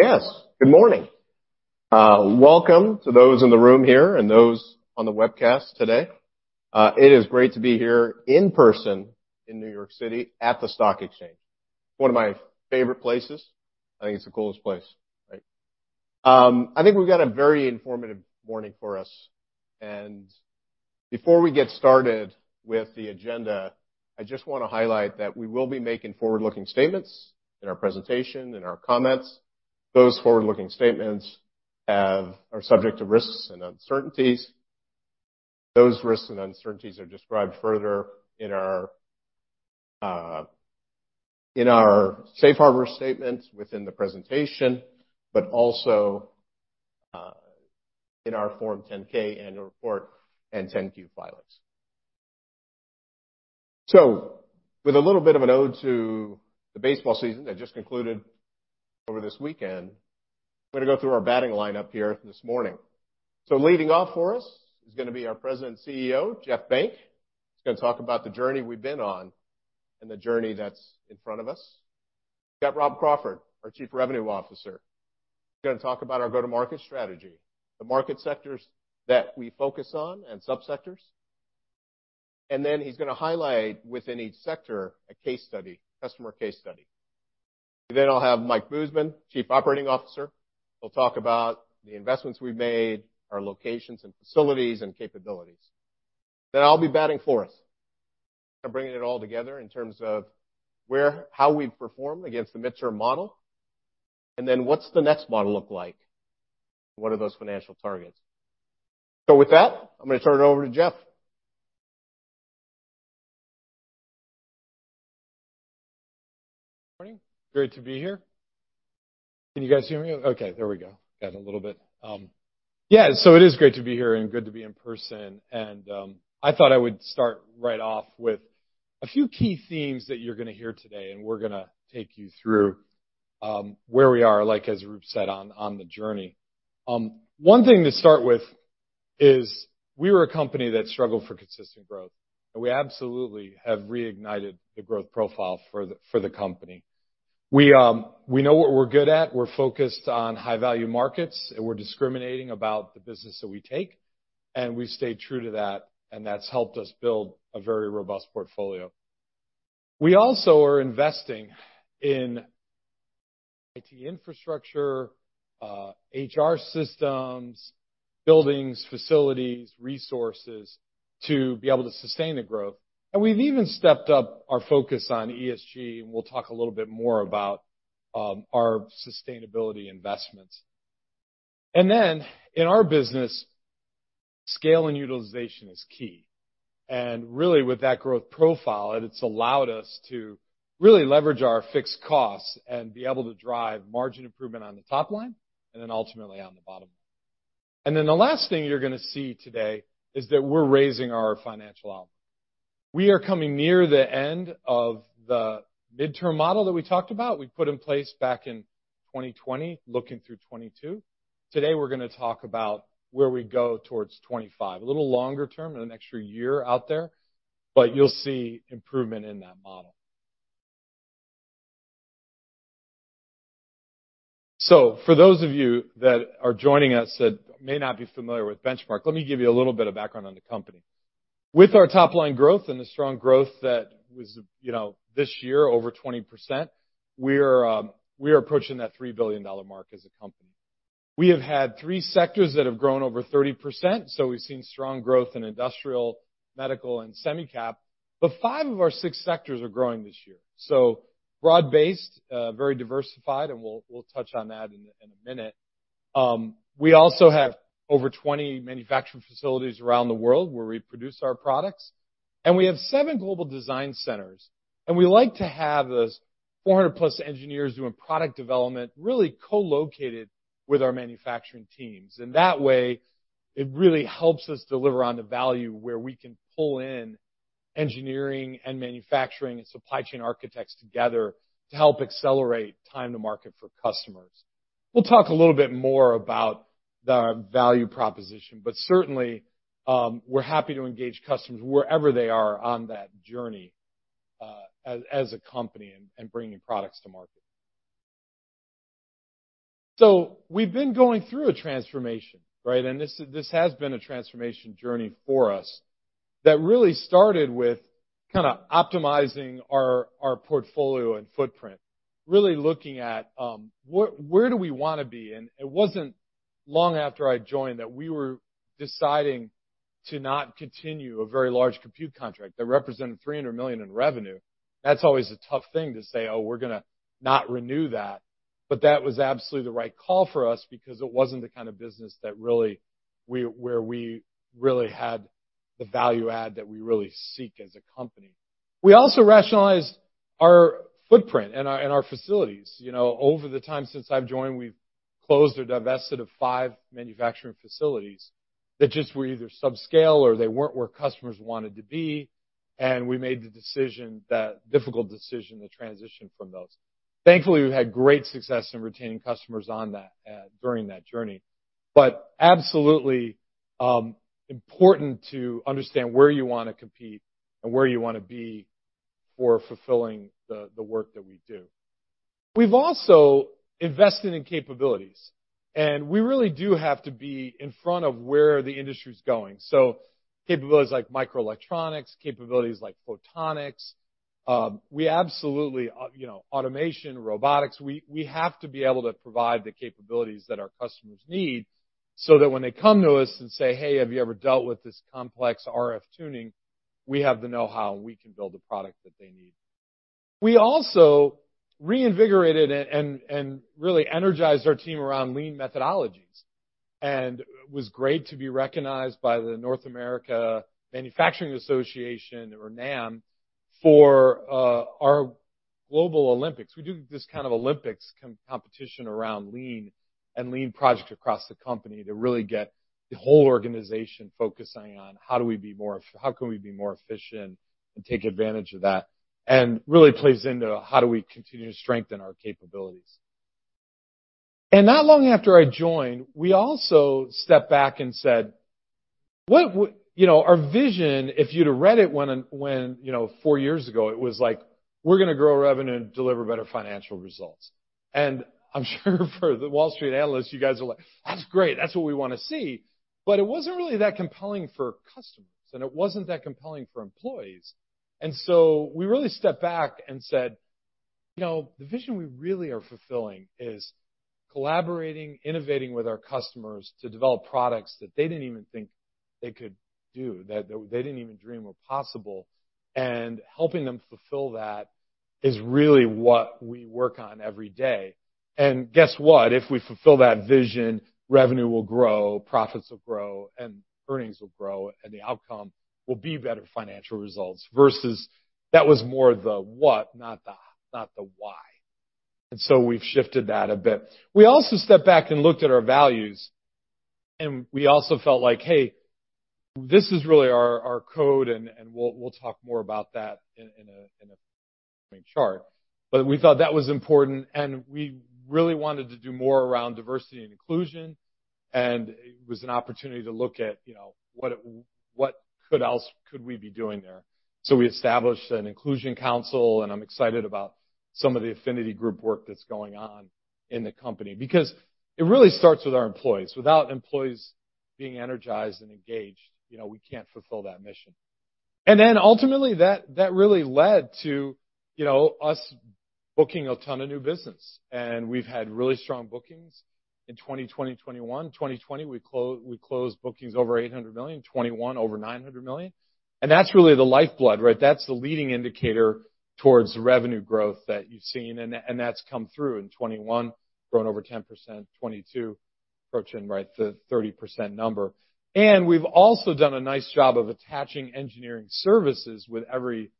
Yes. Good morning. Welcome to those in the room here and those on the webcast today. It is great to be here in person in New York City at the Stock Exchange, one of my favorite places. I think it's the coolest place, right? We've got a very informative morning for us. Before we get started with the agenda, I just want to highlight that we will be making forward-looking statements in our presentation, in our comments. Those forward-looking statements are subject to risks and uncertainties. Those risks and uncertainties are described further in our safe harbor statements within the presentation, but also in our Form 10-K annual report and 10-Q filings. With a little bit of an ode to the baseball season that just concluded over this weekend, I'm going to go through our batting lineup here this morning. Leading off for us is going to be our President and CEO, Jeff Benck. He's going to talk about the journey we've been on and the journey that's in front of us. We've got Rob Crawford, our Chief Revenue Officer. He's going to talk about our go-to-market strategy, the market sectors that we focus on, and sub-sectors. He's going to highlight within each sector, a customer case study. I'll have Mike Buseman, Chief Operating Officer. He'll talk about the investments we've made, our locations and facilities, and capabilities. I'll be batting fourth and bringing it all together in terms of how we perform against the midterm model, and what's the next model look like? What are those financial targets? With that, I'm going to turn it over to Jeff. Morning. Great to be here. Can you guys hear me? Okay, there we go. Got a little bit. It is great to be here and good to be in person. I thought I would start right off with a few key themes that you're going to hear today. We're going to take you through where we are, like as Roop said, on the journey. One thing to start with is we were a company that struggled for consistent growth. We absolutely have reignited the growth profile for the company. We know what we're good at. We're focused on high-value markets. We're discriminating about the business that we take. We've stayed true to that, and that's helped us build a very robust portfolio. We also are investing in IT infrastructure, HR systems, buildings, facilities, resources to be able to sustain the growth. We've even stepped up our focus on ESG. We'll talk a little bit more about our sustainability investments. In our business, scale and utilization is key. Really with that growth profile, it's allowed us to really leverage our fixed costs and be able to drive margin improvement on the top line, and ultimately on the bottom line. The last thing you're going to see today is that we're raising our financial outlook. We are coming near the end of the midterm model that we talked about. We put in place back in 2020, looking through 2022. Today, we're going to talk about where we go towards 2025, a little longer term and an extra year out there, but you'll see improvement in that model. For those of you that are joining us that may not be familiar with Benchmark, let me give you a little bit of background on the company. With our top-line growth and the strong growth that was this year over 20%, we are approaching that $3 billion mark as a company. We have had three sectors that have grown over 30%, we've seen strong growth in industrial, medical, and semi-cap. Five of our six sectors are growing this year. Broad-based, very diversified, and we'll touch on that in a minute. We also have over 20 manufacturing facilities around the world where we produce our products. We have seven global design centers, and we like to have those 400-plus engineers doing product development, really co-located with our manufacturing teams. In that way, it really helps us deliver on the value where we can pull in engineering and manufacturing and supply chain architects together to help accelerate time to market for customers. We'll talk a little bit more about the value proposition, but certainly, we're happy to engage customers wherever they are on that journey, as a company and bringing products to market. We've been going through a transformation, right? This has been a transformation journey for us that really started with kind of optimizing our portfolio and footprint, really looking at where do we want to be? It wasn't long after I joined that we were deciding to not continue a very large compute contract that represented $300 million in revenue. That's always a tough thing to say, "Oh, we're going to not renew that." That was absolutely the right call for us because it wasn't the kind of business where we really had the value add that we really seek as a company. We also rationalized our footprint and our facilities. Over the time since I've joined, we've closed or divested of five manufacturing facilities that just were either subscale or they weren't where customers wanted to be, and we made the decision, that difficult decision to transition from those. Thankfully, we've had great success in retaining customers during that journey. Absolutely, important to understand where you want to compete and where you want to be for fulfilling the work that we do. We've also invested in capabilities, and we really do have to be in front of where the industry's going. Capabilities like microelectronics, capabilities like photonics. We absolutely, automation, robotics, we have to be able to provide the capabilities that our customers need, so that when they come to us and say, "Hey, have you ever dealt with this complex RF tuning?" We have the know-how, and we can build the product that they need. We also reinvigorated and really energized our team around lean methodologies, and it was great to be recognized by the National Association of Manufacturers or NAM for our global Olympics. We do this kind of Olympics competition around lean and lean projects across the company to really get the whole organization focusing on how can we be more efficient and take advantage of that, and really plays into how do we continue to strengthen our capabilities. Not long after I joined, we also stepped back and said, our vision, if you'd have read it four years ago, it was like, we're going to grow revenue and deliver better financial results. I'm sure for the Wall Street analysts, you guys are like, "That's great. That's what we want to see." It wasn't really that compelling for customers, and it wasn't that compelling for employees. We really stepped back and said, the vision we really are fulfilling is collaborating, innovating with our customers to develop products that they didn't even think they could do, that they didn't even dream were possible. Helping them fulfill that is really what we work on every day. Guess what? If we fulfill that vision, revenue will grow, profits will grow, and earnings will grow, and the outcome will be better financial results versus that was more the what, not the why. We've shifted that a bit. We also stepped back and looked at our values. We also felt like, hey, this is really our code, and we'll talk more about that in a chart. We thought that was important. We really wanted to do more around diversity and inclusion. It was an opportunity to look at what else could we be doing there. We established an inclusion council. I'm excited about some of the affinity group work that's going on in the company, because it really starts with our employees. Without employees being energized and engaged, we can't fulfill that mission. Ultimately, that really led to us booking a ton of new business. We've had really strong bookings in 2020, 2021. 2020, we closed bookings over $800 million, 2021 over $900 million. That's really the lifeblood, right? That's the leading indicator towards the revenue growth that you've seen, and that's come through in 2021, grown over 10%, 2022 approaching the 30% number. We've also done a nice job of attaching engineering services with every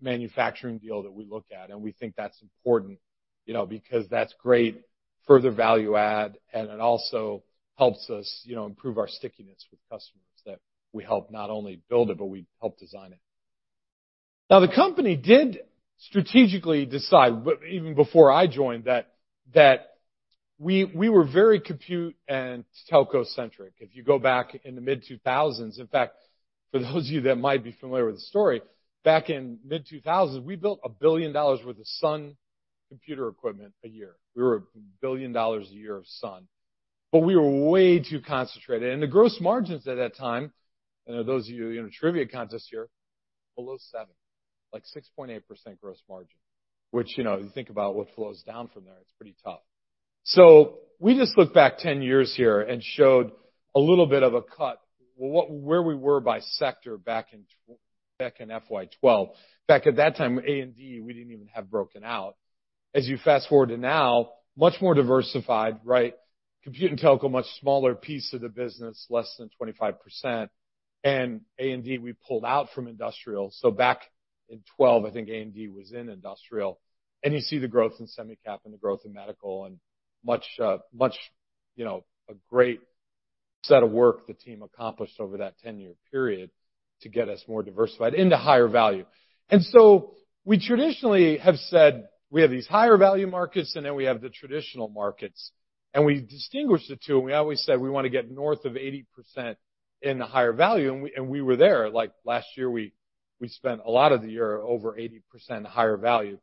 manufacturing deal that we look at. We think that's important, because that's great further value add. It also helps us improve our stickiness with customers, that we help not only build it, but we help design it. The company did strategically decide, even before I joined, that we were very compute and telco-centric. If you go back in the mid-2000s, in fact, for those of you that might be familiar with the story, back in mid-2000, we built $1 billion worth of Sun computer equipment a year. We were $1 billion a year of Sun. We were way too concentrated. The gross margins at that time, and those of you in a trivia contest here, below seven, like 6.8% gross margin, which if you think about what flows down from there, it's pretty tough. We just looked back 10 years here and showed a little bit of a cut, where we were by sector back in FY 2012. Back at that time, A&D, we didn't even have broken out. As you fast-forward to now, much more diversified, right? Compute and telco, much smaller piece of the business, less than 25%. A&D, we pulled out from industrial. Back in 2012, I think A&D was in industrial. You see the growth in semi-cap and the growth in medical and a great set of work the team accomplished over that 10-year period to get us more diversified into higher value. We traditionally have said we have these higher-value markets, and then we have the traditional markets. We distinguished the two, and we always said we want to get north of 80% in the higher value, and we were there. Last year, we spent a lot of the year over 80% higher value.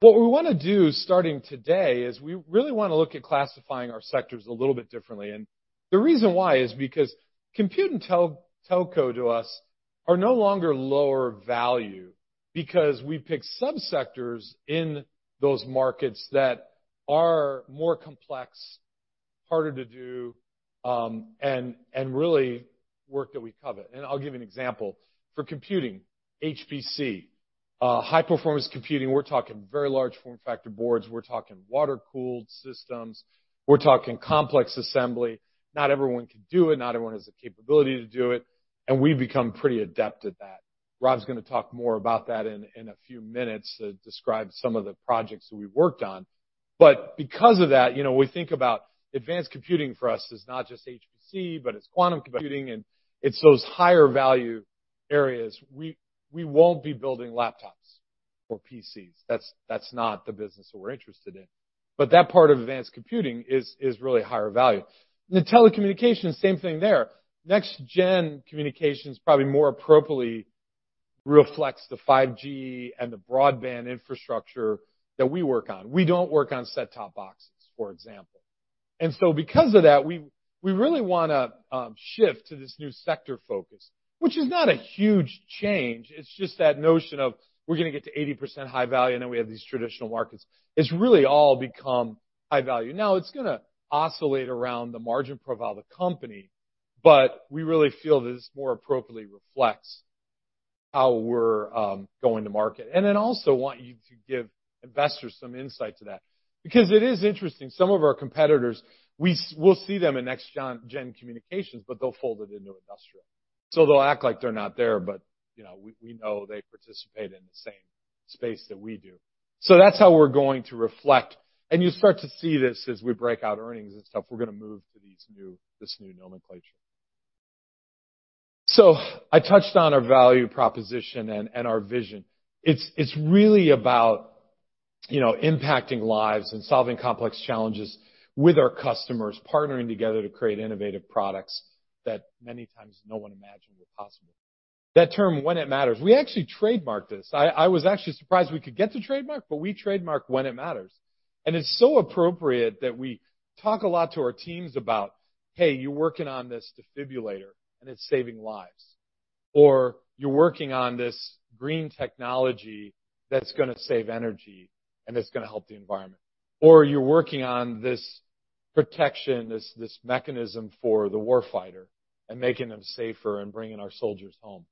What we want to do starting today is we really want to look at classifying our sectors a little bit differently. The reason why is because compute and telco to us are no longer lower value, because we pick sub-sectors in those markets that are more complex, harder to do, and really work that we covet. I'll give you an example. For computing, HPC, high-performance computing, we're talking very large form factor boards. We're talking water-cooled systems. We're talking complex assembly. Not everyone can do it, not everyone has the capability to do it, and we've become pretty adept at that. Rob's going to talk more about that in a few minutes to describe some of the projects that we've worked on. Because of that, we think about advanced computing for us as not just HPC, but it's quantum computing, and it's those higher-value areas. We won't be building laptops or PCs. That's not the business that we're interested in. That part of advanced computing is really higher value. In the telecommunications, same thing there. Next-Gen communications probably more appropriately reflects the 5G and the broadband infrastructure that we work on. We don't work on set-top boxes, for example. Because of that, we really want to shift to this new sector focus, which is not a huge change. It's just that notion of we're going to get to 80% high value, and then we have these traditional markets. It's really all become high value. It's going to oscillate around the margin profile of the company, but we really feel that this more appropriately reflects how we're going to market. We also want you to give investors some insight to that. It is interesting, some of our competitors, we'll see them in next-gen communications, but they'll fold it into industrial. They'll act like they're not there, but we know they participate in the same space that we do. That's how we're going to reflect, and you'll start to see this as we break out earnings and stuff. We're going to move to this new nomenclature. I touched on our value proposition and our vision. It's really about impacting lives and solving complex challenges with our customers, partnering together to create innovative products that many times no one imagined were possible. That term, When It Matters, we actually trademarked this. I was actually surprised we could get to trademark, but we trademarked When It Matters. It's so appropriate that we talk a lot to our teams about, "Hey, you're working on this defibrillator, and it's saving lives." "You're working on this green technology that's going to save energy, and it's going to help the environment." "You're working on this protection, this mechanism for the war fighter, and making them safer and bringing our soldiers home."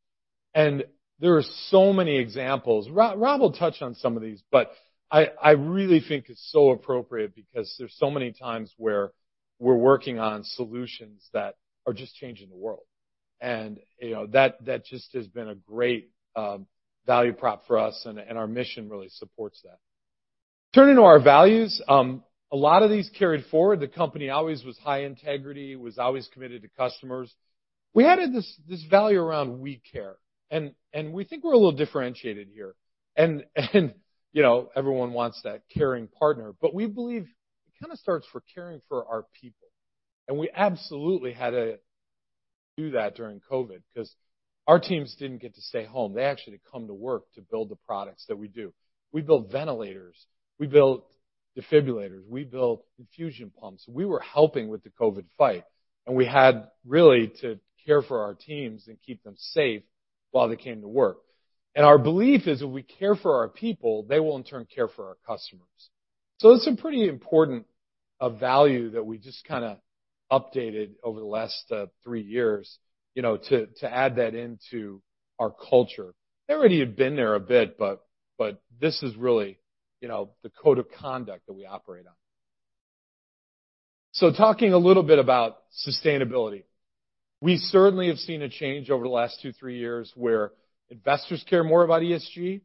There are so many examples. Rob will touch on some of these, but I really think it's so appropriate because there's so many times where we're working on solutions that are just changing the world. That just has been a great value prop for us, and our mission really supports that. Turning to our values. A lot of these carried forward. The company always was high integrity, was always committed to customers. We added this value around we care, and we think we're a little differentiated here. Everyone wants that caring partner, but we believe it kind of starts for caring for our people. We absolutely had to do that during COVID because our teams didn't get to stay home. They actually come to work to build the products that we do. We built ventilators. We built defibrillators. We built infusion pumps. We were helping with the COVID fight, and we had really to care for our teams and keep them safe while they came to work. Our belief is if we care for our people, they will in turn care for our customers. It's a pretty important value that we just kind of updated over the last three years, to add that into our culture. They already had been there a bit, this is really the code of conduct that we operate on. Talking a little bit about sustainability. We certainly have seen a change over the last two, three years where investors care more about ESG.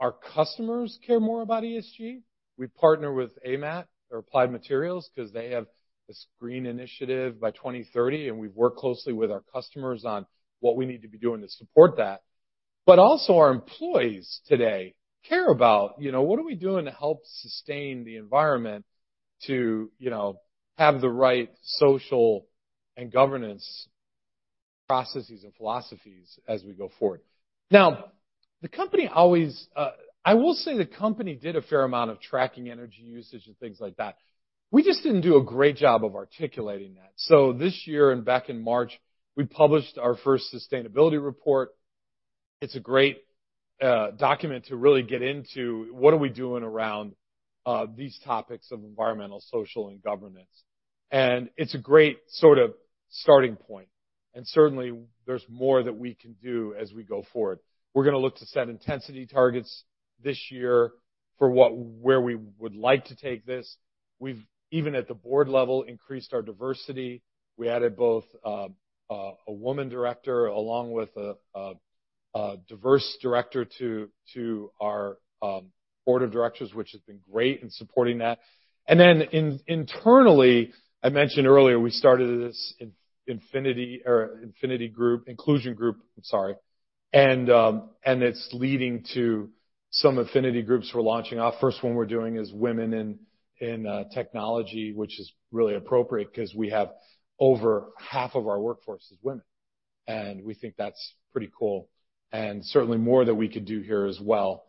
Our customers care more about ESG. We partner with AMAT or Applied Materials because they have this green initiative by 2030, and we've worked closely with our customers on what we need to be doing to support that. Also our employees today care about what are we doing to help sustain the environment to have the right social and governance processes and philosophies as we go forward. I will say the company did a fair amount of tracking energy usage and things like that. We just didn't do a great job of articulating that. This year and back in March, we published our first sustainability report. It's a great document to really get into what are we doing around these topics of environmental, social, and governance. It's a great sort of starting point. Certainly, there's more that we can do as we go forward. We're going to look to set intensity targets this year for where we would like to take this. We've, even at the board level, increased our diversity. We added both a woman director along with a diverse director to our board of directors, which has been great in supporting that. Then internally, I mentioned earlier, we started this inclusion group, I'm sorry. It's leading to some affinity groups we're launching. Our first one we're doing is Women in Technology, which is really appropriate because we have over half of our workforce is women. We think that's pretty cool and certainly more that we could do here as well.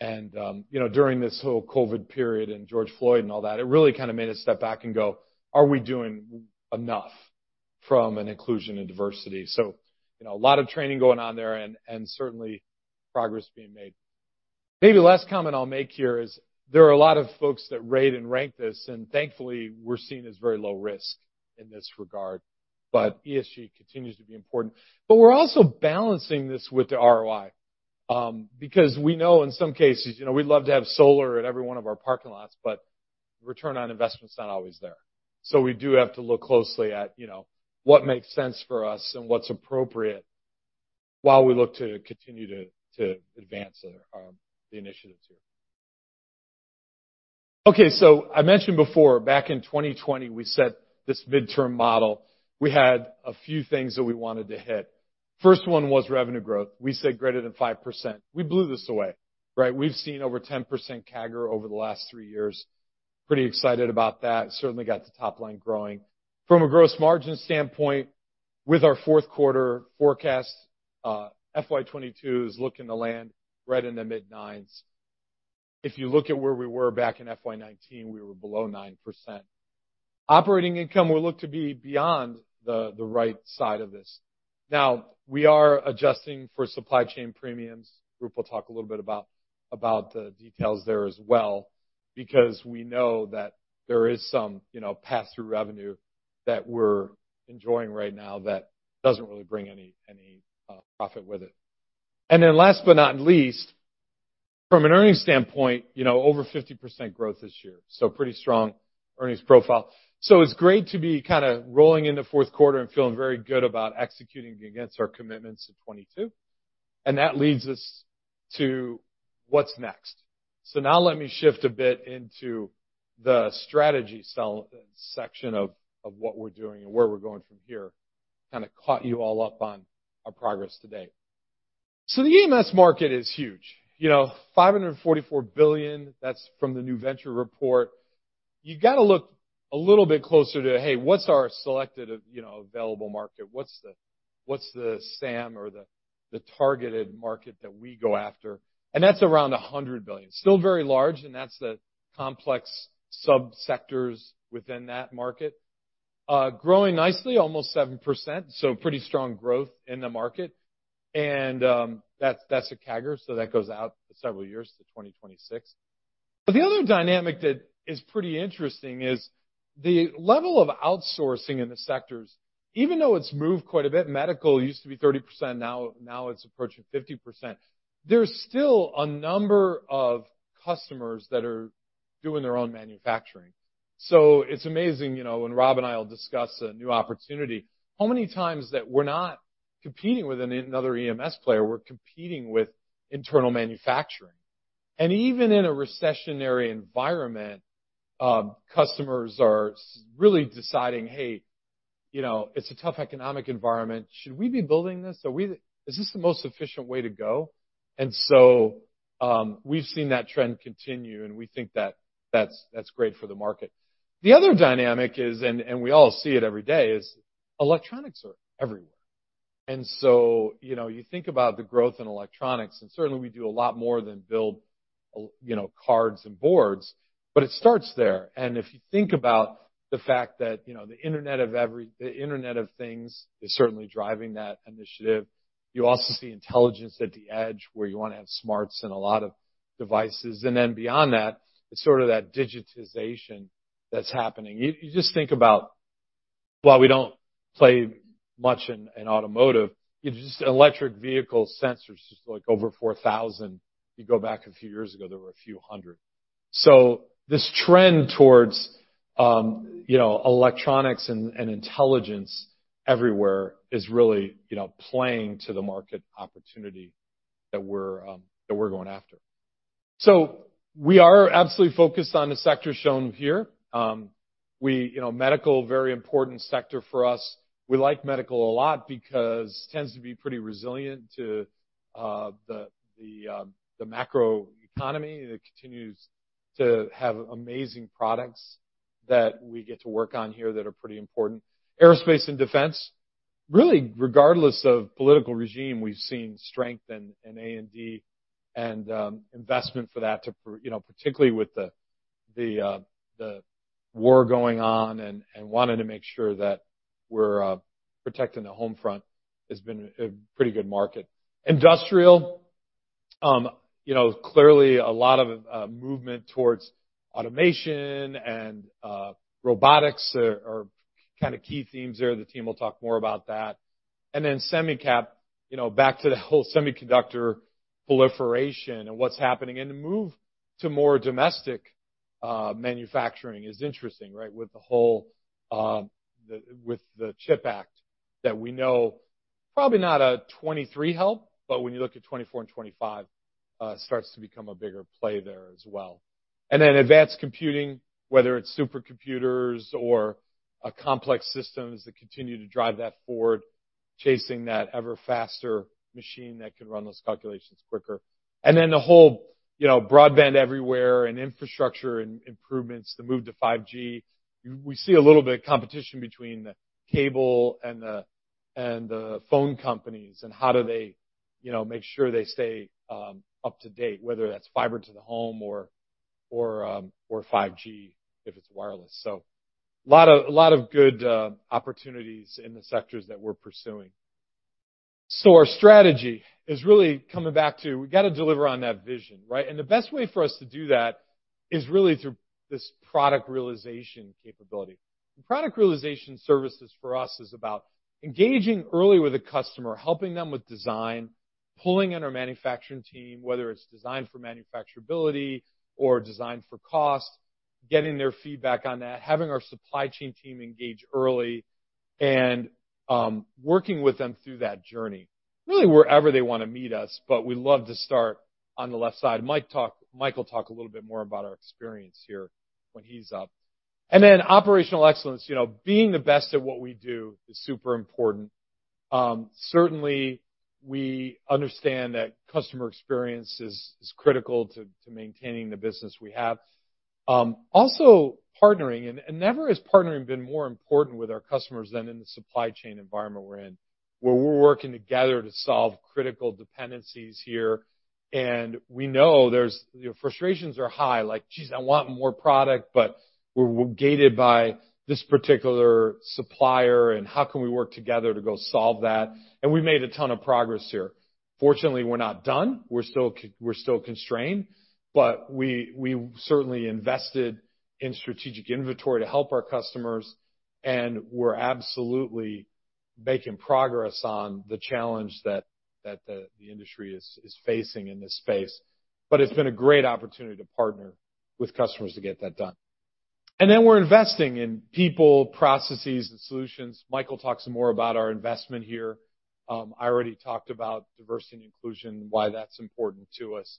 During this whole COVID period and George Floyd and all that, it really kind of made us step back and go, are we doing enough from an inclusion and diversity? A lot of training going on there and certainly progress being made. Maybe the last comment I'll make here is there are a lot of folks that rate and rank this, and thankfully, we're seen as very low risk in this regard. ESG continues to be important. We're also balancing this with the ROI. We know in some cases, we'd love to have solar at every one of our parking lots, but return on investment is not always there. We do have to look closely at what makes sense for us and what's appropriate while we look to continue to advance the initiatives here. Okay. I mentioned before, back in 2020, we set this midterm model. We had a few things that we wanted to hit. First one was revenue growth. We said greater than 5%. We blew this away, right? We've seen over 10% CAGR over the last three years. Pretty excited about that. Certainly got the top line growing. From a gross margin standpoint, with our fourth quarter forecast, FY 2022 is looking to land right in the mid-nines. If you look at where we were back in FY 2019, we were below 9%. Operating income will look to be beyond the right side of this. We are adjusting for supply chain premiums. Roop will talk a little bit about the details there as well, because we know that there is some pass-through revenue that we're enjoying right now that doesn't really bring any profit with it. Last but not least, from an earnings standpoint, over 50% growth this year. Pretty strong earnings profile. It's great to be kind of rolling into fourth quarter and feeling very good about executing against our commitments to 2022. That leads us to what's next. Now let me shift a bit into the strategy section of what we're doing and where we're going from here, kind of caught you all up on our progress to date. The EMS market is huge. $544 billion, that's from the New Venture report. You got to look a little bit closer to, hey, what's our selected available market? What's the SAM or the targeted market that we go after? That's around $100 billion. Still very large, and that's the complex sub-sectors within that market. Growing nicely, almost 7%, pretty strong growth in the market. That's a CAGR, so that goes out several years to 2026. The other dynamic that is pretty interesting is the level of outsourcing in the sectors, even though it's moved quite a bit, medical used to be 30%, now it's approaching 50%. There's still a number of customers that are doing their own manufacturing. It's amazing when Rob and I will discuss a new opportunity, how many times that we're not competing with another EMS player, we're competing with internal manufacturing. Even in a recessionary environment, customers are really deciding, hey, it's a tough economic environment. Should we be building this? Is this the most efficient way to go? We've seen that trend continue, and we think that's great for the market. The other dynamic is, and we all see it every day, is electronics are everywhere. You think about the growth in electronics, and certainly we do a lot more than build cards and boards, but it starts there. If you think about the fact that the Internet of Things is certainly driving that initiative. You also see intelligence at the edge, where you want to have smarts in a lot of devices. Beyond that, it's sort of that digitization that's happening. You just think about, while we don't play much in automotive, just electric vehicle sensors, just like over 4,000. You go back a few years ago, there were a few hundred. This trend towards electronics and intelligence everywhere is really playing to the market opportunity that we're going after. We are absolutely focused on the sectors shown here. Medical, very important sector for us. We like medical a lot because it tends to be pretty resilient to the macro economy, and it continues to have amazing products that we get to work on here that are pretty important. Aerospace and defense, really, regardless of political regime, we've seen strength in A&D and investment for that, particularly with the war going on and wanting to make sure that we're protecting the home front, has been a pretty good market. Industrial, clearly a lot of movement towards automation and robotics are kind of key themes there. The team will talk more about that. Semi-cap, back to the whole semiconductor proliferation and what's happening, and the move to more domestic manufacturing is interesting, right? With the CHIPS Act that we know, probably not a 2023 help, but when you look at 2024 and 2025, starts to become a bigger play there as well. Advanced computing, whether it's supercomputers or complex systems that continue to drive that forward, chasing that ever-faster machine that can run those calculations quicker. The whole broadband everywhere and infrastructure improvements, the move to 5G. We see a little bit of competition between the cable and the phone companies, and how do they make sure they stay up to date, whether that's fiber to the home or 5G if it's wireless. A lot of good opportunities in the sectors that we're pursuing. Our strategy is really coming back to we got to deliver on that vision, right? The best way for us to do that is really through this product realization capability. Product realization services for us is about engaging early with a customer, helping them with design, pulling in our manufacturing team, whether it's design for manufacturability or design for cost, getting their feedback on that, having our supply chain team engage early and working with them through that journey, really wherever they want to meet us, but we love to start on the left side. Mike will talk a little bit more about our experience here when he's up. Operational excellence, being the best at what we do is super important. Certainly, we understand that customer experience is critical to maintaining the business we have. Also partnering, never has partnering been more important with our customers than in the supply chain environment we're in, where we're working together to solve critical dependencies here. We know frustrations are high, like, "Geez, I want more product," but we're gated by this particular supplier, and how can we work together to go solve that? We made a ton of progress here. Fortunately, we're not done. We're still constrained, but we certainly invested in strategic inventory to help our customers, and we're absolutely making progress on the challenge that the industry is facing in this space. It's been a great opportunity to partner with customers to get that done. Then we're investing in people, processes, and solutions. Michael will talk some more about our investment here. I already talked about diversity and inclusion, why that's important to us.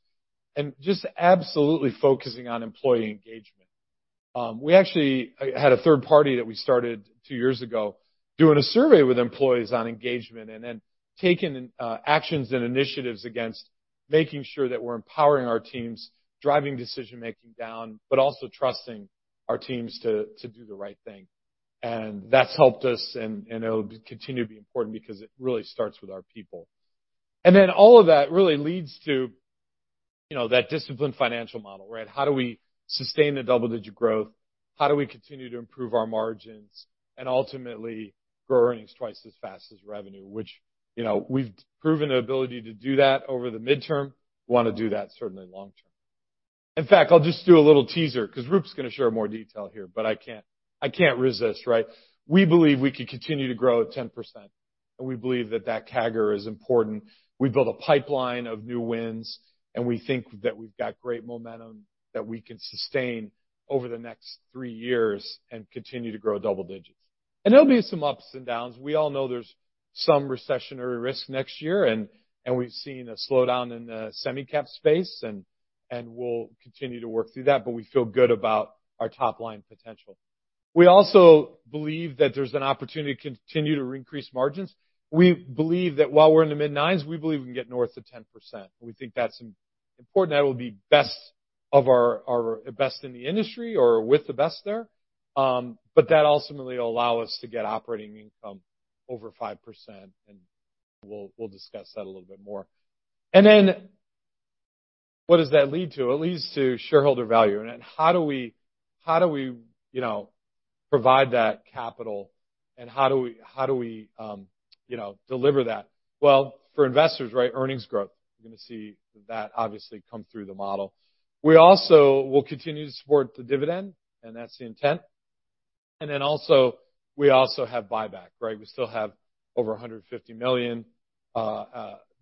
Just absolutely focusing on employee engagement. We actually had a third party that we started two years ago, doing a survey with employees on engagement, then taking actions and initiatives against making sure that we're empowering our teams, driving decision-making down, but also trusting our teams to do the right thing. That's helped us, and it'll continue to be important because it really starts with our people. Then all of that really leads to that disciplined financial model, right? How do we sustain the double-digit growth? How do we continue to improve our margins and ultimately grow earnings twice as fast as revenue? Which we've proven the ability to do that over the midterm, want to do that certainly long-term. In fact, I'll just do a little teaser because Roop's going to share more detail here, but I can't resist, right? We believe we can continue to grow at 10%, we believe that that CAGR is important. We built a pipeline of new wins, and we think that we've got great momentum that we can sustain over the next three years and continue to grow double digits. There'll be some ups and downs. We all know there's some recessionary risk next year, and we've seen a slowdown in the semi-cap space, and we'll continue to work through that, but we feel good about our top-line potential. We also believe that there's an opportunity to continue to increase margins. We believe that while we're in the mid-nines, we believe we can get north to 10%. We think that's important. That will be best in the industry or with the best there. That ultimately will allow us to get operating income over 5%, and we'll discuss that a little bit more. Then what does that lead to? It leads to shareholder value. How do we provide that capital, and how do we deliver that? Well, for investors, earnings growth. You're going to see that obviously come through the model. We also will continue to support the dividend, and that's the intent. Then also, we also have buyback. We still have over $150 million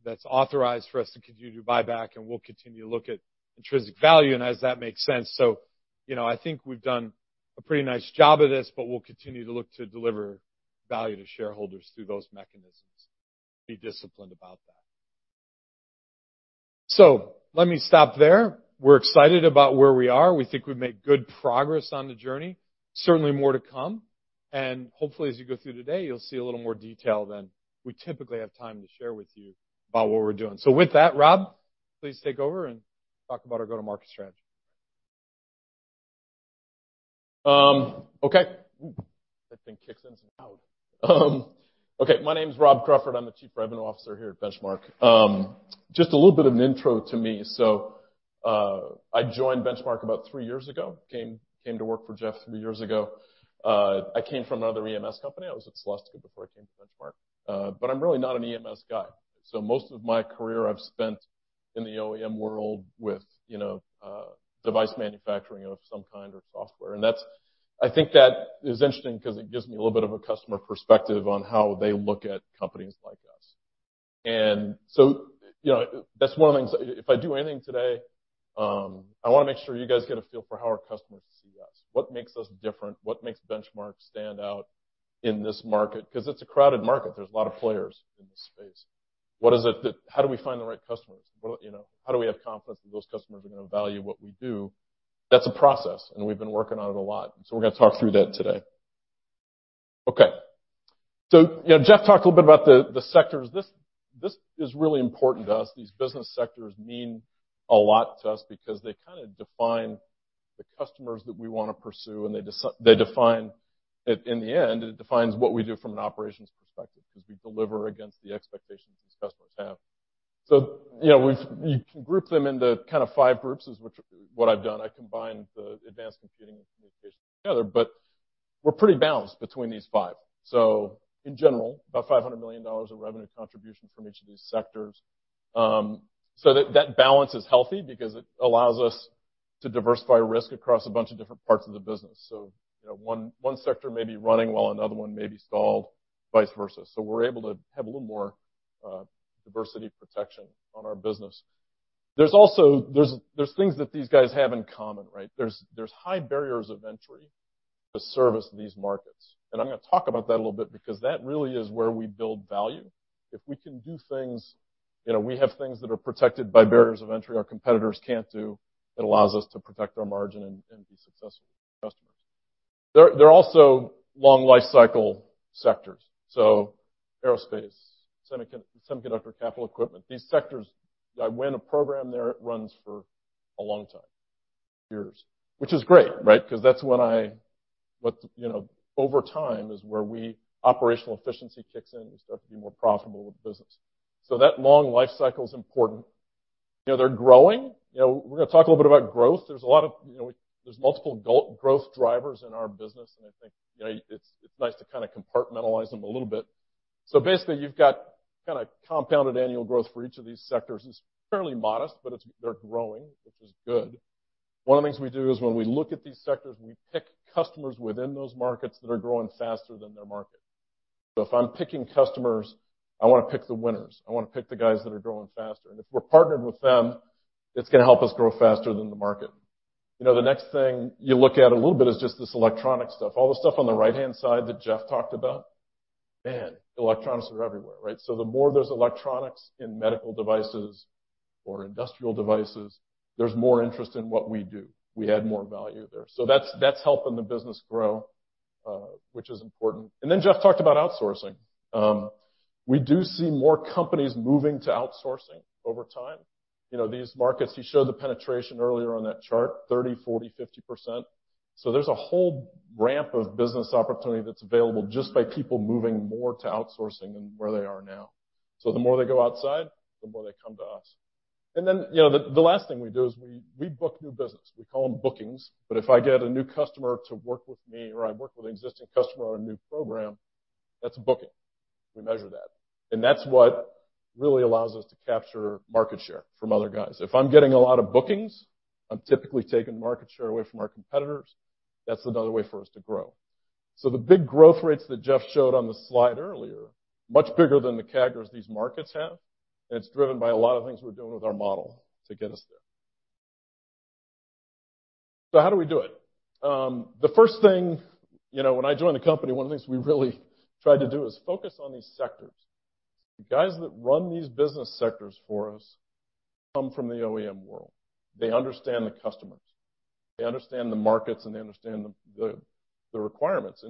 that's authorized for us to continue to buy back, and we'll continue to look at intrinsic value, and as that makes sense. I think we've done a pretty nice job of this, but we'll continue to look to deliver value to shareholders through those mechanisms, be disciplined about that. Let me stop there. We're excited about where we are. We think we've made good progress on the journey. Certainly more to come. Hopefully, as you go through today, you'll see a little more detail than we typically have time to share with you about what we're doing. With that, Rob, please take over and talk about our go-to-market strategy. Okay. That thing kicks in, some sound. Okay, my name's Rob Crawford. I'm the Chief Revenue Officer here at Benchmark. Just a little bit of an intro to me. I joined Benchmark about three years ago, came to work for Jeff three years ago. I came from another EMS company. I was at Celestica before I came to Benchmark. I'm really not an EMS guy. Most of my career I've spent in the OEM world with device manufacturing of some kind or software. I think that is interesting because it gives me a little bit of a customer perspective on how they look at companies like us. That's one of the things, if I do anything today, I want to make sure you guys get a feel for how our customers see us, what makes us different, what makes Benchmark stand out in this market, because it's a crowded market. There's a lot of players in this space. How do we find the right customers? How do we have confidence that those customers are going to value what we do? That's a process, and we've been working on it a lot, and so we're going to talk through that today. Okay. Jeff talked a little bit about the sectors. This is really important to us. These business sectors mean a lot to us because they kind of define the customers that we want to pursue, and they define it in the end, and it defines what we do from an operations perspective because we deliver against the expectations these customers have. You can group them into kind of five groups, is what I've done. I combined the advanced computing and communication together. We're pretty balanced between these five. In general, about $500 million of revenue contribution from each of these sectors. That balance is healthy because it allows us to diversify risk across a bunch of different parts of the business. One sector may be running while another one may be stalled, vice versa. We're able to have a little more diversity protection on our business. There's things that these guys have in common, right? There's high barriers of entry to service these markets. I'm going to talk about that a little bit because that really is where we build value. We have things that are protected by barriers of entry our competitors can't do, it allows us to protect our margin and be successful with customers. They're also long lifecycle sectors. Aerospace, semiconductor, capital equipment, these sectors, when a program there runs for a long time, years. Which is great, right? Over time is where operational efficiency kicks in. We start to be more profitable with the business. That long life cycle is important. They're growing. We're going to talk a little bit about growth. There's multiple growth drivers in our business, and I think it's nice to kind of compartmentalize them a little bit. Basically, you've got kind of compounded annual growth for each of these sectors is fairly modest, but they're growing, which is good. One of the things we do is when we look at these sectors, we pick customers within those markets that are growing faster than their market. If I'm picking customers, I want to pick the winners. I want to pick the guys that are growing faster. If we're partnered with them, it's going to help us grow faster than the market. The next thing you look at a little bit is just this electronic stuff. All the stuff on the right-hand side that Jeff talked about, man, electronics are everywhere, right? The more there's electronics in medical devices or industrial devices, there's more interest in what we do. We add more value there. That's helping the business grow, which is important. Jeff talked about outsourcing. We do see more companies moving to outsourcing over time. These markets, he showed the penetration earlier on that chart, 30, 40, 50%. There's a whole ramp of business opportunity that's available just by people moving more to outsourcing than where they are now. The more they go outside, the more they come to us. The last thing we do is we book new business. We call them bookings, but if I get a new customer to work with me, or I work with an existing customer on a new program, that's a booking. We measure that. That's what really allows us to capture market share from other guys. If I'm getting a lot of bookings, I'm typically taking market share away from our competitors. That's another way for us to grow. The big growth rates that Jeff showed on the slide earlier, much bigger than the CAGRs these markets have, and it's driven by a lot of things we're doing with our model to get us there. How do we do it? The first thing, when I joined the company, one of the things we really tried to do is focus on these sectors. The guys that run these business sectors for us come from the OEM world. They understand the customers, they understand the markets, and they understand the requirements.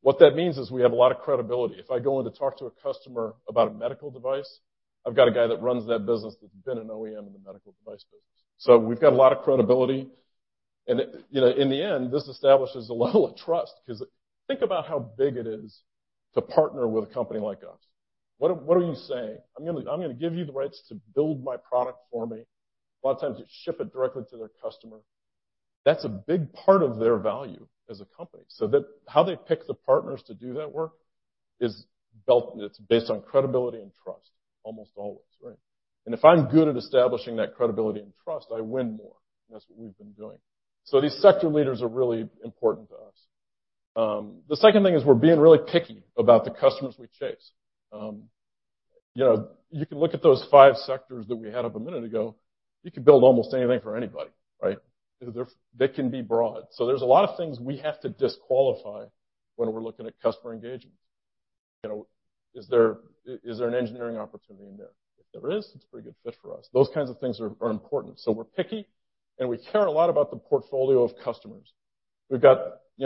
What that means is we have a lot of credibility. If I go in to talk to a customer about a medical device, I've got a guy that runs that business that's been an OEM in the medical device business. We've got a lot of credibility, and, in the end, this establishes a level of trust because think about how big it is to partner with a company like us. What are you saying? I'm going to give you the rights to build my product for me. A lot of times you ship it directly to their customer. That's a big part of their value as a company. How they pick the partners to do that work is based on credibility and trust, almost always, right? If I'm good at establishing that credibility and trust, I win more, and that's what we've been doing. These sector leaders are really important to us. The second thing is we're being really picky about the customers we chase. You can look at those 5 sectors that we had up a minute ago. You could build almost anything for anybody, right? They can be broad. There's a lot of things we have to disqualify when we're looking at customer engagements. Is there an engineering opportunity in there? If there is, it's a pretty good fit for us. Those kinds of things are important. We're picky, and we care a lot about the portfolio of customers. We've got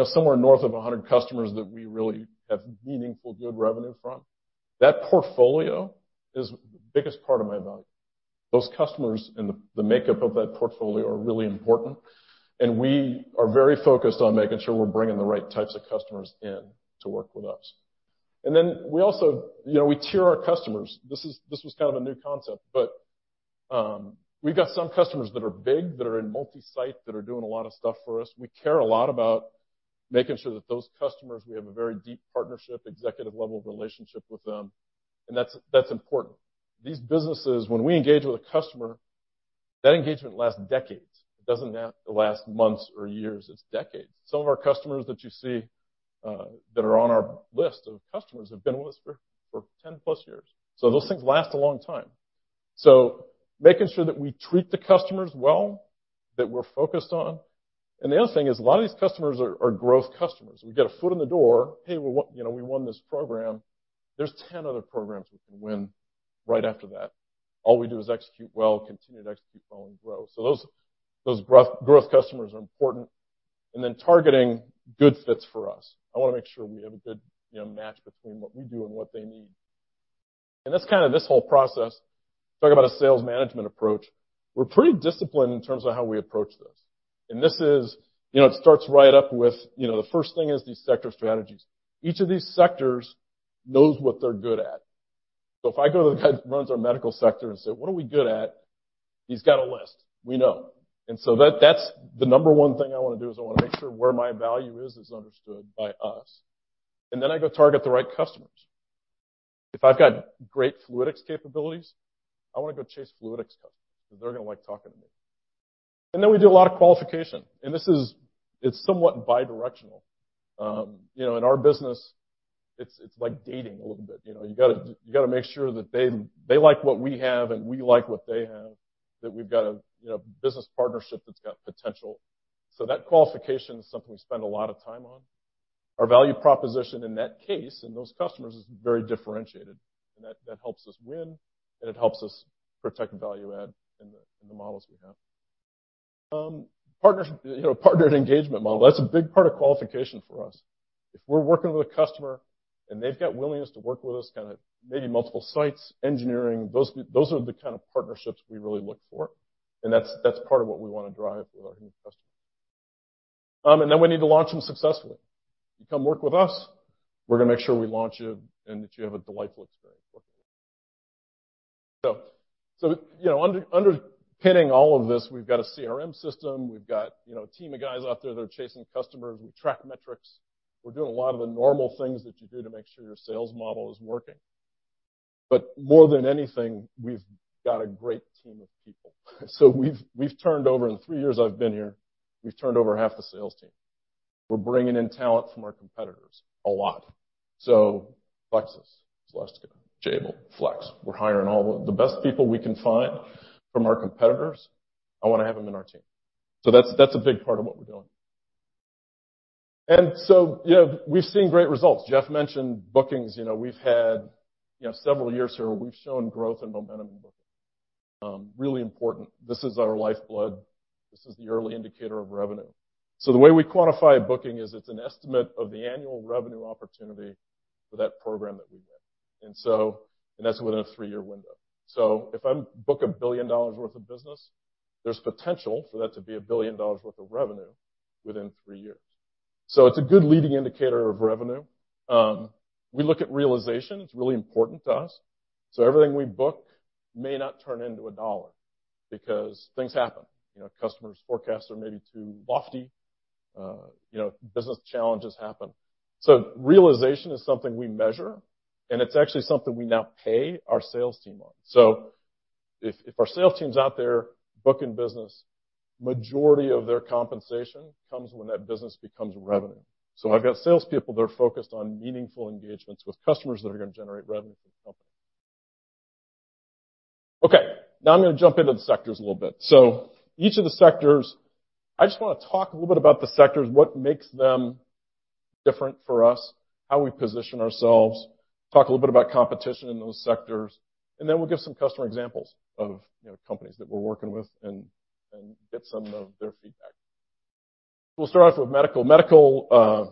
somewhere north of 100 customers that we really have meaningful good revenue from. That portfolio is the biggest part of my value. Those customers and the makeup of that portfolio are really important, and we are very focused on making sure we're bringing the right types of customers in to work with us. Then we also tier our customers. This was kind of a new concept, we've got some customers that are big, that are in multi-site, that are doing a lot of stuff for us. We care a lot about making sure that those customers, we have a very deep partnership, executive level of relationship with them, and that's important. These businesses, when we engage with a customer, that engagement lasts decades. It doesn't have to last months or years, it's decades. Some of our customers that you see that are on our list of customers have been with us for 10-plus years. Those things last a long time. Making sure that we treat the customers well, that we're focused on. The other thing is a lot of these customers are growth customers. We get a foot in the door, hey, we won this program. There's 10 other programs we can win right after that. All we do is execute well, continue to execute well, and grow. Those growth customers are important. Then targeting good fits for us. I want to make sure we have a good match between what we do and what they need. That's kind of this whole process. Talk about a sales management approach. We're pretty disciplined in terms of how we approach this. It starts right up with the first thing is these sector strategies. Each of these sectors knows what they're good at. If I go to the guy that runs our medical sector and say, "What are we good at?" He's got a list. We know. That's the number 1 thing I want to do, is I want to make sure where my value is understood by us. I go target the right customers. If I've got great fluidics capabilities, I want to go chase fluidics customers because they're going to like talking to me. We do a lot of qualification, and it's somewhat bi-directional. In our business, it's like dating a little bit. You got to make sure that they like what we have, and we like what they have, that we've got a business partnership that's got potential. That qualification is something we spend a lot of time on. Our value proposition in that case, and those customers, is very differentiated, and that helps us win, and it helps us protect the value add in the models we have. Partnered engagement model, that's a big part of qualification for us. If we're working with a customer, they've got willingness to work with us, kind of maybe multiple sites, engineering, those are the kind of partnerships we really look for, and that's part of what we want to drive with our new customers. We need to launch them successfully. You come work with us, we're going to make sure we launch you and that you have a delightful experience working with us. Underpinning all of this, we've got a CRM system. We've got a team of guys out there that are chasing customers. We track metrics. We're doing a lot of the normal things that you do to make sure your sales model is working. More than anything, we've got a great team of people. We've turned over, in the three years I've been here, we've turned over half the sales team. We're bringing in talent from our competitors a lot. Plexus, Celestica, Jabil, Flex, we're hiring all the best people we can find from our competitors. I want to have them in our team. That's a big part of what we're doing. We've seen great results. Jeff mentioned bookings. We've had several years here where we've shown growth and momentum in booking. Really important. This is our lifeblood. This is the early indicator of revenue. The way we quantify a booking is it's an estimate of the annual revenue opportunity for that program that we win. That's within a three-year window. If I book $1 billion worth of business, there's potential for that to be $1 billion worth of revenue within three years. It's a good leading indicator of revenue. We look at realization, it's really important to us. Everything we book may not turn into $1 because things happen. Customer's forecasts are maybe too lofty. Business challenges happen. Realization is something we measure, and it's actually something we now pay our sales team on. If our sales team's out there booking business, majority of their compensation comes when that business becomes revenue. I've got salespeople that are focused on meaningful engagements with customers that are going to generate revenue for the company. Okay, now I'm going to jump into the sectors a little bit. Each of the sectors, I just want to talk a little bit about the sectors, what makes them different for us, how we position ourselves, talk a little bit about competition in those sectors, and then we'll give some customer examples of companies that we're working with and get some of their feedback. We'll start off with medical. Medical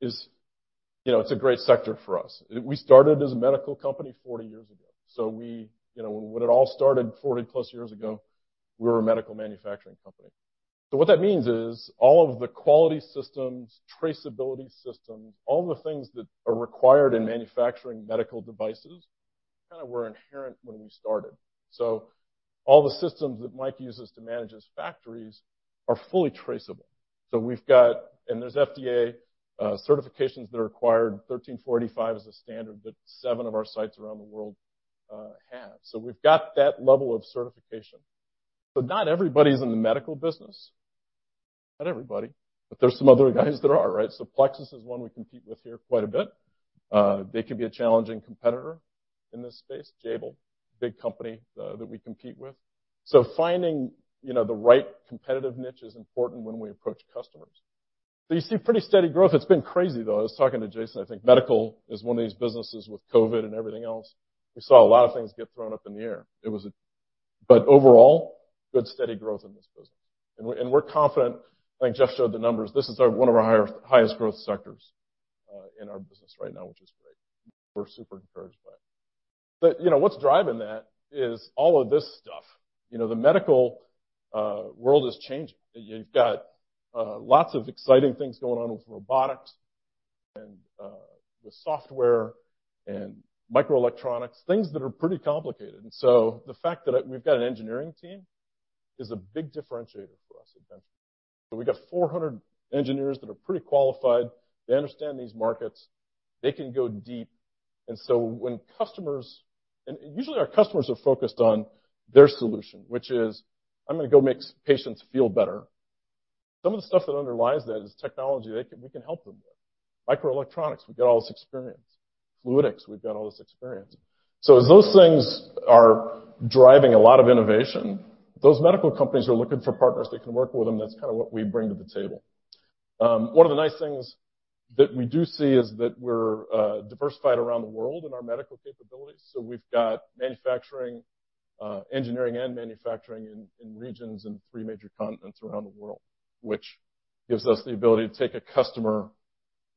is a great sector for us. We started as a medical company 40 years ago. When it all started 40-plus years ago, we were a medical manufacturing company. What that means is all of the quality systems, traceability systems, all the things that are required in manufacturing medical devices, kind of were inherent when we started. All the systems that Mike uses to manage his factories are fully traceable. And there's FDA certifications that are required. ISO 13485 is a standard that seven of our sites around the world have. We've got that level of certification. Not everybody's in the medical business. Not everybody. There's some other guys that are, right? Plexus is one we compete with here quite a bit. They can be a challenging competitor in this space. Jabil, big company that we compete with. Finding the right competitive niche is important when we approach customers. You see pretty steady growth. It's been crazy, though. I was talking to Jason, I think medical is one of these businesses with COVID and everything else. We saw a lot of things get thrown up in the air. Overall, good steady growth in this business, and we're confident. I think Jeff showed the numbers. This is one of our highest growth sectors in our business right now, which is great. We're super encouraged by it. What's driving that is all of this stuff. The medical world is changing. You've got lots of exciting things going on with robotics and with software and microelectronics, things that are pretty complicated. The fact that we've got an engineering team is a big differentiator for us at Dentsply. We've got 400 engineers that are pretty qualified. They understand these markets. They can go deep. Usually our customers are focused on their solution, which is, "I'm going to go make patients feel better." Some of the stuff that underlies that is technology we can help them with. Microelectronics, we've got all this experience. Microfluidics, we've got all this experience. As those things are driving a lot of innovation, those medical companies are looking for partners that can work with them. That's kind of what we bring to the table. One of the nice things that we do see is that we're diversified around the world in our medical capabilities. We've got engineering and manufacturing in regions in three major continents around the world, which gives us the ability to take a customer.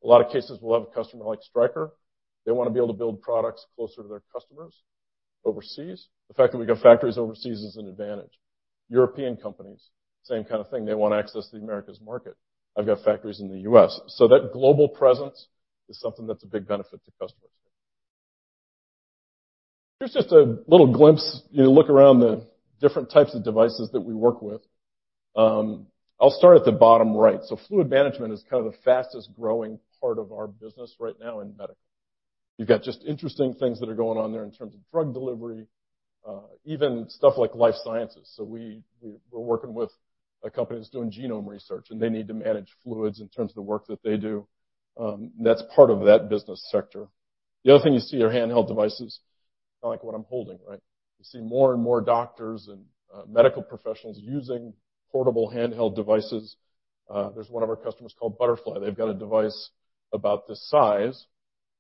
A lot of cases, we'll have a customer like Stryker. They want to be able to build products closer to their customers overseas. The fact that we've got factories overseas is an advantage. European companies, same kind of thing. They want to access the Americas market. I've got factories in the U.S. That global presence is something that's a big benefit to customers. Here's just a little glimpse. You look around the different types of devices that we work with. I'll start at the bottom right. Fluid management is kind of the fastest-growing part of our business right now in medical. You've got just interesting things that are going on there in terms of drug delivery, even stuff like life sciences. We're working with a company that's doing genome research, and they need to manage fluids in terms of the work that they do. That's part of that business sector. The other thing you see are handheld devices, like what I'm holding, right? You see more and more doctors and medical professionals using portable handheld devices. There's one of our customers called Butterfly. They've got a device about this size,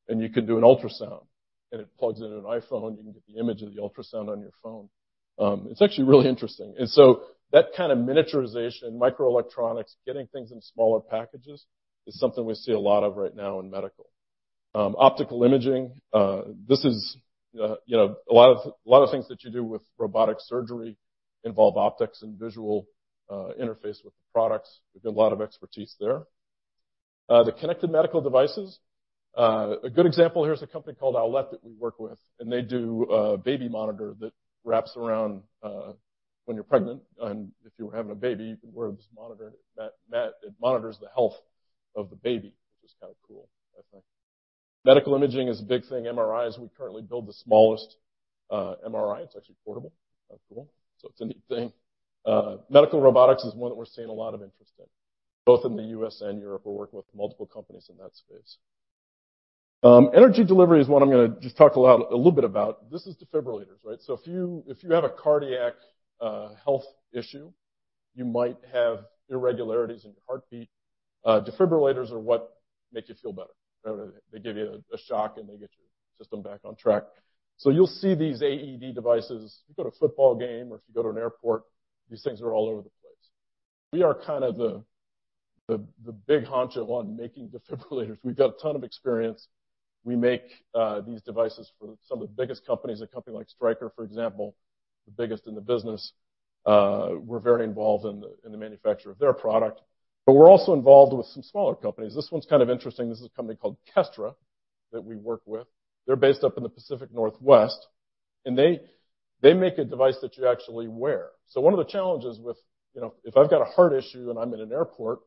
and you can do an ultrasound, and it plugs into an iPhone. You can get the image of the ultrasound on your phone. It's actually really interesting. That kind of miniaturization, microelectronics, getting things in smaller packages is something we see a lot of right now in medical. Optical imaging. A lot of things that you do with robotic surgery involve optics and visual interface with the products. We've got a lot of expertise there. The connected medical devices. A good example here is a company called Owlet that we work with, and they do a baby monitor that wraps around when you're pregnant, and if you're having a baby, you can wear this monitor mat that monitors the health of the baby, which is kind of cool, I think. Medical imaging is a big thing. MRIs, we currently build the smallest MRI. It's actually portable. Kind of cool. It's a neat thing. Medical robotics is one that we're seeing a lot of interest in, both in the U.S. and Europe. We're working with multiple companies in that space. Energy delivery is one I'm going to just talk a little bit about. This is defibrillators, right? If you have a cardiac health issue, you might have irregularities in your heartbeat. Defibrillators are what make you feel better. They give you a shock, and they get your system back on track. You'll see these AED devices. If you go to a football game or if you go to an airport, these things are all over the place. We are kind of the big honcho on making defibrillators. We've got a ton of experience. We make these devices for some of the biggest companies. A company like Stryker, for example, the biggest in the business. We're very involved in the manufacture of their product, but we're also involved with some smaller companies. This one's kind of interesting. This is a company called Kestra that we work with. They're based up in the Pacific Northwest, and they make a device that you actually wear. One of the challenges with, if I've got a heart issue and I'm in an airport,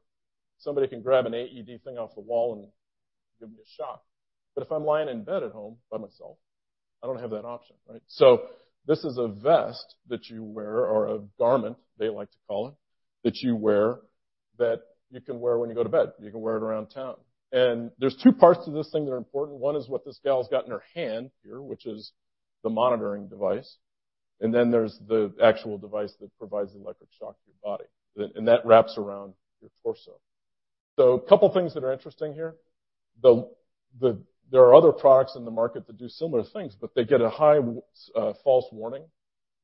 somebody can grab an AED thing off the wall and give me a shock. If I'm lying in bed at home by myself, I don't have that option, right? This is a vest that you wear or a garment, they like to call it, that you can wear when you go to bed. You can wear it around town. There's two parts to this thing that are important. One is what this gal's got in her hand here, which is the monitoring device. Then there's the actual device that provides the electric shock to your body. That wraps around your torso. A couple things that are interesting here. There are other products in the market that do similar things, but they get a high false warning,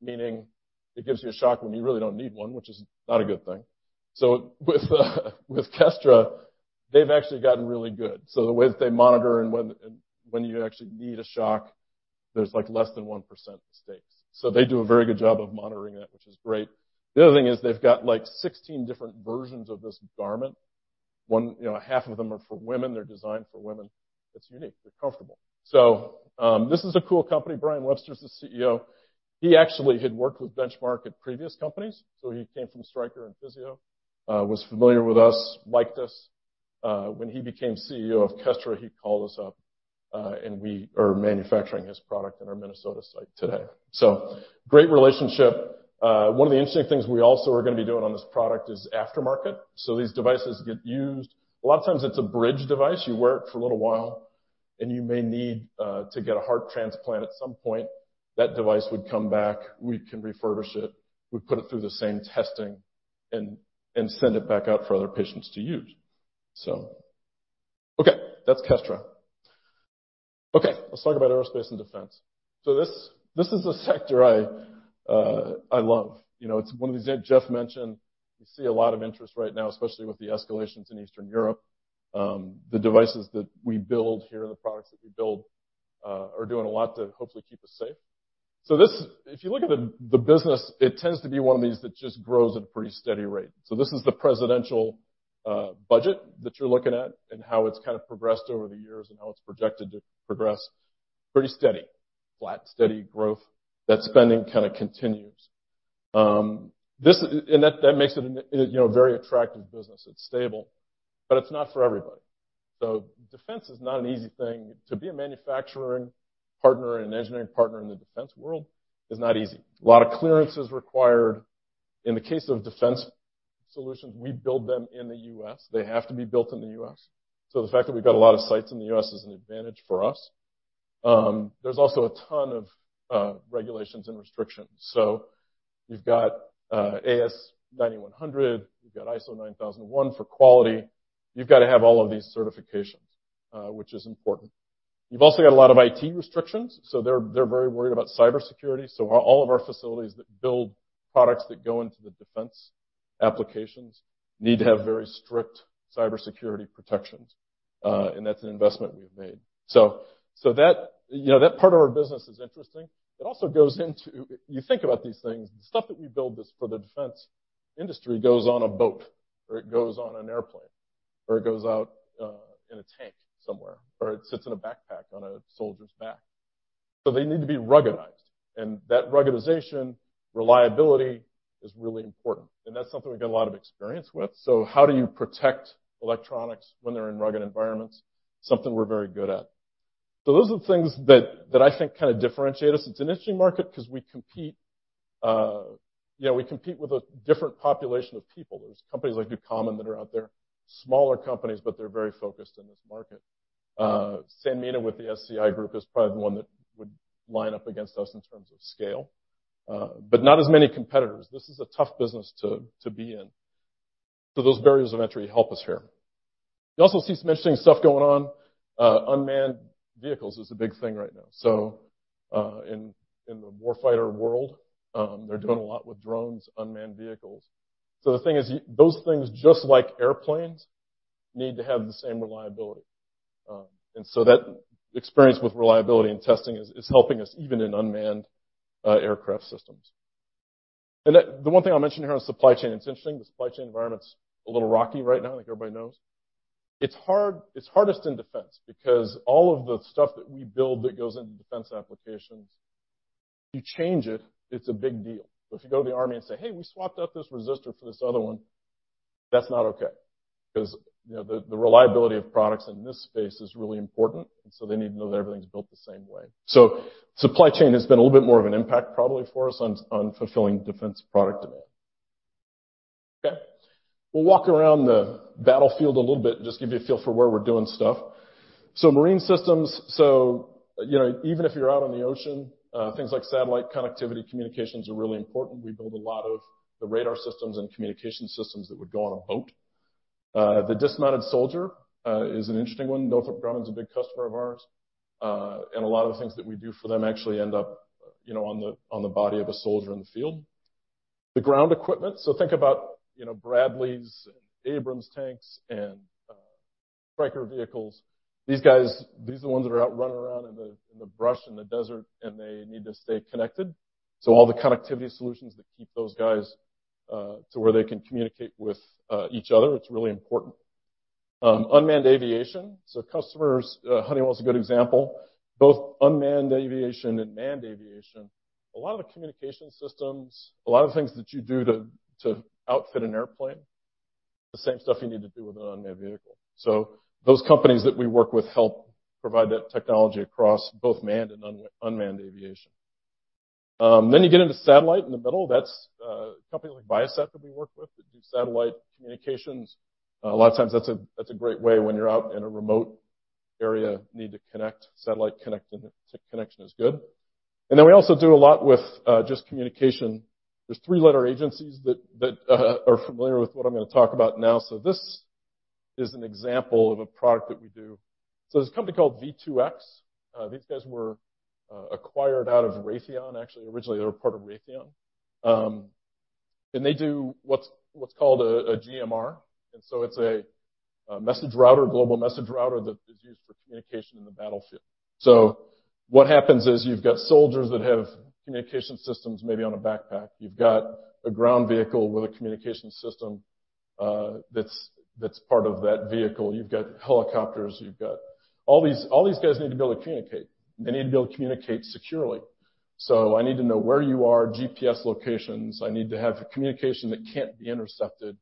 meaning it gives you a shock when you really don't need one, which is not a good thing. With Kestra, they've actually gotten really good. The way that they monitor and when you actually need a shock, there's less than 1% mistakes. They do a very good job of monitoring that, which is great. The other thing is they've got 16 different versions of this garment. Half of them are for women. They're designed for women. It's unique. They're comfortable. This is a cool company. Brian Webster's the CEO. He actually had worked with Benchmark at previous companies. He came from Stryker and Physio, was familiar with us, liked us. When he became CEO of Kestra, he called us up, and we are manufacturing his product in our Minnesota site today. Great relationship. One of the interesting things we also are going to be doing on this product is aftermarket. These devices get used. A lot of times it's a bridge device. You wear it for a little while, and you may need to get a heart transplant at some point. That device would come back. We can refurbish it. We put it through the same testing and send it back out for other patients to use. Okay, that's Kestra. Okay, let's talk about aerospace and defense. This is a sector I love. It's one of these that Jeff mentioned. We see a lot of interest right now, especially with the escalations in Eastern Europe. The devices that we build here and the products that we build are doing a lot to hopefully keep us safe. If you look at the business, it tends to be one of these that just grows at a pretty steady rate. This is the presidential budget that you're looking at and how it's kind of progressed over the years and how it's projected to progress pretty steady. Flat, steady growth. That spending kind of continues. That makes it a very attractive business. It's stable, but it's not for everybody. Defense is not an easy thing. To be a manufacturing partner and engineering partner in the defense world is not easy. A lot of clearances required. In the case of defense solutions, we build them in the U.S. They have to be built in the U.S. The fact that we've got a lot of sites in the U.S. is an advantage for us. There's also a ton of regulations and restrictions. You've got AS9100, you've got ISO 9001 for quality. You've got to have all of these certifications, which is important. You've also got a lot of IT restrictions. They're very worried about cybersecurity. All of our facilities that build products that go into the defense applications need to have very strict cybersecurity protections. That's an investment we've made. That part of our business is interesting. You think about these things, the stuff that we build for the defense industry goes on a boat, or it goes on an airplane, or it goes out in a tank somewhere, or it sits in a backpack on a soldier's back. They need to be ruggedized, and that ruggedization reliability is really important, and that's something we've got a lot of experience with. How do you protect electronics when they're in rugged environments? Something we're very good at. Those are the things that I think kind of differentiate us. It's an interesting market because we compete with a different population of people. There's companies like Ducommun that are out there, smaller companies, but they're very focused in this market. Sanmina with the SCI Group is probably the one that would line up against us in terms of scale. Not as many competitors. This is a tough business to be in. Those barriers of entry help us here. You also see some interesting stuff going on. Unmanned vehicles is a big thing right now. In the war fighter world, they're doing a lot with drones, unmanned vehicles. The thing is, those things, just like airplanes, need to have the same reliability. That experience with reliability and testing is helping us even in unmanned aircraft systems. The one thing I'll mention here on supply chain, it's interesting. The supply chain environment's a little rocky right now, I think everybody knows. It's hardest in defense because all of the stuff that we build that goes into defense applications, if you change it's a big deal. If you go to the Army and say, "Hey, we swapped out this resistor for this other one," that's not okay. Because the reliability of products in this space is really important, they need to know that everything's built the same way. Supply chain has been a little bit more of an impact probably for us on fulfilling defense product demand. Okay. We'll walk around the battlefield a little bit and just give you a feel for where we're doing stuff. Marine systems, even if you're out on the ocean, things like satellite connectivity, communications are really important. We build a lot of the radar systems and communication systems that would go on a boat. The dismounted soldier is an interesting one. Northrop Grumman's a big customer of ours. A lot of the things that we do for them actually end up on the body of a soldier in the field. The ground equipment. Think about Bradley and Abrams tanks and Stryker vehicles. These are the ones that are out running around in the brush, in the desert, and they need to stay connected. All the connectivity solutions that keep those guys, to where they can communicate with each other, it's really important. Unmanned aviation. Customers, Honeywell's a good example. Both unmanned aviation and manned aviation, a lot of the communication systems, a lot of the things that you do to outfit an airplane, the same stuff you need to do with an unmanned vehicle. Those companies that we work with help provide that technology across both manned and unmanned aviation. You get into satellite in the middle. That's a company like Viasat that we work with that do satellite communications. A lot of times that's a great way when you're out in a remote area, need to connect, satellite connection is good. We also do a lot with just communication. There's three-letter agencies that are familiar with what I'm going to talk about now. This is an example of a product that we do. There's a company called V2X. These guys were acquired out of Raytheon. Actually, originally, they were part of Raytheon. They do what's called a GMR. It's a message router, Global Message Router that is used for communication in the battlefield. What happens is you've got soldiers that have communication systems, maybe on a backpack. You've got a ground vehicle with a communication system that's part of that vehicle. You've got helicopters. All these guys need to be able to communicate. They need to be able to communicate securely. I need to know where you are, GPS locations. I need to have communication that can't be intercepted.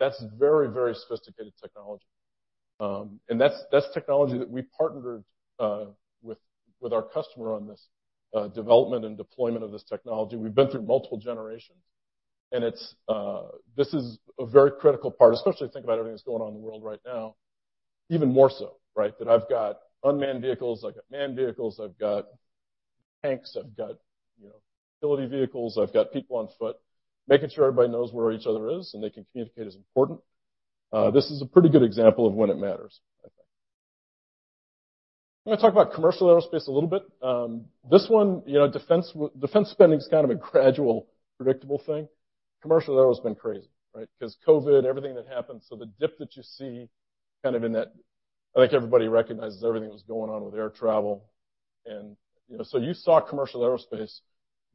That's very sophisticated technology. That's technology that we partnered with our customer on this development and deployment of this technology. We've been through multiple generations, this is a very critical part, especially if you think about everything that's going on in the world right now, even more so, right? That I've got unmanned vehicles, I've got manned vehicles, I've got tanks, I've got utility vehicles. I've got people on foot. Making sure everybody knows where each other is and they can communicate is important. This is a pretty good example of When It Matters, I think. I'm going to talk about commercial aerospace a little bit. This one, defense spending is kind of a gradual, predictable thing. Commercial aero's been crazy, right? Because COVID, everything that happened. The dip that you see kind of in that, I think everybody recognizes everything that was going on with air travel, you saw commercial aerospace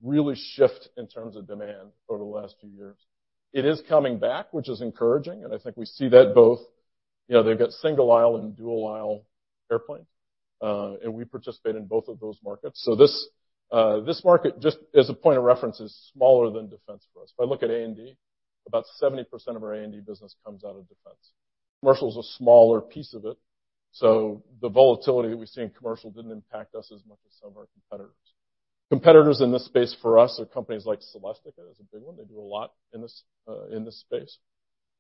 really shift in terms of demand over the last few years. It is coming back, which is encouraging, I think we see that both. They've got single aisle and dual aisle airplanes. We participate in both of those markets. This market, just as a point of reference, is smaller than defense for us. If I look at A&D, about 70% of our A&D business comes out of defense. Commercial is a smaller piece of it, so the volatility that we see in commercial didn't impact us as much as some of our competitors. Competitors in this space for us are companies like Celestica is a big one. They do a lot in this space.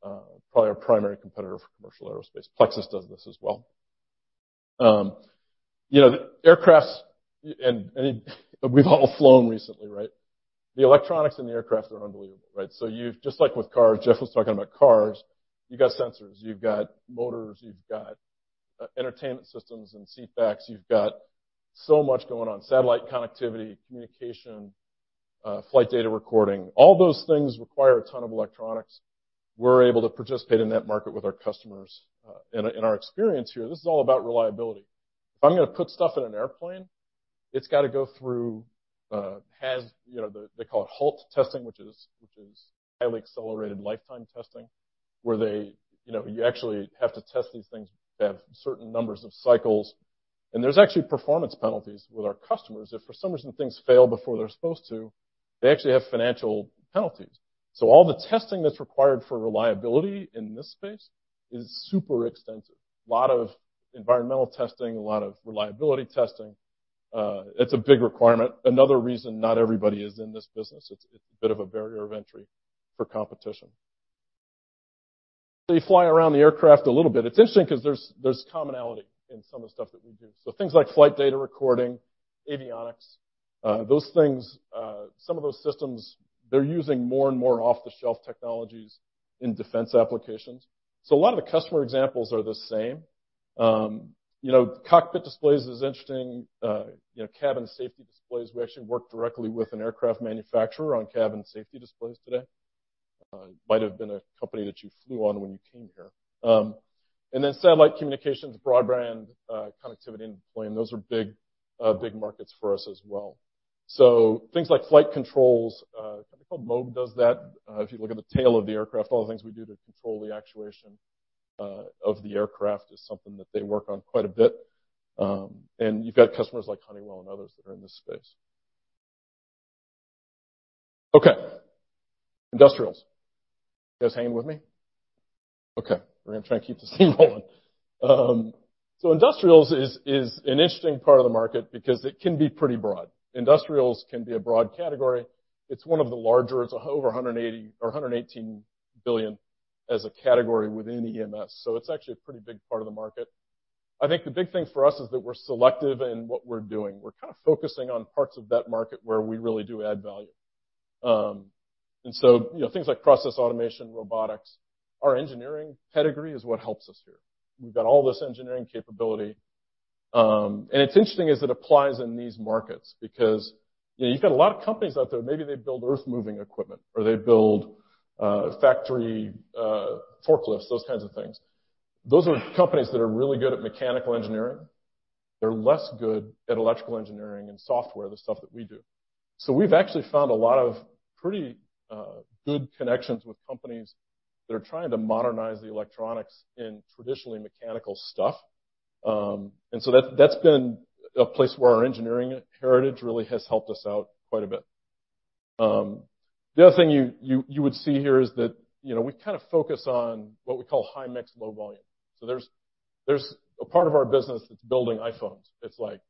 Probably our primary competitor for commercial aerospace. Plexus does this as well. Aircrafts, we've all flown recently, right? The electronics in the aircraft are unbelievable, right? Just like with cars, Jeff was talking about cars, you've got sensors, you've got motors, you've got entertainment systems and seat backs. You've got so much going on. Satellite connectivity, communication, flight data recording. All those things require a ton of electronics. We're able to participate in that market with our customers. In our experience here, this is all about reliability. If I'm going to put stuff in an airplane, it's got to go through, they call it HALT testing, which is highly accelerated lifetime testing. Where you actually have to test these things, have certain numbers of cycles, there's actually performance penalties with our customers. If for some reason things fail before they're supposed to, they actually have financial penalties. All the testing that's required for reliability in this space is super extensive. A lot of environmental testing, a lot of reliability testing. It's a big requirement. Another reason not everybody is in this business. It's a bit of a barrier of entry for competition. They fly around the aircraft a little bit. It's interesting because there's commonality in some of the stuff that we do. Things like flight data recording, avionics, those things, some of those systems, they're using more and more off-the-shelf technologies in defense applications. A lot of the customer examples are the same. Cockpit displays is interesting. Cabin safety displays, we actually work directly with an aircraft manufacturer on cabin safety displays today. Might have been a company that you flew on when you came here. Satellite communications, broadband connectivity in the plane, those are big markets for us as well. Things like flight controls, a company called Moog does that. If you look at the tail of the aircraft, all the things we do to control the actuation of the aircraft is something that they work on quite a bit. You've got customers like Honeywell and others that are in this space. Industrials. You guys hanging with me? We're going to try and keep this thing rolling. Industrials is an interesting part of the market because it can be pretty broad. Industrials can be a broad category. It's one of the larger, it's over $118 billion as a category within EMS, so it's actually a pretty big part of the market. I think the big thing for us is that we're selective in what we're doing. We're kind of focusing on parts of that market where we really do add value. Things like process automation, robotics. Our engineering pedigree is what helps us here. We've got all this engineering capability. It's interesting is it applies in these markets because you've got a lot of companies out there, maybe they build earth-moving equipment or they build factory forklifts, those kinds of things. Those are companies that are really good at mechanical engineering. They're less good at electrical engineering and software, the stuff that we do. We've actually found a lot of pretty good connections with companies that are trying to modernize the electronics in traditionally mechanical stuff. That's been a place where our engineering heritage really has helped us out quite a bit. The other thing you would see here is that we kind of focus on what we call high mix, low volume. There's a part of our business that's building iPhones. It's like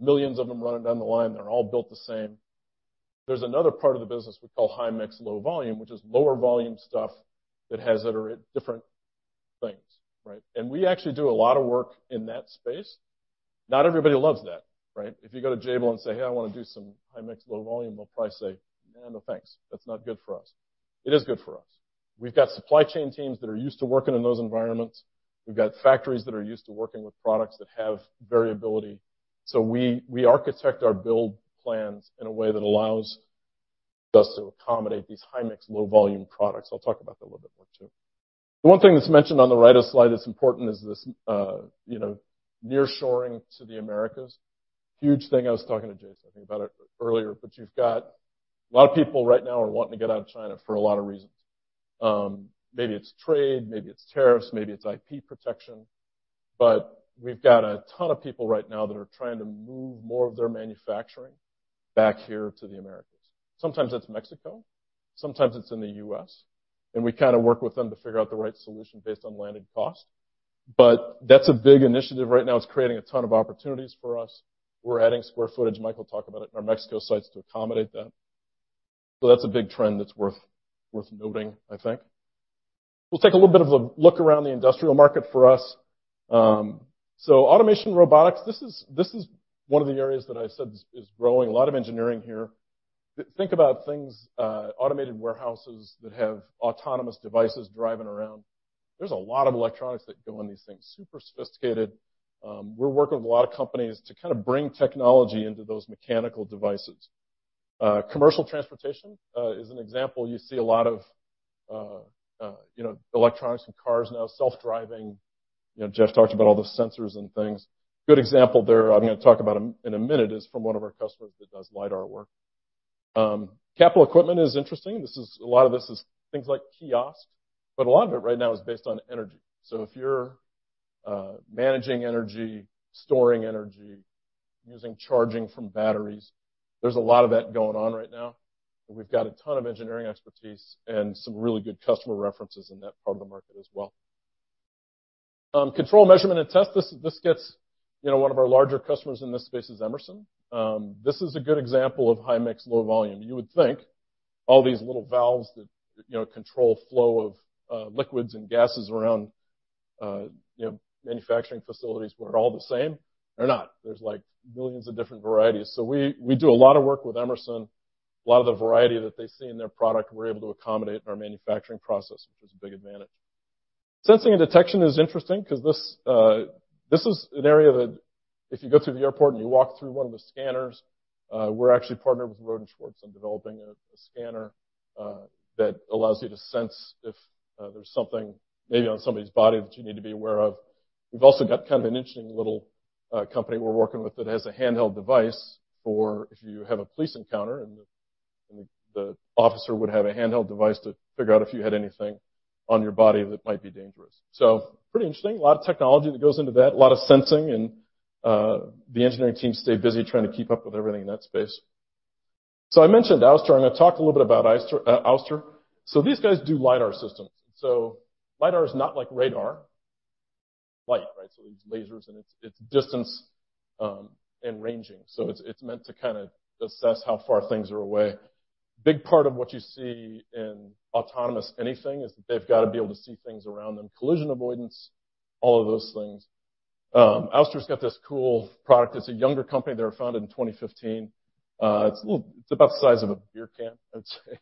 millions of them running down the line. They're all built the same. There's another part of the business we call high mix, low volume, which is lower volume stuff that has iterate different things, right? We actually do a lot of work in that space. Not everybody loves that, right? If you go to Jabil and say, "Hey, I want to do some high mix, low volume," they'll probably say, "No, thanks. That's not good for us." It is good for us. We've got supply chain teams that are used to working in those environments. We've got factories that are used to working with products that have variability. We architect our build plans in a way that allows us to accommodate these high mix, low volume products. I'll talk about that a little bit more too. The one thing that's mentioned on the right of slide that's important is this nearshoring to the Americas. Huge thing. I was talking to Jason, I think, about it earlier. You've got a lot of people right now are wanting to get out of China for a lot of reasons. Maybe it's trade, maybe it's tariffs, maybe it's IP protection. We've got a ton of people right now that are trying to move more of their manufacturing back here to the Americas. Sometimes that's Mexico, sometimes it's in the U.S., and we kind of work with them to figure out the right solution based on landed cost. That's a big initiative right now. It's creating a ton of opportunities for us. We're adding square footage, Mike will talk about it, in our Mexico sites to accommodate that. That's a big trend that's worth noting, I think. We'll take a little bit of a look around the industrial market for us. Automation, robotics, this is one of the areas that I said is growing. A lot of engineering here. Think about things, automated warehouses that have autonomous devices driving around. There's a lot of electronics that go in these things, super sophisticated. We're working with a lot of companies to kind of bring technology into those mechanical devices. Commercial transportation is an example. You see a lot of electronics in cars now, self-driving. Jeff talked about all the sensors and things. Good example there, I'm going to talk about in a minute, is from one of our customers that does LIDAR work. Capital equipment is interesting. A lot of this is things like kiosks, but a lot of it right now is based on energy. If you're managing energy, storing energy, using charging from batteries, there's a lot of that going on right now, and we've got a ton of engineering expertise and some really good customer references in that part of the market as well. Control, measurement and test, one of our larger customers in this space is Emerson. This is a good example of high mix, low volume. You would think all these little valves that control flow of liquids and gases around manufacturing facilities were all the same. They're not. There's millions of different varieties. We do a lot of work with Emerson. A lot of the variety that they see in their product, we're able to accommodate in our manufacturing process, which is a big advantage. Sensing and detection is interesting because this is an area that if you go through the airport and you walk through one of the scanners, we're actually partnered with Rohde & Schwarz on developing a scanner that allows you to sense if there's something maybe on somebody's body that you need to be aware of. We've also got kind of an interesting little company we're working with that has a handheld device for if you have a police encounter and the officer would have a handheld device to figure out if you had anything on your body that might be dangerous. Pretty interesting. A lot of technology that goes into that, a lot of sensing, and the engineering teams stay busy trying to keep up with everything in that space. I mentioned Ouster, and I talked a little bit about Ouster. These guys do LIDAR systems. LIDAR is not like radar. Light, right? It uses lasers, and it's distance and ranging. It's meant to kind of assess how far things are away. Big part of what you see in autonomous anything is that they've got to be able to see things around them, collision avoidance, all of those things. Ouster's got this cool product. It's a younger company. They were founded in 2015. It's about the size of a beer can, I'd say,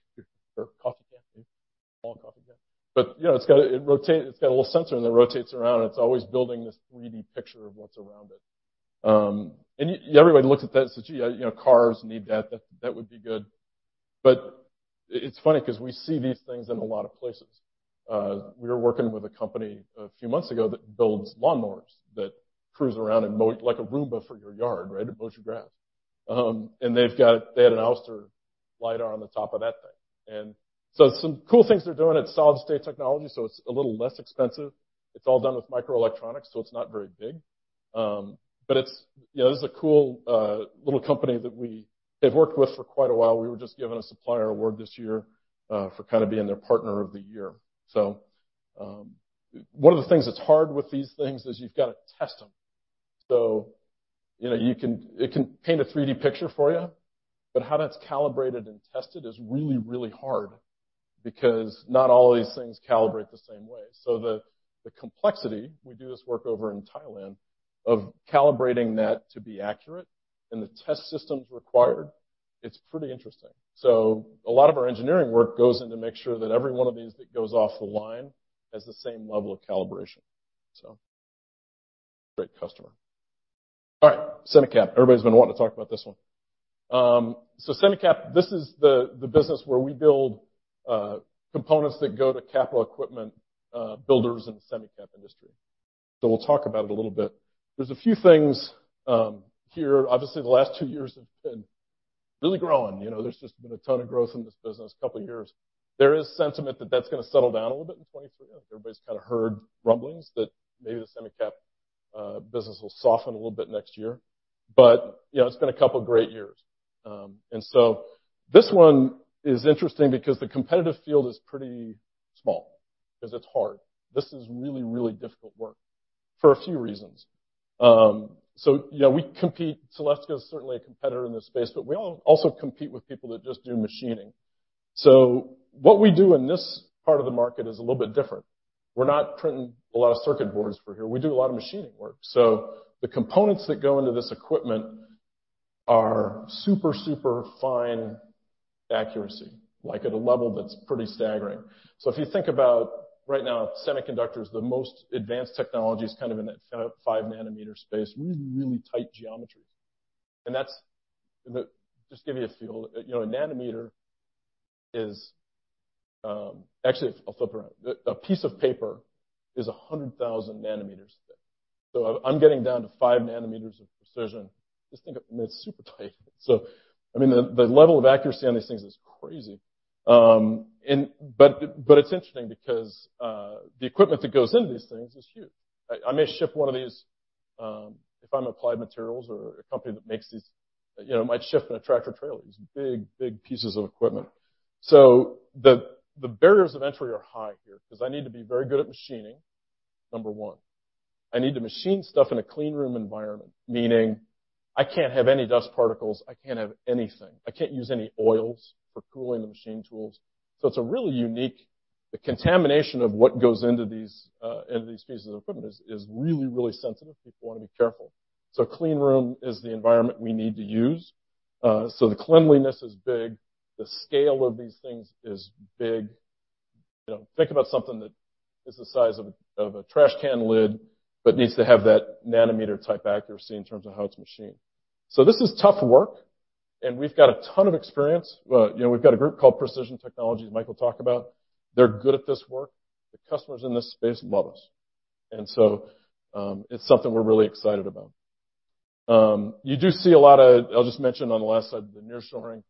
or coffee can, maybe. Small coffee can. It's got a little sensor, and it rotates around. It's always building this 3D picture of what's around it. Everybody looks at that and says, "Yeah, cars need that. That would be good." It's funny because we see these things in a lot of places. We were working with a company a few months ago that builds lawnmowers that cruise around and mow, like a Roomba for your yard, right? It mows your grass. They had an Ouster LIDAR on the top of that thing. Some cool things they're doing. It's solid-state technology, so it's a little less expensive. It's all done with microelectronics, so it's not very big. This is a cool, little company that we have worked with for quite a while. We were just given a supplier award this year for kind of being their partner of the year. One of the things that's hard with these things is you've got to test them. It can paint a 3D picture for you, but how that's calibrated and tested is really, really hard because not all of these things calibrate the same way. The complexity, we do this work over in Thailand, of calibrating that to be accurate and the test systems required, it's pretty interesting. A lot of our engineering work goes in to make sure that every one of these that goes off the line has the same level of calibration. Great customer. All right. Semi-cap. Everybody's been wanting to talk about this one. Semi-cap, this is the business where we build components that go to capital equipment builders in the semi-cap industry. We'll talk about it a little bit. There's a few things here. Obviously, the last two years have been really growing. There's just been a ton of growth in this business a couple of years. There is sentiment that that's going to settle down a little bit in 2023. I think everybody's kind of heard rumblings that maybe the semi-cap business will soften a little bit next year. It's been a couple of great years. This one is interesting because the competitive field is pretty small because it's hard. This is really, really difficult work for a few reasons. We compete, Celestica is certainly a competitor in this space, we also compete with people that just do machining. What we do in this part of the market is a little bit different. We're not printing a lot of circuit boards for here. We do a lot of machining work. The components that go into this equipment are super fine accuracy, like at a level that's pretty staggering. If you think about right now, semiconductors, the most advanced technology is kind of in that five-nanometer space, really, really tight geometries. That's, just to give you a feel, a nanometer is. Actually, I'll flip it around. A piece of paper is 100,000 nanometers thick. I'm getting down to five nanometers of precision. Just think of it, I mean, it's super tight. I mean, the level of accuracy on these things is crazy. It's interesting because the equipment that goes into these things is huge. I may ship one of these if I'm Applied Materials or a company that makes these, might ship in a tractor-trailer. These big pieces of equipment. The barriers of entry are high here because I need to be very good at machining, number 1. I need to machine stuff in a clean room environment, meaning I can't have any dust particles. I can't have anything. I can't use any oils for cooling the machine tools. The contamination of what goes into these pieces of equipment is really, really sensitive. People want to be careful. A clean room is the environment we need to use. The cleanliness is big. The scale of these things is big. Think about something that is the size of a trash can lid but needs to have that nanometer-type accuracy in terms of how it's machined. This is tough work, and we've got a ton of experience. We've got a group called Precision Technologies, Mike will talk about. They're good at this work. The customers in this space love us. It's something we're really excited about. You do see a lot of, I'll just mention on the last slide, the nearshoring.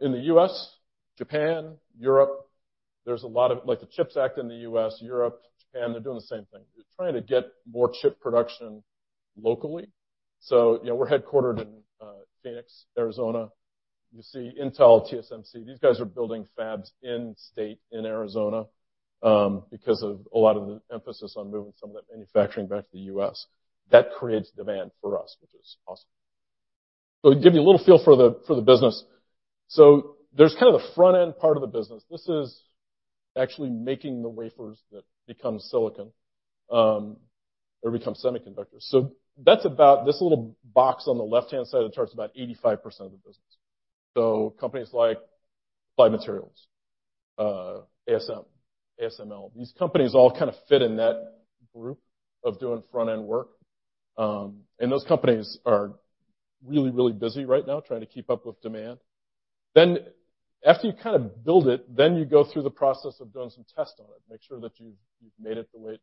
In the U.S., Japan, Europe, there's a lot of, like the CHIPS Act in the U.S., Europe, Japan, they're doing the same thing. They're trying to get more chip production locally. We're headquartered in Phoenix, Arizona. You see Intel, TSMC, these guys are building fabs in state in Arizona, because of a lot of the emphasis on moving some of that manufacturing back to the U.S. That creates demand for us, which is awesome. To give you a little feel for the business. There's kind of the front-end part of the business. This is actually making the wafers that become silicon, or become semiconductors. That's about this little box on the left-hand side of the chart is about 85% of the business. Companies like Applied Materials, ASM, ASML, these companies all kind of fit in that group of doing front-end work. Those companies are really busy right now trying to keep up with demand. After you kind of build it, you go through the process of doing some tests on it, make sure that you've made it the way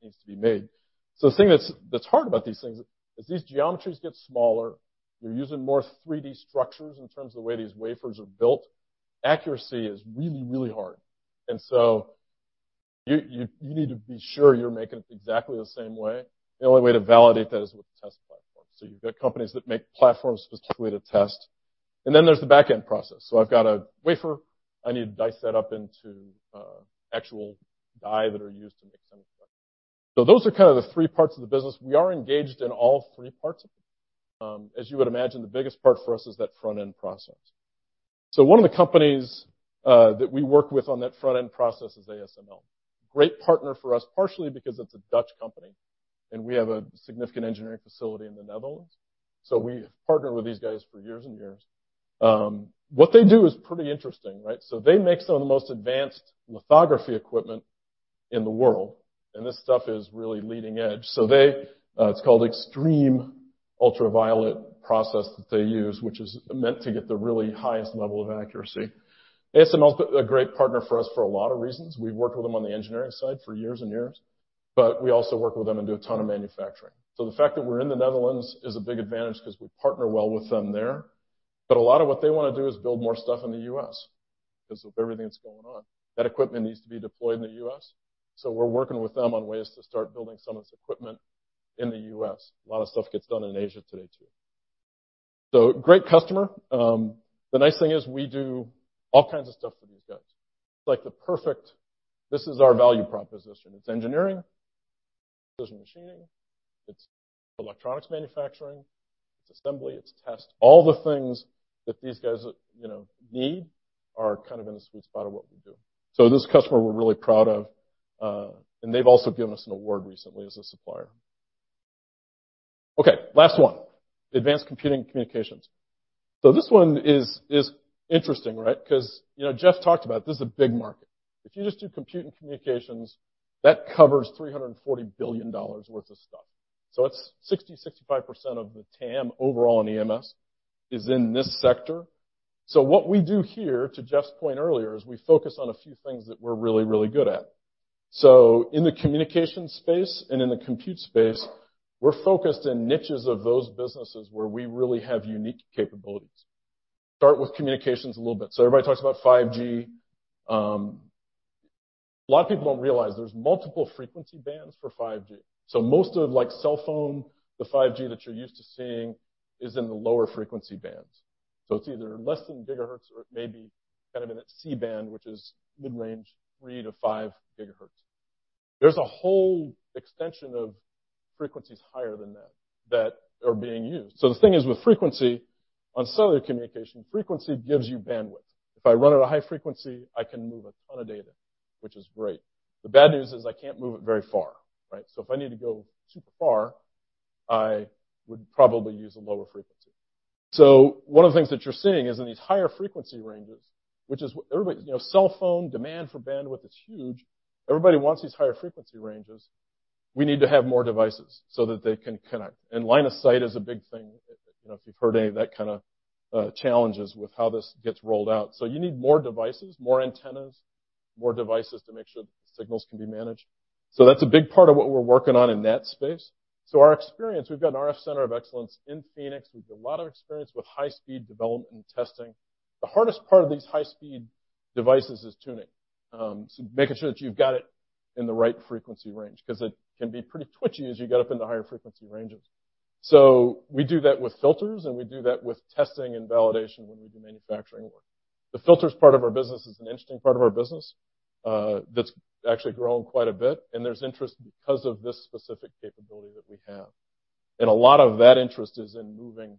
it needs to be made. The thing that's hard about these things, as these geometries get smaller, you're using more 3D structures in terms of the way these wafers are built. Accuracy is really hard. You need to be sure you're making it exactly the same way. The only way to validate that is with the test platform. You've got companies that make platforms specifically to test, and then there's the back-end process. I've got a wafer. I need to dice that up into actual die that are used to make semiconductors. Those are kind of the three parts of the business. We are engaged in all three parts of it. As you would imagine, the biggest part for us is that front-end process. One of the companies that we work with on that front-end process is ASML. Great partner for us, partially because it is a Dutch company, and we have a significant engineering facility in the Netherlands. We have partnered with these guys for years and years. What they do is pretty interesting, right? They make some of the most advanced lithography equipment in the world, and this stuff is really leading edge. It is called extreme ultraviolet process that they use, which is meant to get the really highest level of accuracy. ASML's been a great partner for us for a lot of reasons. We have worked with them on the engineering side for years and years, but we also work with them and do a ton of manufacturing. The fact that we are in the Netherlands is a big advantage because we partner well with them there. A lot of what they want to do is build more stuff in the U.S. because of everything that is going on. That equipment needs to be deployed in the U.S., we are working with them on ways to start building some of this equipment in the U.S. A lot of stuff gets done in Asia today, too. Great customer. The nice thing is we do all kinds of stuff for these guys. Like this is our value proposition. It is engineering, precision machining, it is electronics manufacturing, it is assembly, it is test. All the things that these guys need are kind of in the sweet spot of what we do. This customer we are really proud of. They have also given us an award recently as a supplier. Okay. Last one, advanced computing communications. This one is interesting, right? Because Jeff talked about it, this is a big market. If you just do compute and communications, that covers $340 billion worth of stuff. It is 60%-65% of the TAM overall in EMS is in this sector. What we do here, to Jeff's point earlier, is we focus on a few things that we are really, really good at. In the communication space and in the compute space, we are focused in niches of those businesses where we really have unique capabilities. Start with communications a little bit. Everybody talks about 5G. A lot of people do not realize there is multiple frequency bands for 5G. Most of like cell phone, the 5G that you are used to seeing is in the lower frequency bands. It is either less than gigahertz or it may be kind of in that C-band, which is mid-range, 3-5 gigahertz. There is a whole extension of frequencies higher than that that are being used. The thing is with frequency, on cellular communication, frequency gives you bandwidth. If I run at a high frequency, I can move a ton of data, which is great. The bad news is I cannot move it very far, right? If I need to go super far, I would probably use a lower frequency. One of the things that you are seeing is in these higher frequency ranges, which is what cell phone demand for bandwidth is huge. Everybody wants these higher frequency ranges. We need to have more devices so that they can connect. Line of sight is a big thing, if you've heard any of that kind of challenges with how this gets rolled out. You need more devices, more antennas, more devices to make sure that the signals can be managed. That's a big part of what we're working on in that space. Our experience, we've got an RF center of excellence in Phoenix. We've got a lot of experience with high-speed development and testing. The hardest part of these high-speed devices is tuning, so making sure that you've got it in the right frequency range, because it can be pretty twitchy as you get up into higher frequency ranges. We do that with filters, and we do that with testing and validation when we do manufacturing work. The filters part of our business is an interesting part of our business, that's actually grown quite a bit, and there's interest because of this specific capability that we have. A lot of that interest is in moving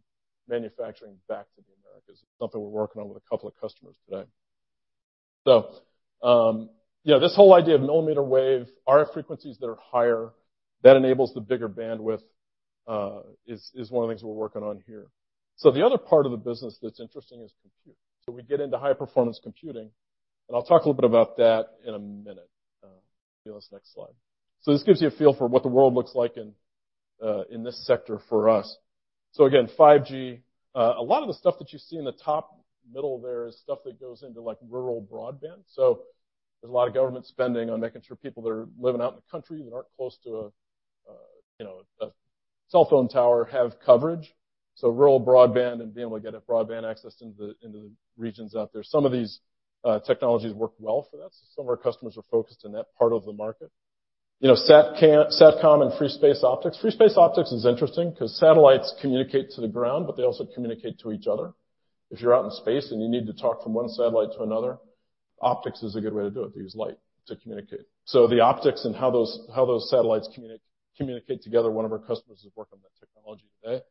manufacturing back to the Americas. It's something we're working on with a couple of customers today. This whole idea of millimeter wave RF frequencies that are higher, that enables the bigger bandwidth, is one of the things we're working on here. The other part of the business that's interesting is compute. We get into high-performance computing, and I'll talk a little bit about that in a minute. Let's see this next slide. This gives you a feel for what the world looks like in this sector for us. Again, 5G, a lot of the stuff that you see in the top middle there is stuff that goes into rural broadband. There's a lot of government spending on making sure people that are living out in the country that aren't close to a cell phone tower have coverage. Rural broadband and being able to get broadband access into the regions out there. Some of these technologies work well for that, so some of our customers are focused in that part of the market. Satcom and free space optics. Free space optics is interesting because satellites communicate to the ground, but they also communicate to each other. If you're out in space and you need to talk from one satellite to another, optics is a good way to do it. They use light to communicate. The optics and how those satellites communicate together, one of our customers is working on that technology today.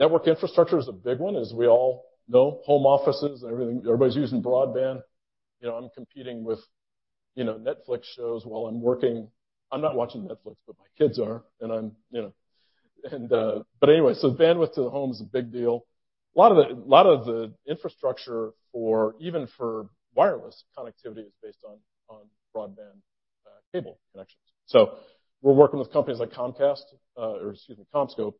Network infrastructure is a big one. As we all know, home offices and everything, everybody's using broadband. I'm competing with Netflix shows while I'm working. I'm not watching Netflix, but my kids are. Anyway, bandwidth to the home is a big deal. A lot of the infrastructure even for wireless connectivity is based on broadband cable connections. We're working with companies like Comcast, or excuse me, CommScope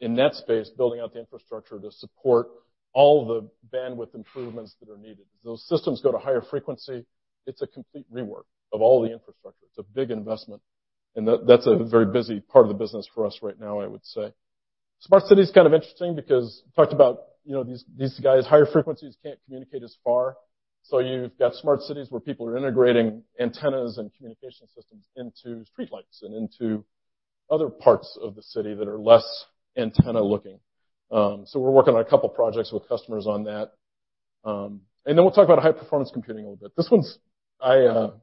in that space, building out the infrastructure to support all the bandwidth improvements that are needed. As those systems go to higher frequency, it's a complete rework of all the infrastructure. It's a big investment, and that's a very busy part of the business for us right now, I would say. Smart city is kind of interesting because we talked about these guys, higher frequencies can't communicate as far. You've got smart cities where people are integrating antennas and communication systems into streetlights and into other parts of the city that are less antenna looking. We're working on a couple of projects with customers on that. We'll talk about high-performance computing a little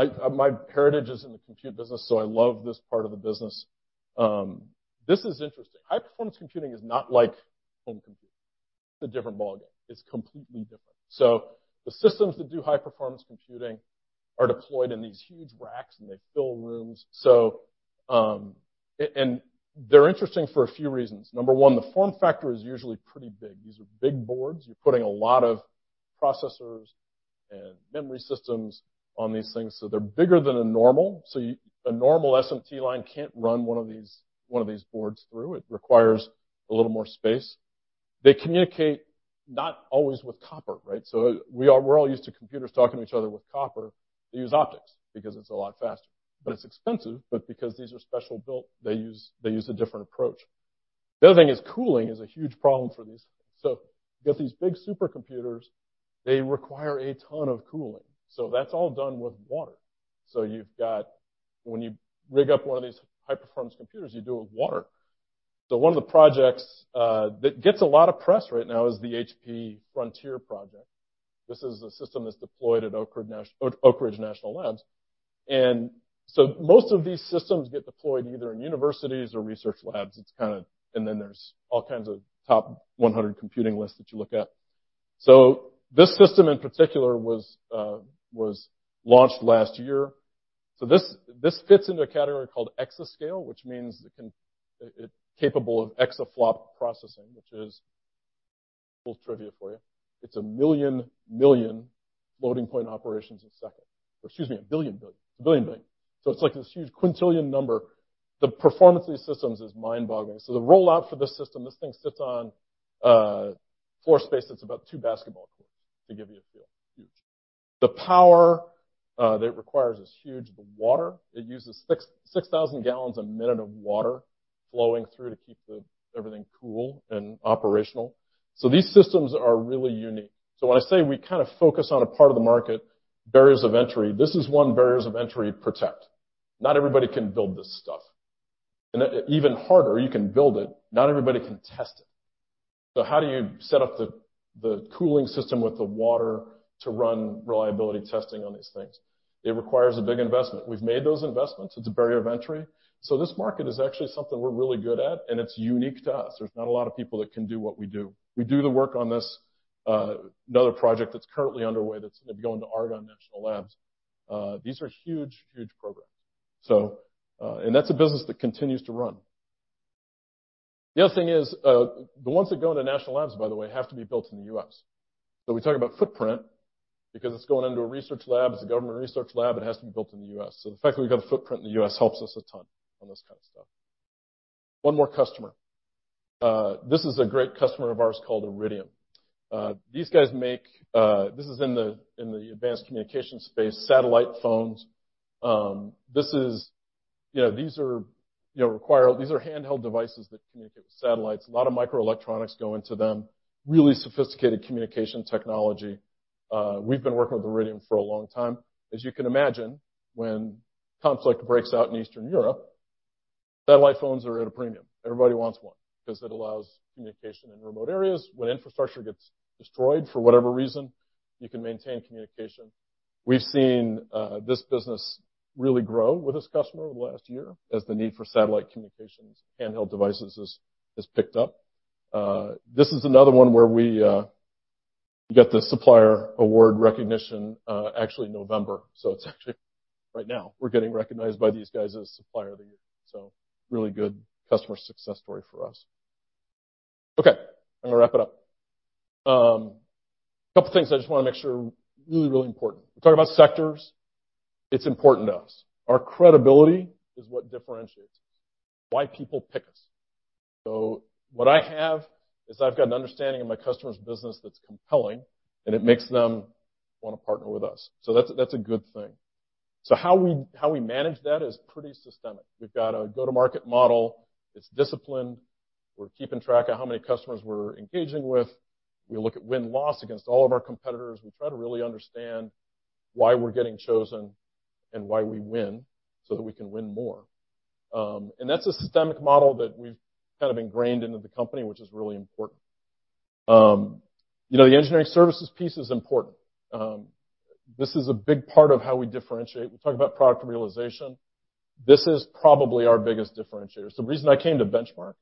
bit. My heritage is in the compute business, I love this part of the business. This is interesting. High-performance computing is not like home computing. It's a different ballgame. It's completely different. The systems that do high-performance computing are deployed in these huge racks, and they fill rooms. They're interesting for a few reasons. Number one, the form factor is usually pretty big. These are big boards. You're putting a lot of processors and memory systems on these things, they're bigger than a normal. A normal SMT line can't run one of these boards through. It requires a little more space. They communicate not always with copper, right? We're all used to computers talking to each other with copper. They use optics because it's a lot faster. It's expensive, but because these are special built, they use a different approach. The other thing is cooling is a huge problem for these. You got these big supercomputers, they require a ton of cooling. That's all done with water. When you rig up one of these high-performance computers, you do it with water. One of the projects that gets a lot of press right now is the HPE Frontier project. This is a system that's deployed at Oak Ridge National Labs. Most of these systems get deployed either in universities or research labs, and then there's all kinds of top 100 computing lists that you look at. This system in particular was launched last year. This fits into a category called exascale, which means it's capable of exaflop processing, which is, a little trivia for you, it's 1 million million floating point operations a second. Or excuse me, 1 billion billion. It's 1 billion billion. It's like this huge quintillion number. The performance of these systems is mind-boggling. The rollout for this system, this thing sits on a floor space that's about two basketball courts, to give you a feel. Huge. The power that it requires is huge. The water, it uses 6,000 gallons a minute of water flowing through to keep everything cool and operational. These systems are really unique. When I say we kind of focus on a part of the market, barriers of entry, this is one barriers of entry protect. Not everybody can build this stuff. Even harder, you can build it, not everybody can test it. How do you set up the cooling system with the water to run reliability testing on these things? It requires a big investment. We've made those investments. It's a barrier of entry. This market is actually something we're really good at, and it's unique to us. There's not a lot of people that can do what we do. We do the work on this, another project that's currently underway that's going to Argonne National Labs. These are huge, huge programs. That's a business that continues to run. The other thing is, the ones that go into national labs, by the way, have to be built in the U.S. We talk about footprint because it's going into a research lab. It's a government research lab. It has to be built in the U.S. The fact that we've got a footprint in the U.S. helps us a ton on this kind of stuff. One more customer. This is a great customer of ours called Iridium. This is in the advanced communications space, satellite phones. These are handheld devices that communicate with satellites. A lot of microelectronics go into them. Really sophisticated communication technology. We've been working with Iridium for a long time. As you can imagine, when conflict breaks out in Eastern Europe, satellite phones are at a premium. Everybody wants one because it allows communication in remote areas. When infrastructure gets destroyed, for whatever reason, you can maintain communication. We've seen this business really grow with this customer over the last year as the need for satellite communications, handheld devices, has picked up. This is another one where we got the supplier award recognition, actually November. It's actually right now, we're getting recognized by these guys as supplier of the year. Really good customer success story for us. Okay, I'm going to wrap it up. A couple of things I just want to make sure, really, really important. We talk about sectors, it's important to us. Our credibility is what differentiates us, why people pick us. What I have is I've got an understanding of my customer's business that's compelling, and it makes them want to partner with us. That's a good thing. How we manage that is pretty systemic. We've got a go-to-market model. It's disciplined. We're keeping track of how many customers we're engaging with. We look at win-loss against all of our competitors. We try to really understand why we're getting chosen and why we win so that we can win more. That's a systemic model that we've kind of ingrained into the company, which is really important. The engineering services piece is important. This is a big part of how we differentiate. We talk about product realization. This is probably our biggest differentiator. The reason I came to Benchmark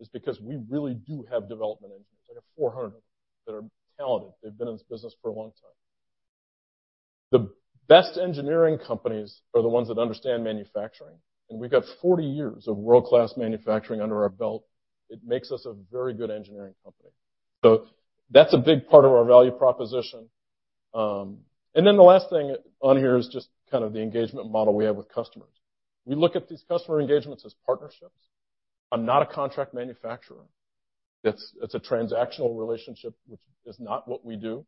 is because we really do have development engineers. I got 400 of them that are talented. They've been in this business for a long time. The best engineering companies are the ones that understand manufacturing, and we've got 40 years of world-class manufacturing under our belt. It makes us a very good engineering company. That's a big part of our value proposition. The last thing on here is just kind of the engagement model we have with customers. We look at these customer engagements as partnerships. I'm not a contract manufacturer. It's a transactional relationship, which is not what we do.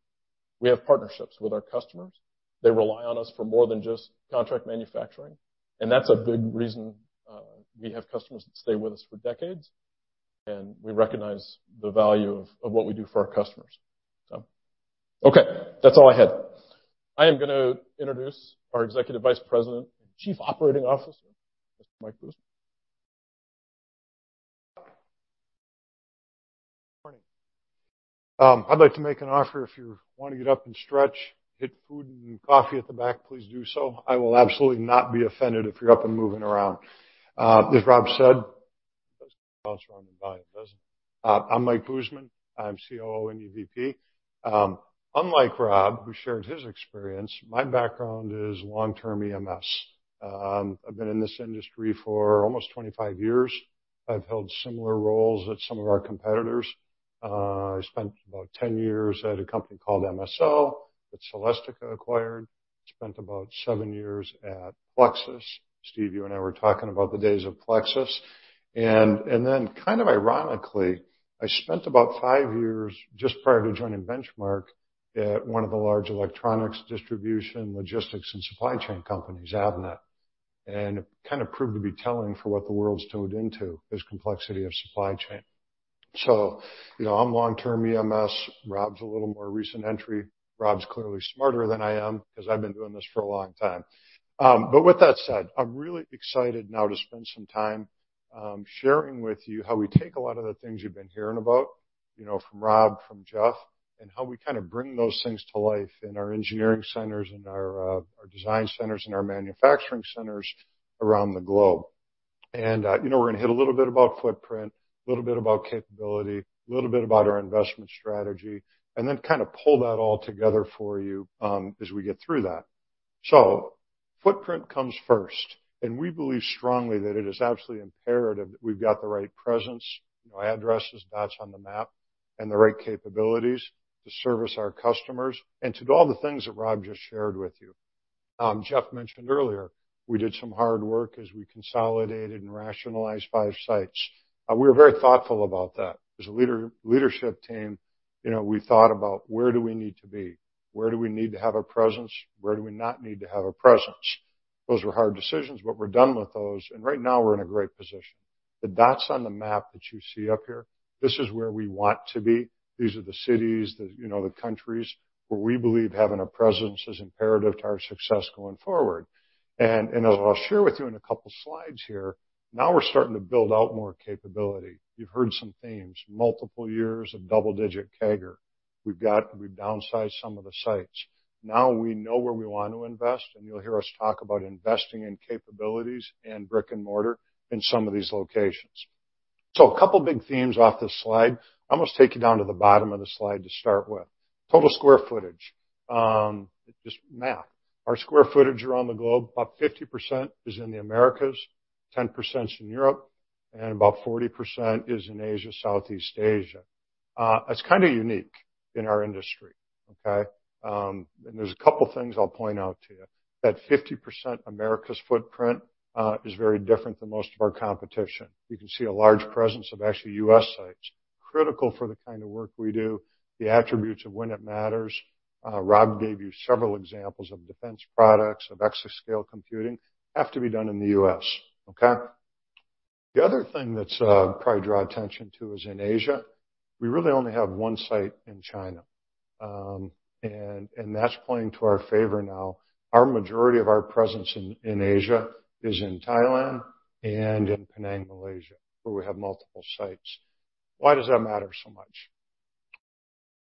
We have partnerships with our customers. They rely on us for more than just contract manufacturing, and that's a big reason we have customers that stay with us for decades, and we recognize the value of what we do for our customers. Okay. That's all I had. I am going to introduce our Executive Vice President and Chief Operating Officer, Mr. Mike Buseman. Morning. I'd like to make an offer. If you want to get up and stretch, get food and coffee at the back, please do so. I will absolutely not be offended if you're up and moving around. As Rob said, business runs on buy-in, doesn't it? I'm Mike Buseman, I'm COO and EVP. Unlike Rob, who shared his experience, my background is long-term EMS. I've been in this industry for almost 25 years. I've held similar roles at some of our competitors. I spent about 10 years at a company called MSL, that Celestica acquired. Spent about seven years at Plexus. Steve, you and I were talking about the days of Plexus. Ironically, I spent about five years, just prior to joining Benchmark, at one of the large electronics distribution, logistics, and supply chain companies, Avnet. It kind of proved to be telling for what the world's tuned into, this complexity of supply chain. I'm long-term EMS. Rob's a little more recent entry. Rob's clearly smarter than I am because I've been doing this for a long time. With that said, I'm really excited now to spend some time, sharing with you how we take a lot of the things you've been hearing about, from Rob, from Jeff, how we kind of bring those things to life in our engineering centers and our design centers and our manufacturing centers around the globe. We're going to hit a little bit about footprint, little bit about capability, little bit about our investment strategy, kind of pull that all together for you, as we get through that. Footprint comes first, and we believe strongly that it is absolutely imperative that we've got the right presence, addresses, dots on the map and the right capabilities to service our customers and to do all the things that Rob just shared with you. Jeff mentioned earlier, we did some hard work as we consolidated and rationalized five sites. We were very thoughtful about that. As a leadership team, we thought about where do we need to be? Where do we need to have a presence? Where do we not need to have a presence? Those were hard decisions, we're done with those, right now, we're in a great position. The dots on the map that you see up here, this is where we want to be. These are the cities, the countries where we believe having a presence is imperative to our success going forward. As I'll share with you in a couple slides here, now we're starting to build out more capability. You've heard some themes, multiple years of double-digit CAGR. We've downsized some of the sites. Now we know where we want to invest, you'll hear us talk about investing in capabilities and brick and mortar in some of these locations. A couple big themes off this slide. I'm going to take you down to the bottom of the slide to start with. Total square footage. Just math. Our square footage around the globe, about 50% is in the Americas, 10% is in Europe, about 40% is in Asia, Southeast Asia. It's kind of unique in our industry, okay? There's a couple things I'll point out to you. That 50% Americas footprint, is very different than most of our competition. You can see a large presence of actually U.S. sites, critical for the kind of work we do, the attributes of When It Matters. Rob gave you several examples of defense products, of exascale computing, have to be done in the U.S., okay? The other thing that's probably draw attention to is in Asia, we really only have one site in China. That's playing to our favor now. Our majority of our presence in Asia is in Thailand and in Penang, Malaysia, where we have multiple sites. Why does that matter so much?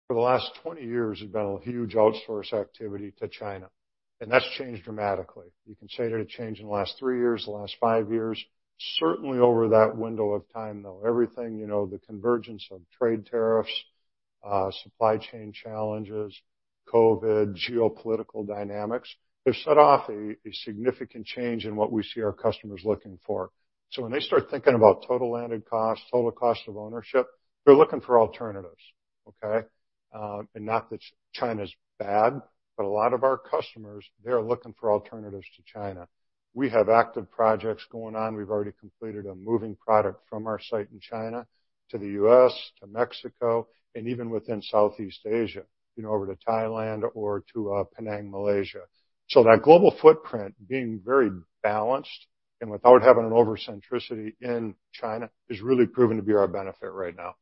For the last 20 years, there's been a huge outsource activity to China. That's changed dramatically. You can say that it changed in the last three years, the last five years, certainly over that window of time, though. Everything, the convergence of trade tariffs, supply chain challenges, COVID, geopolitical dynamics, have set off a significant change in what we see our customers looking for. When they start thinking about total landed cost, total cost of ownership, they're looking for alternatives, okay? Not that China's bad, but a lot of our customers, they're looking for alternatives to China. We have active projects going on. We've already completed a moving product from our site in China to the U.S., to Mexico, and even within Southeast Asia, over to Thailand or to Penang, Malaysia. That global footprint being very balanced and without having an over centricity in China is really proving to be our benefit right now.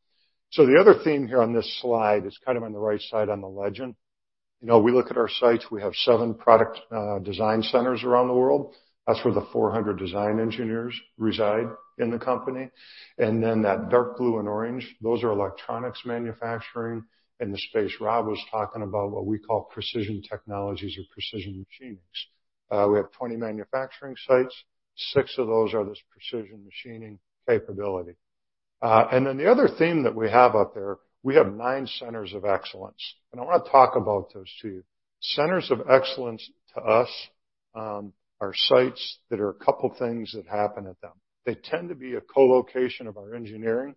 The other theme here on this slide is kind of on the right side on the legend. We look at our sites, we have seven product design centers around the world. That's where the 400 design engineers reside in the company. That dark blue and orange, those are electronics manufacturing in the space Rob was talking about, what we call Precision Technologies or precision machinings. We have 20 manufacturing sites. Six of those are this precision machining capability. The other theme that we have up there, we have nine centers of excellence, and I want to talk about those to you. Centers of excellence to us are sites that are a couple things that happen at them. They tend to be a co-location of our engineering,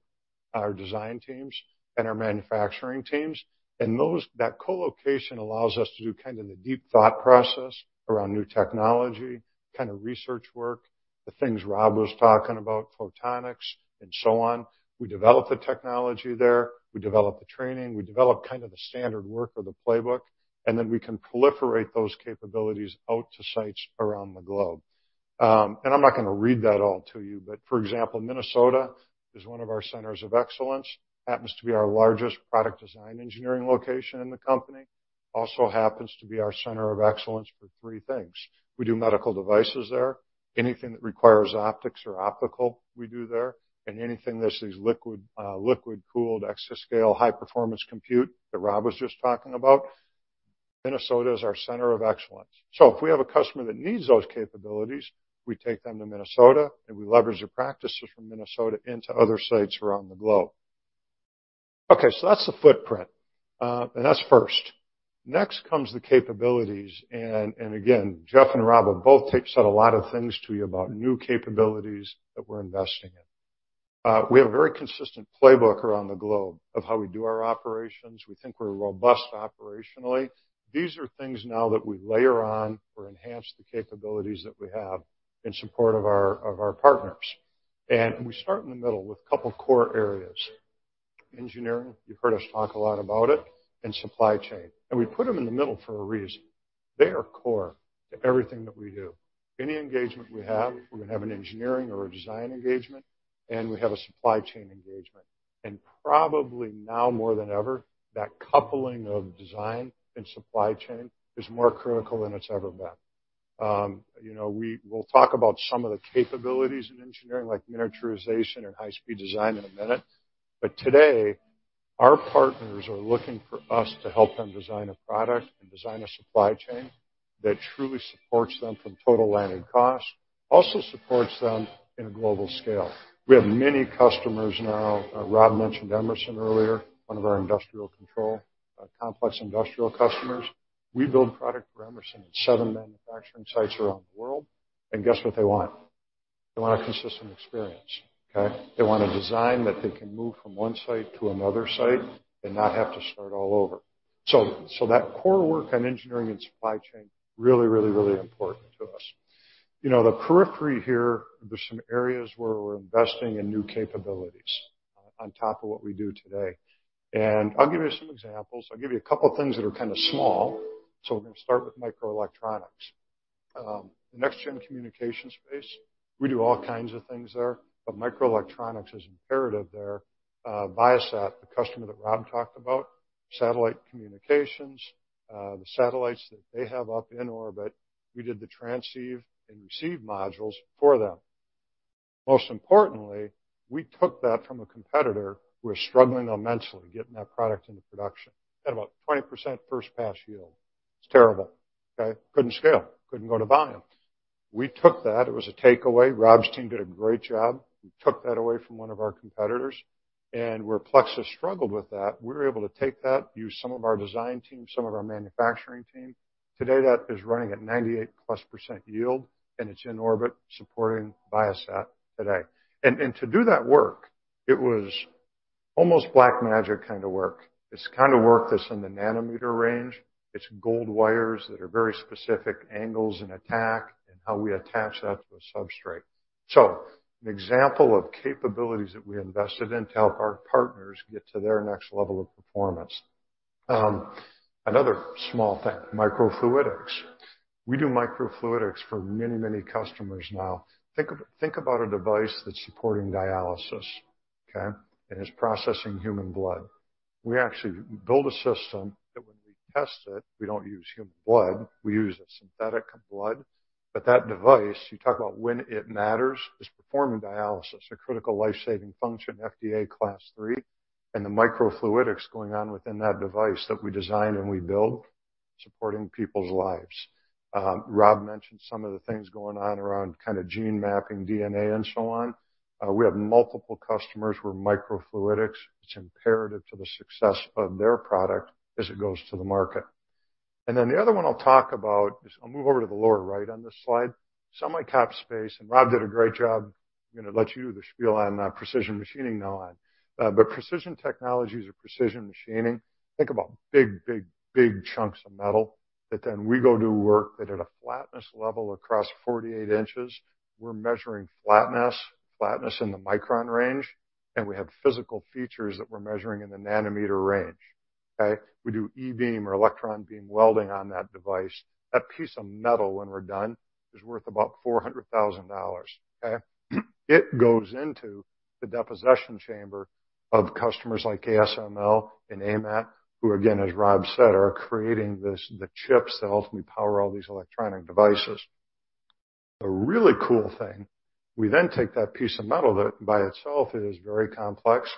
our design teams, and our manufacturing teams, and that co-location allows us to do kind of the deep thought process around new technology, kind of research work, the things Rob was talking about, photonics and so on. We develop the technology there, we develop the training, we develop kind of the standard work or the playbook. We can proliferate those capabilities out to sites around the globe. I'm not going to read that all to you, but for example, Minnesota is one of our centers of excellence, happens to be our largest product design engineering location in the company. Also happens to be our center of excellence for three things. We do medical devices there. Anything that requires optics or optical, we do there. Anything that's these liquid cooled exascale high performance compute that Rob was just talking about, Minnesota is our center of excellence. If we have a customer that needs those capabilities, we take them to Minnesota, and we leverage the practices from Minnesota into other sites around the globe. That's the footprint. That's first. Next comes the capabilities. Again, Jeff and Rob have both said a lot of things to you about new capabilities that we're investing in. We have a very consistent playbook around the globe of how we do our operations. We think we're robust operationally. These are things now that we layer on or enhance the capabilities that we have in support of our partners. We start in the middle with a couple of core areas. Engineering, you've heard us talk a lot about it, and supply chain. We put them in the middle for a reason. They are core to everything that we do. Any engagement we have, we're going to have an engineering or a design engagement, and we have a supply chain engagement. Probably now more than ever, that coupling of design and supply chain is more critical than it's ever been. We'll talk about some of the capabilities in engineering, like miniaturization and high-speed design in a minute. Today, our partners are looking for us to help them design a product and design a supply chain that truly supports them from total landed cost, also supports them in a global scale. We have many customers now. Rob mentioned Emerson earlier, one of our industrial control, complex industrial customers. We build product for Emerson at seven manufacturing sites around the world. Guess what they want? They want a consistent experience, okay? They want a design that they can move from one site to another site and not have to start all over. That core work on engineering and supply chain, really important to us. The periphery here, there's some areas where we're investing in new capabilities on top of what we do today. I'll give you some examples. I'll give you a couple things that are kind of small. We're going to start with microelectronics. The next gen communication space, we do all kinds of things there, but microelectronics is imperative there. Viasat, the customer that Rob talked about, satellite communications, the satellites that they have up in orbit, we did the transceive and receive modules for them. Most importantly, we took that from a competitor who was struggling immensely getting that product into production. They had about 20% first pass yield. It's terrible, okay? Couldn't scale, couldn't go to volume. We took that. It was a takeaway. Rob's team did a great job. We took that away from one of our competitors, and where Plexus struggled with that, we were able to take that, use some of our design team, some of our manufacturing team. Today, that is running at 98%+ yield, and it's in orbit supporting Viasat today. To do that work, it was almost black magic kind of work. It's kind of work that's in the nanometer range. It's gold wires that are very specific angles and attack, and how we attach that to a substrate. An example of capabilities that we invested in to help our partners get to their next level of performance. Another small thing, microfluidics. We do microfluidics for many customers now. Think about a device that's supporting dialysis, okay? Is processing human blood. We actually build a system that when we test it, we don't use human blood, we use a synthetic blood, but that device, you talk about When It Matters, is performing dialysis, a critical life-saving function, FDA Class III, and the microfluidics going on within that device that we design and we build, supporting people's lives. Rob mentioned some of the things going on around kind of gene mapping, DNA, and so on. We have multiple customers where microfluidics is imperative to the success of their product as it goes to the market. The other one I'll talk about is, I'll move over to the lower right on this slide. Semi-cap space, Rob did a great job. I'm going to let you do the spiel on precision machining now on. Precision technologies or precision machining, think about big chunks of metal that then we go do work that at a flatness level across 48 inches, we're measuring flatness in the micron range, we have physical features that we're measuring in the nanometer range. Okay? We do E-beam or electron beam welding on that device. That piece of metal, when we're done, is worth about $400,000, okay? It goes into the deposition chamber of customers like ASML and AMAT, who again, as Rob said, are creating the chips that ultimately power all these electronic devices. The really cool thing, we then take that piece of metal that by itself is very complex.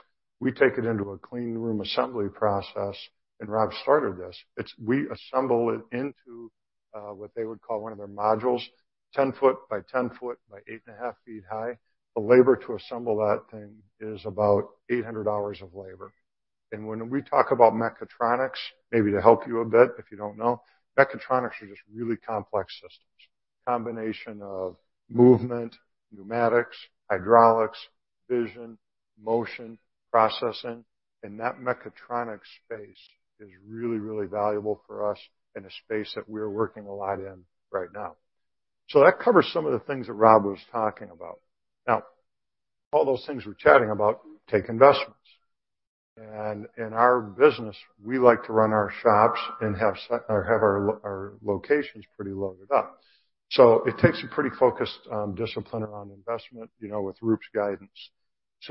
We take it into a clean room assembly process, Rob started this. We assemble it into, what they would call one of their modules 10 foot by 10 foot by eight and a half feet high. The labor to assemble that thing is about 800 hours of labor. When we talk about mechatronics, maybe to help you a bit if you don't know, mechatronics are just really complex systems. Combination of movement, pneumatics, hydraulics, vision, motion, processing. That mechatronics space is really, really valuable for us and a space that we're working a lot in right now. That covers some of the things that Rob was talking about. All those things we're chatting about take investments, in our business, we like to run our shops and have our locations pretty loaded up. It takes a pretty focused discipline around investment, with Roop's guidance.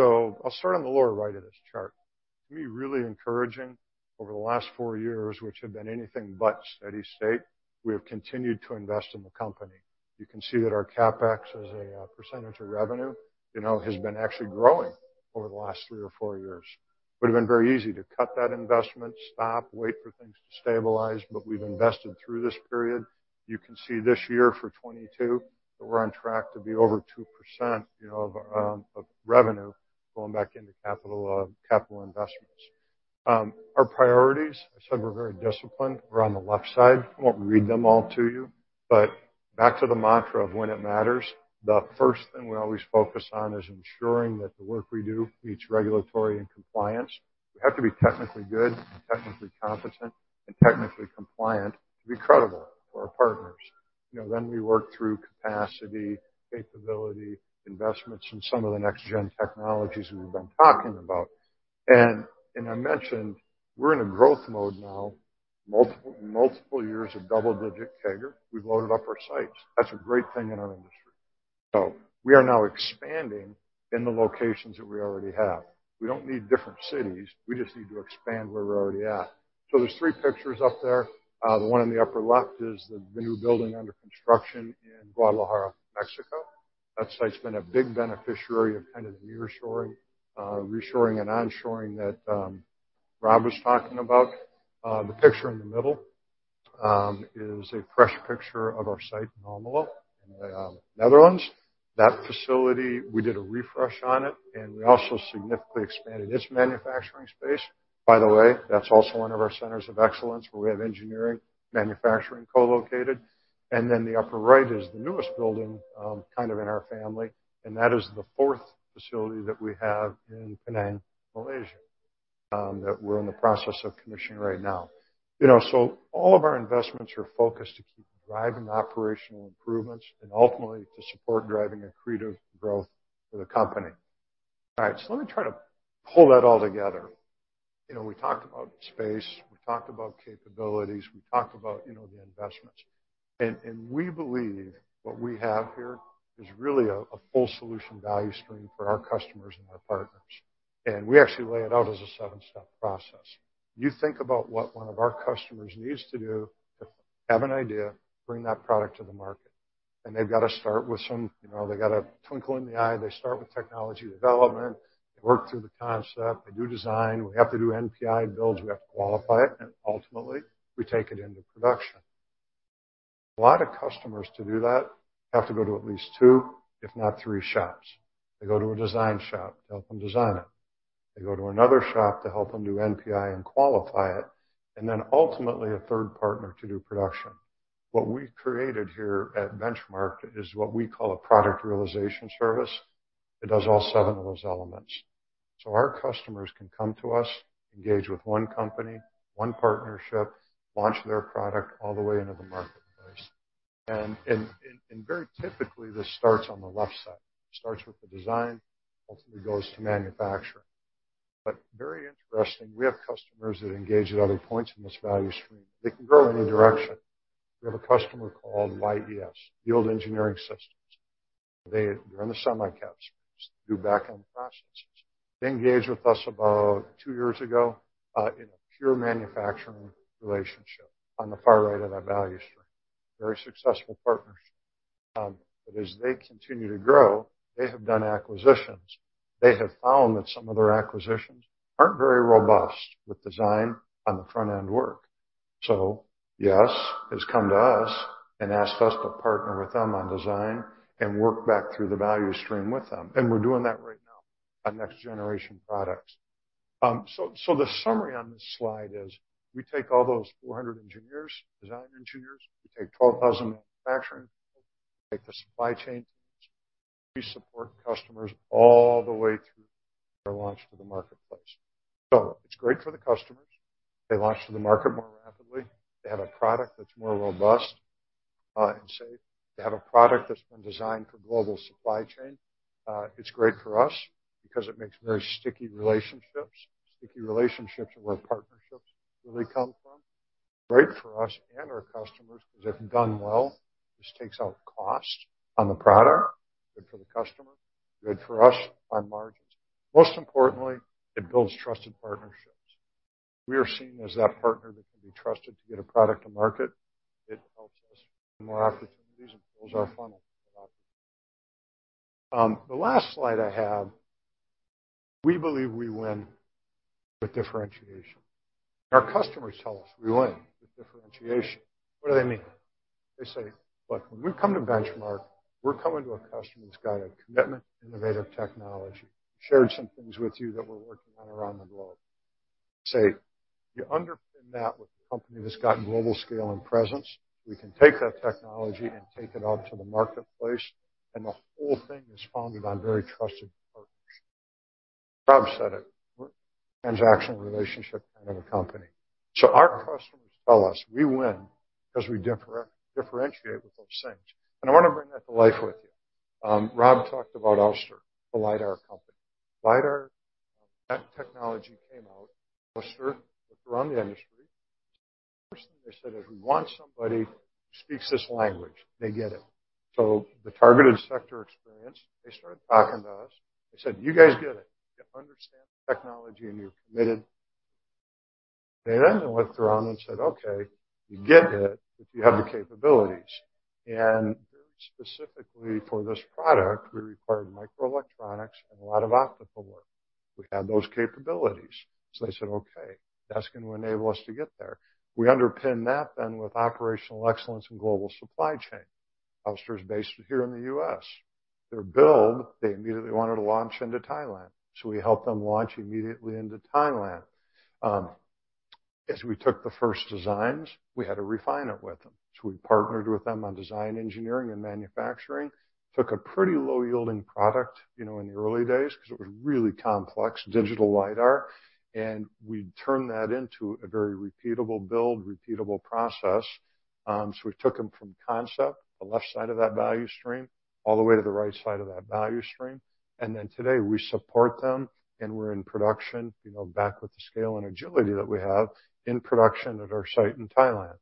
I'll start on the lower right of this chart. To me, really encouraging over the last 4 years, which have been anything but steady state, we have continued to invest in the company. You can see that our CapEx as a percentage of revenue, has been actually growing over the last 3 or 4 years. Would've been very easy to cut that investment, stop, wait for things to stabilize, but we've invested through this period. You can see this year for 2022, that we're on track to be over 2% of revenue going back into capital investments. Our priorities, I said we're very disciplined. We're on the left side. I won't read them all to you, back to the mantra of When It Matters, the first thing we always focus on is ensuring that the work we do meets regulatory and compliance. We have to be technically good, and technically competent, and technically compliant to be credible to our partners. We work through capacity, capability, investments in some of the next-gen technologies we've been talking about. I mentioned we're in a growth mode now, multiple years of double-digit CAGR. We've loaded up our sites. That's a great thing in our industry. We are now expanding in the locations that we already have. We don't need different cities. We just need to expand where we're already at. There are three pictures up there. The one in the upper left is the new building under construction in Guadalajara, Mexico. That site's been a big beneficiary of kind of the near shoring, reshoring, and onshoring that Rob was talking about. The picture in the middle is a fresh picture of our site in Almelo, in the Netherlands. That facility, we did a refresh on it, and we also significantly expanded its manufacturing space. By the way, that's also one of our centers of excellence where we have engineering, manufacturing co-located. The upper right is the newest building kind of in our family, that is the fourth facility that we have in Penang, Malaysia, that we're in the process of commissioning right now. All of our investments are focused to keep driving operational improvements and ultimately to support driving accretive growth for the company. All right. Let me try to pull that all together. We talked about space, we talked about capabilities, we talked about the investments. We believe what we have here is really a full solution value stream for our customers and our partners. We actually lay it out as a seven-step process. You think about what one of our customers needs to do to have an idea, bring that product to the market, they got a twinkle in the eye. They start with technology development. They work through the concept. They do design. We have to do NPI builds. We have to qualify it, and ultimately, we take it into production. A lot of customers to do that have to go to at least two, if not three shops. They go to a design shop to help them design it. They go to another shop to help them do NPI and qualify it, and then ultimately a third partner to do production. What we've created here at Benchmark is what we call a product realization service. It does all seven of those elements. Our customers can come to us, engage with one company, one partnership, launch their product all the way into the marketplace. Very typically, this starts on the left side. It starts with the design, ultimately goes to manufacturing. Very interesting, we have customers that engage at other points in this value stream. They can go any direction. We have a customer called YES, Yield Engineering Systems. They are in the semi-cap space, do back-end processes. They engaged with us about two years ago, in a pure manufacturing relationship on the far right of that value stream. Very successful partnership. As they continue to grow, they have done acquisitions. They have found that some of their acquisitions aren't very robust with design on the front-end work. YES has come to us and asked us to partner with them on design and work back through the value stream with them, and we're doing that right now on next generation products. The summary on this slide is we take all those 400 engineers, design engineers, we take 12,000 manufacturing people, take the supply chain teams, we support customers all the way through their launch to the marketplace. It's great for the customers. They launch to the market more rapidly. They have a product that's more robust, and safe. They have a product that's been designed for global supply chain. It's great for us because it makes very sticky relationships. Sticky relationships are where partnerships really come from. Great for us and our customers because if done well, this takes out cost on the product. Good for the customer, good for us on margins. Most importantly, it builds trusted partnerships. We are seen as that partner that can be trusted to get a product to market. It helps us get more opportunities and fills our funnel with opportunities. The last slide I have, we believe we win with differentiation. Our customers tell us we win with differentiation. What do they mean? They say, "Look, when we come to Benchmark, we're coming to a customer that's got a commitment to innovative technology." Shared some things with you that we're working on around the globe. Say you underpin that with a company that's got global scale and presence, we can take that technology and take it out to the marketplace, and the whole thing is founded on very trusted partnerships. Rob said it. We're a transactional relationship kind of a company. Our customers tell us we win because we differentiate with those things. I want to bring that to life with you. Rob talked about Ouster, the lidar company. lidar, that technology came out. Ouster looked around the industry. First thing they said is, "We want somebody who speaks this language." They get it. The targeted sector experience, they started talking to us. They said, "You guys get it. You understand the technology, and you're committed." They then looked around and said, "Okay, we get it, but do you have the capabilities?" Very specifically for this product, we required microelectronics and a lot of optical work. We had those capabilities. They said, "Okay, that's going to enable us to get there." We underpin that then with operational excellence and global supply chain. Ouster is based here in the U.S. Their build, they immediately wanted to launch into Thailand, we helped them launch immediately into Thailand. As we took the first designs, we had to refine it with them. We partnered with them on design, engineering, and manufacturing. Took a pretty low-yielding product, in the early days, because it was really complex digital lidar, and we turned that into a very repeatable build, repeatable process. We took them from concept, the left side of that value stream, all the way to the right side of that value stream. Today, we support them, and we're in production, back with the scale and agility that we have in production at our site in Thailand.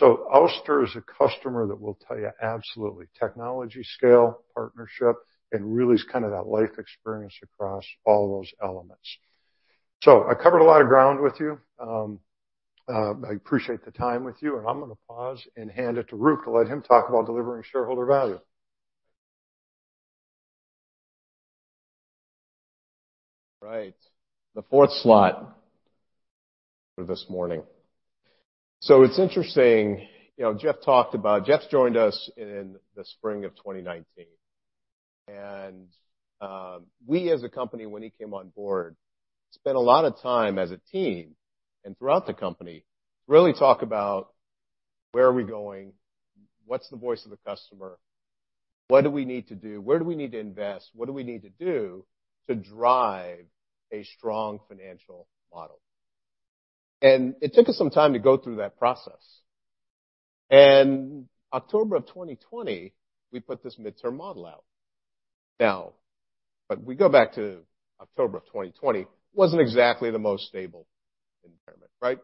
Ouster is a customer that will tell you absolutely technology scale, partnership, and really is kind of that life experience across all those elements. I covered a lot of ground with you. I appreciate the time with you, and I'm going to pause and hand it to Roop to let him talk about delivering shareholder value. Right. The fourth slot for this morning. It's interesting, Jeff joined us in the spring of 2019, and we as a company, when he came on board, spent a lot of time as a team and throughout the company to really talk about where are we going, what's the voice of the customer, what do we need to do, where do we need to invest, what do we need to do to drive a strong financial model? It took us some time to go through that process. October of 2020, we put this midterm model out. We go back to October of 2020, wasn't exactly the most stable environment, right?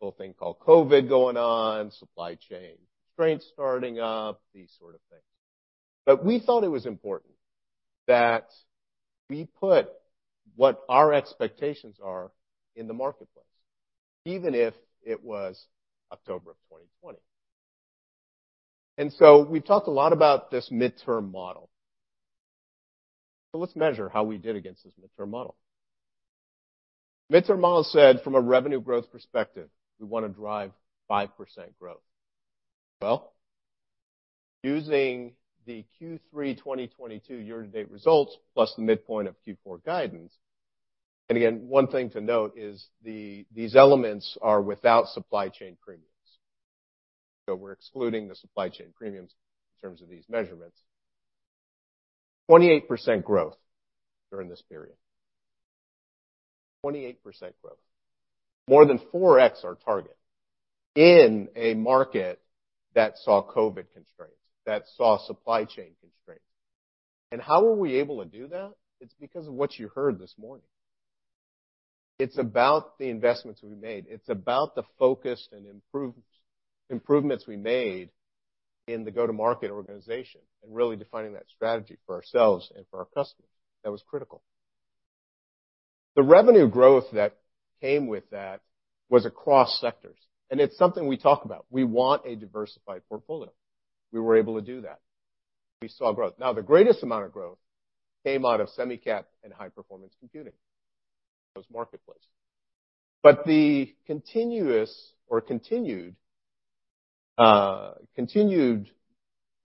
Little thing called COVID going on, supply chain constraints starting up, these sort of things. We thought it was important that we put what our expectations are in the marketplace, even if it was October of 2020. We've talked a lot about this midterm model. Let's measure how we did against this midterm model. Midterm model said from a revenue growth perspective, we want to drive 5% growth. Well, using the Q3 2022 year-to-date results, plus the midpoint of Q4 guidance, and again, one thing to note is these elements are without supply chain premiums. We're excluding the supply chain premiums in terms of these measurements. 28% growth during this period. 28% growth. More than 4x our target in a market that saw COVID constraints, that saw supply chain constraints. How were we able to do that? It's because of what you heard this morning. It's about the investments we made. It's about the focus and improvements we made in the go-to-market organization and really defining that strategy for ourselves and for our customers. That was critical. The revenue growth that came with that was across sectors, and it's something we talk about. We want a diversified portfolio. We were able to do that. We saw growth. The greatest amount of growth came out of semi-cap and high-performance computing, those marketplaces. The continuous or continued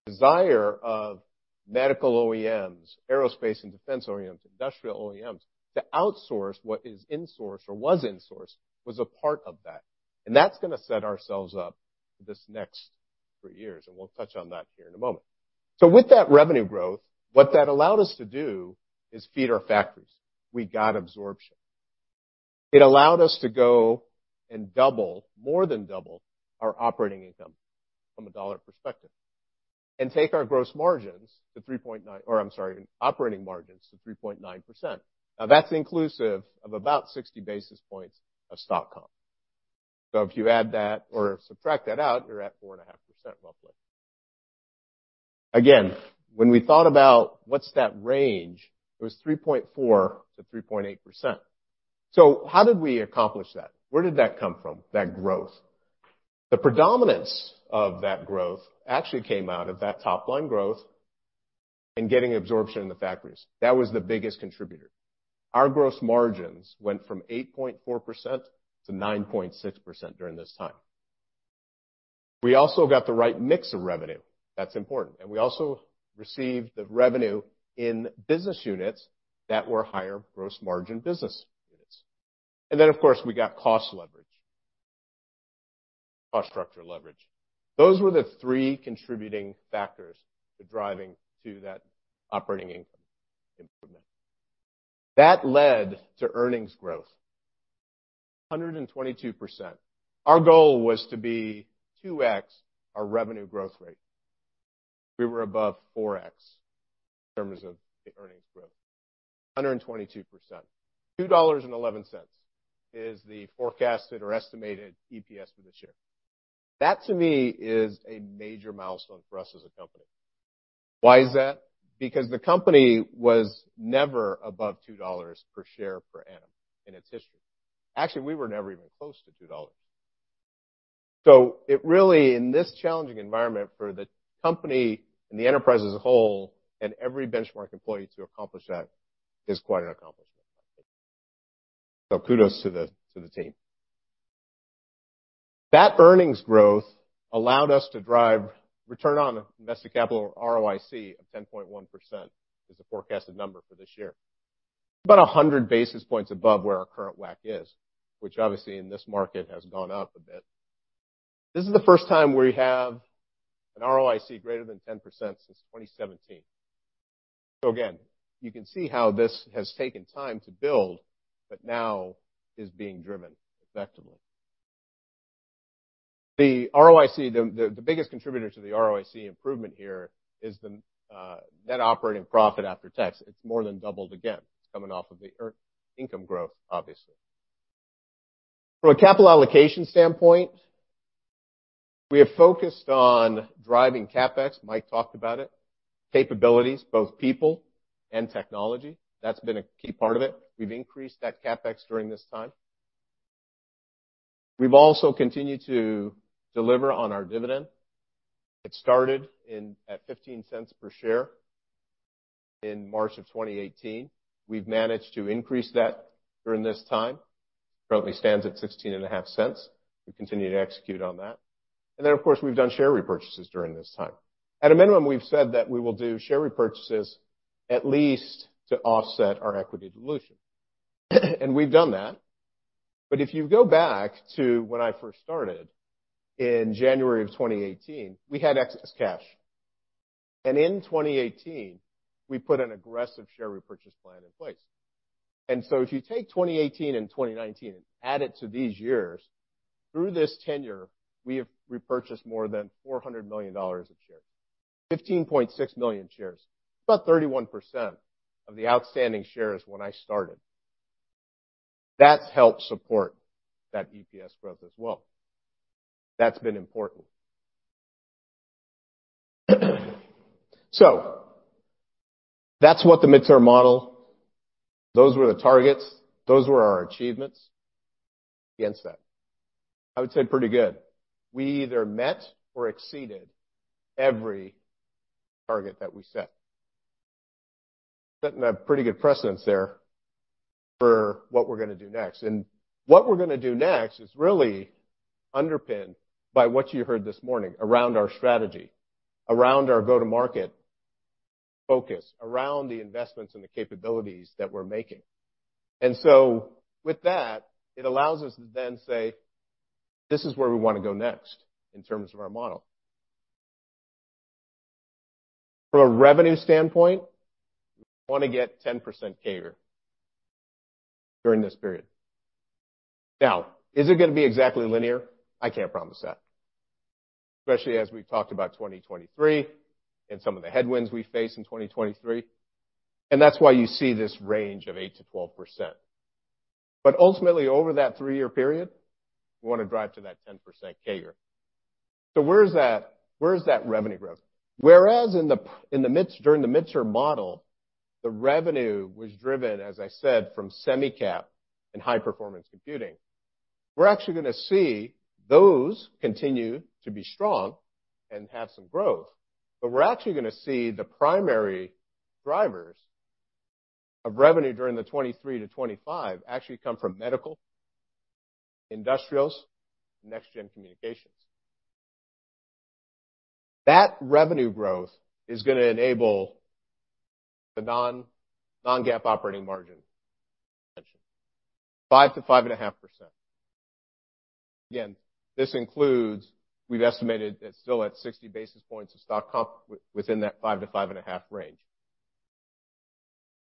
desire of medical OEMs, aerospace and defense OEMs, industrial OEMs to outsource what is insourced or was insourced was a part of that. That's going to set ourselves up for these next three years, and we'll touch on that here in a moment. With that revenue growth, what that allowed us to do is feed our factories. We got absorption. It allowed us to go and double, more than double our operating income from a dollar perspective and take our gross margins to 3.9% or I'm sorry, operating margins to 3.9%. That's inclusive of about 60 basis points of stock comp. If you add that or subtract that out, you're at 4.5% roughly. Again, when we thought about what's that range, it was 3.4%-3.8%. How did we accomplish that? Where did that come from, that growth? The predominance of that growth actually came out of that top-line growth and getting absorption in the factories. That was the biggest contributor. Our gross margins went from 8.4%-9.6% during this time. We also got the right mix of revenue. That's important. We also received the revenue in business units that were higher gross margin business units. Of course, we got cost leverage, cost structure leverage. Those were the three contributing factors to driving to that operating income improvement. That led to earnings growth 122%. Our goal was to be 2X our revenue growth rate. We were above 4X in terms of the earnings growth, 122%. $2.11 is the forecasted or estimated EPS for this year. That to me is a major milestone for us as a company. Why is that? Because the company was never above $2 per share per annum in its history. Actually, we were never even close to $2. It really, in this challenging environment for the company and the enterprise as a whole and every Benchmark employee to accomplish that is quite an accomplishment. Kudos to the team. That earnings growth allowed us to drive return on invested capital or ROIC of 10.1%, is the forecasted number for this year. About 100 basis points above where our current WACC is, which obviously in this market has gone up a bit. This is the first time we have an ROIC greater than 10% since 2017. Again, you can see how this has taken time to build, but now is being driven effectively. The biggest contributor to the ROIC improvement here is the net operating profit after tax. It's more than doubled again. It's coming off of the income growth, obviously. From a capital allocation standpoint, we have focused on driving CapEx. Mike talked about it. Capabilities, both people and technology. That's been a key part of it. We've increased that CapEx during this time. We've also continued to deliver on our dividend. It started at $0.15 per share in March of 2018. We've managed to increase that during this time. Currently stands at $0.165. We continue to execute on that. Of course, we've done share repurchases during this time. At a minimum, we've said that we will do share repurchases at least to offset our equity dilution. We've done that. If you go back to when I first started in January of 2018, we had excess cash. In 2018, we put an aggressive share repurchase plan in place. If you take 2018 and 2019 and add it to these years, through this tenure, we have repurchased more than $400 million of shares, 15.6 million shares, about 31% of the outstanding shares when I started. That's helped support that EPS growth as well. That's been important. That's what the midterm model, those were the targets, those were our achievements against that. I would say pretty good. We either met or exceeded every target that we set. Setting a pretty good precedence there for what we're going to do next. What we're going to do next is really underpinned by what you heard this morning around our strategy, around our go-to-market focus, around the investments and the capabilities that we're making. With that, it allows us to then say, "This is where we want to go next in terms of our model." From a revenue standpoint, we want to get 10% CAGR during this period. Now, is it going to be exactly linear? I can't promise that, especially as we've talked about 2023 and some of the headwinds we face in 2023, and that's why you see this range of 8%-12%. Ultimately, over that three-year period, we want to drive to that 10% CAGR. Where is that revenue growth? Whereas during the mid-term model, the revenue was driven, as I said, from semi-cap and high-performance computing. We're actually going to see those continue to be strong and have some growth. We're actually going to see the primary drivers of revenue during the 2023 to 2025 actually come from medical, industrials, next-gen communications. That revenue growth is going to enable the non-GAAP operating margin expansion 5%-5.5%. Again, this includes, we've estimated it's still at 60 basis points of stock comp within that 5-5.5 range.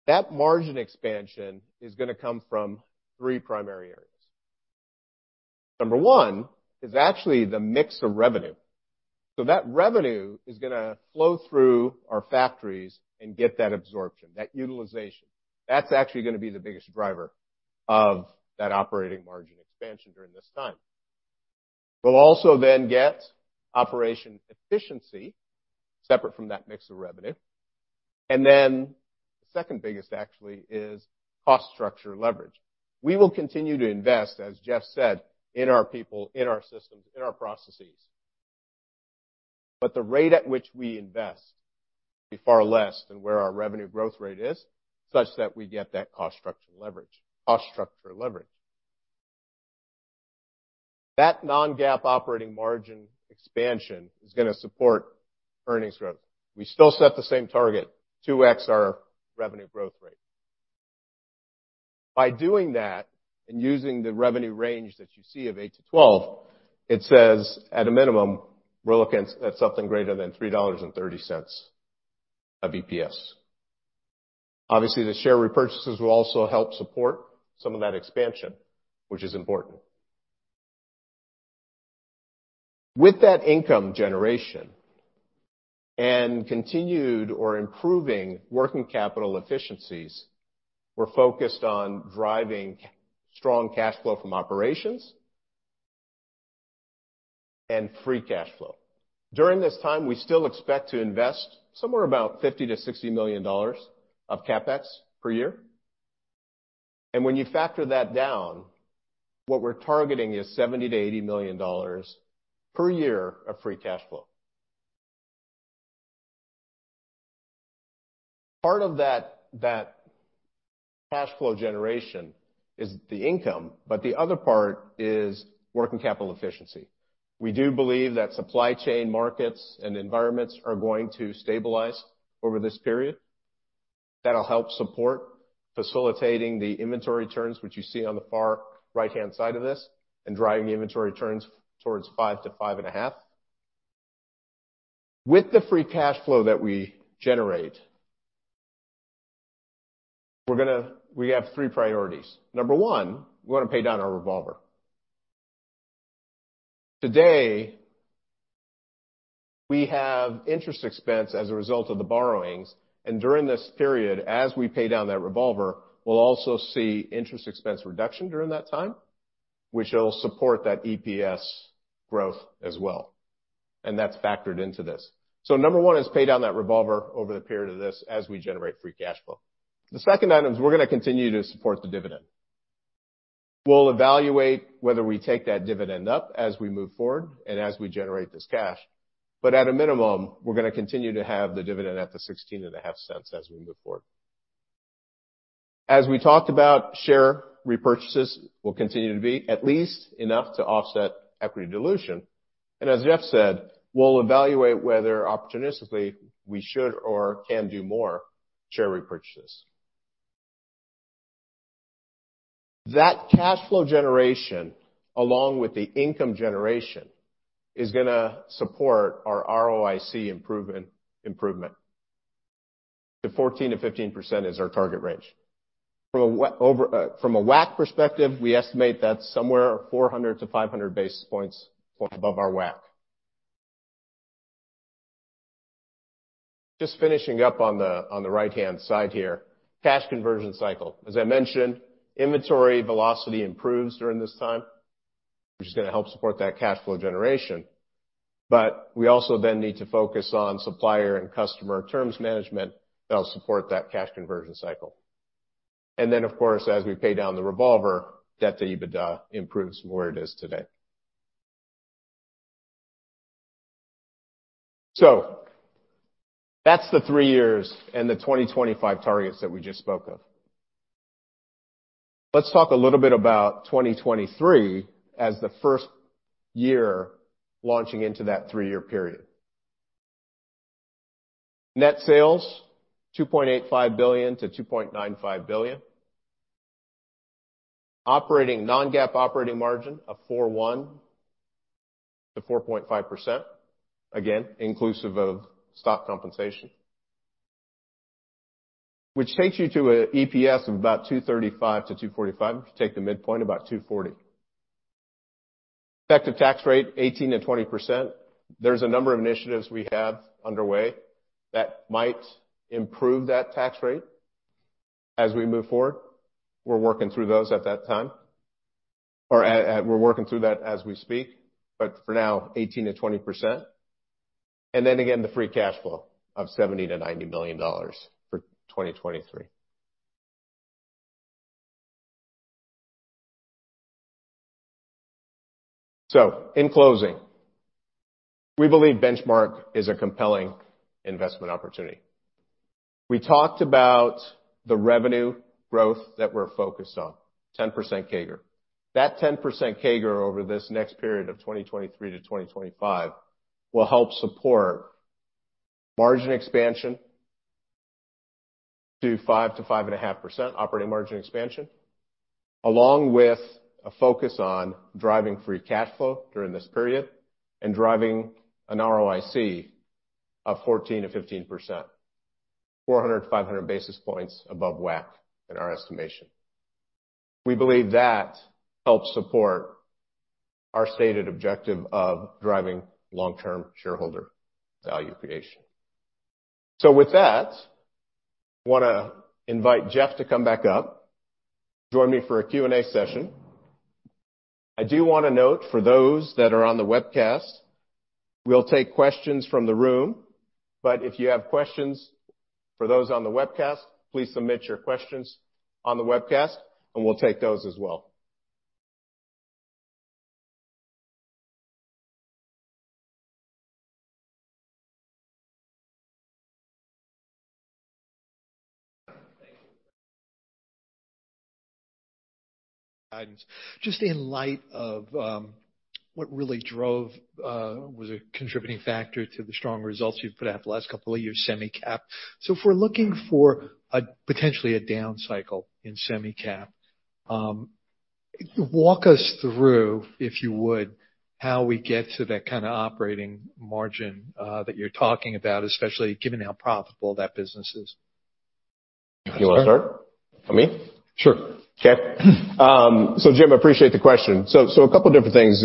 That margin expansion is going to come from three primary areas. Number one is actually the mix of revenue. That revenue is going to flow through our factories and get that absorption, that utilization. That's actually going to be the biggest driver of that operating margin expansion during this time. We'll also then get operation efficiency separate from that mix of revenue. Then second biggest actually is cost structure leverage. We will continue to invest, as Jeff said, in our people, in our systems, in our processes. The rate at which we invest be far less than where our revenue growth rate is, such that we get that cost structure leverage. That non-GAAP operating margin expansion is going to support earnings growth. We still set the same target, 2x our revenue growth rate. By doing that, and using the revenue range that you see of eight to 12, it says at a minimum, we're looking at something greater than $3.30 of EPS. Obviously, the share repurchases will also help support some of that expansion, which is important. With that income generation and continued or improving working capital efficiencies, we're focused on driving strong cash flow from operations and free cash flow. During this time, we still expect to invest somewhere about $50 million-$60 million of CapEx per year. When you factor that down, what we're targeting is $70 million-$80 million per year of free cash flow. Part of that cash flow generation is the income, the other part is working capital efficiency. We do believe that supply chain markets and environments are going to stabilize over this period. That'll help support facilitating the inventory turns, which you see on the far right-hand side of this, and driving the inventory turns towards five to 5.5. With the free cash flow that we generate, we have three priorities. Number one, we want to pay down our revolver. Today, we have interest expense as a result of the borrowings, during this period, as we pay down that revolver, we'll also see interest expense reduction during that time, which will support that EPS growth as well. That's factored into this. Number one is pay down that revolver over the period of this as we generate free cash flow. The second item is we're going to continue to support the dividend. We'll evaluate whether we take that dividend up as we move forward and as we generate this cash. At a minimum, we're going to continue to have the dividend at the $0.165 as we move forward. As we talked about, share repurchases will continue to be at least enough to offset equity dilution. As Jeff said, we'll evaluate whether opportunistically we should or can do more share repurchases. That cash flow generation, along with the income generation, is going to support our ROIC improvement to 14%-15% is our target range. From a WACC perspective, we estimate that's somewhere 400-500 basis points above our WACC. Just finishing up on the right-hand side here, cash conversion cycle. As I mentioned, inventory velocity improves during this time, which is going to help support that cash flow generation. We also then need to focus on supplier and customer terms management that'll support that cash conversion cycle. Of course, as we pay down the revolver, debt to EBITDA improves from where it is today. That's the three years and the 2025 targets that we just spoke of. Let's talk a little bit about 2023 as the first year launching into that three-year period. Net sales, $2.85 billion-$2.95 billion. Operating non-GAAP operating margin of 4.1%-4.5%, again, inclusive of stock compensation. Which takes you to an EPS of about $2.35-$2.45. If you take the midpoint, about $2.40. Effective tax rate, 18%-20%. There's a number of initiatives we have underway that might improve that tax rate as we move forward. We're working through those at that time, or we're working through that as we speak, but for now, 18%-20%. Again, the free cash flow of $70 million-$90 million for 2023. In closing, we believe Benchmark is a compelling investment opportunity. We talked about the revenue growth that we're focused on, 10% CAGR. That 10% CAGR over this next period of 2023 to 2025 will help support margin expansion to 5%-5.5% operating margin expansion, along with a focus on driving free cash flow during this period and driving an ROIC of 14%-15%, 400-500 basis points above WACC in our estimation. We believe that helps support our stated objective of driving long-term shareholder value creation. With that, I want to invite Jeff to come back up, join me for a Q&A session. I do want to note for those that are on the webcast, we'll take questions from the room, but if you have questions for those on the webcast, please submit your questions on the webcast and we'll take those as well. Thank you. Just in light of what really was a contributing factor to the strong results you've put out the last couple of years, semi-cap. If we're looking for potentially a down cycle in semi-cap, walk us through, if you would, how we get to that kind of operating margin that you're talking about, especially given how profitable that business is. You want to start for me? Sure. Jim, appreciate the question. A couple of different things.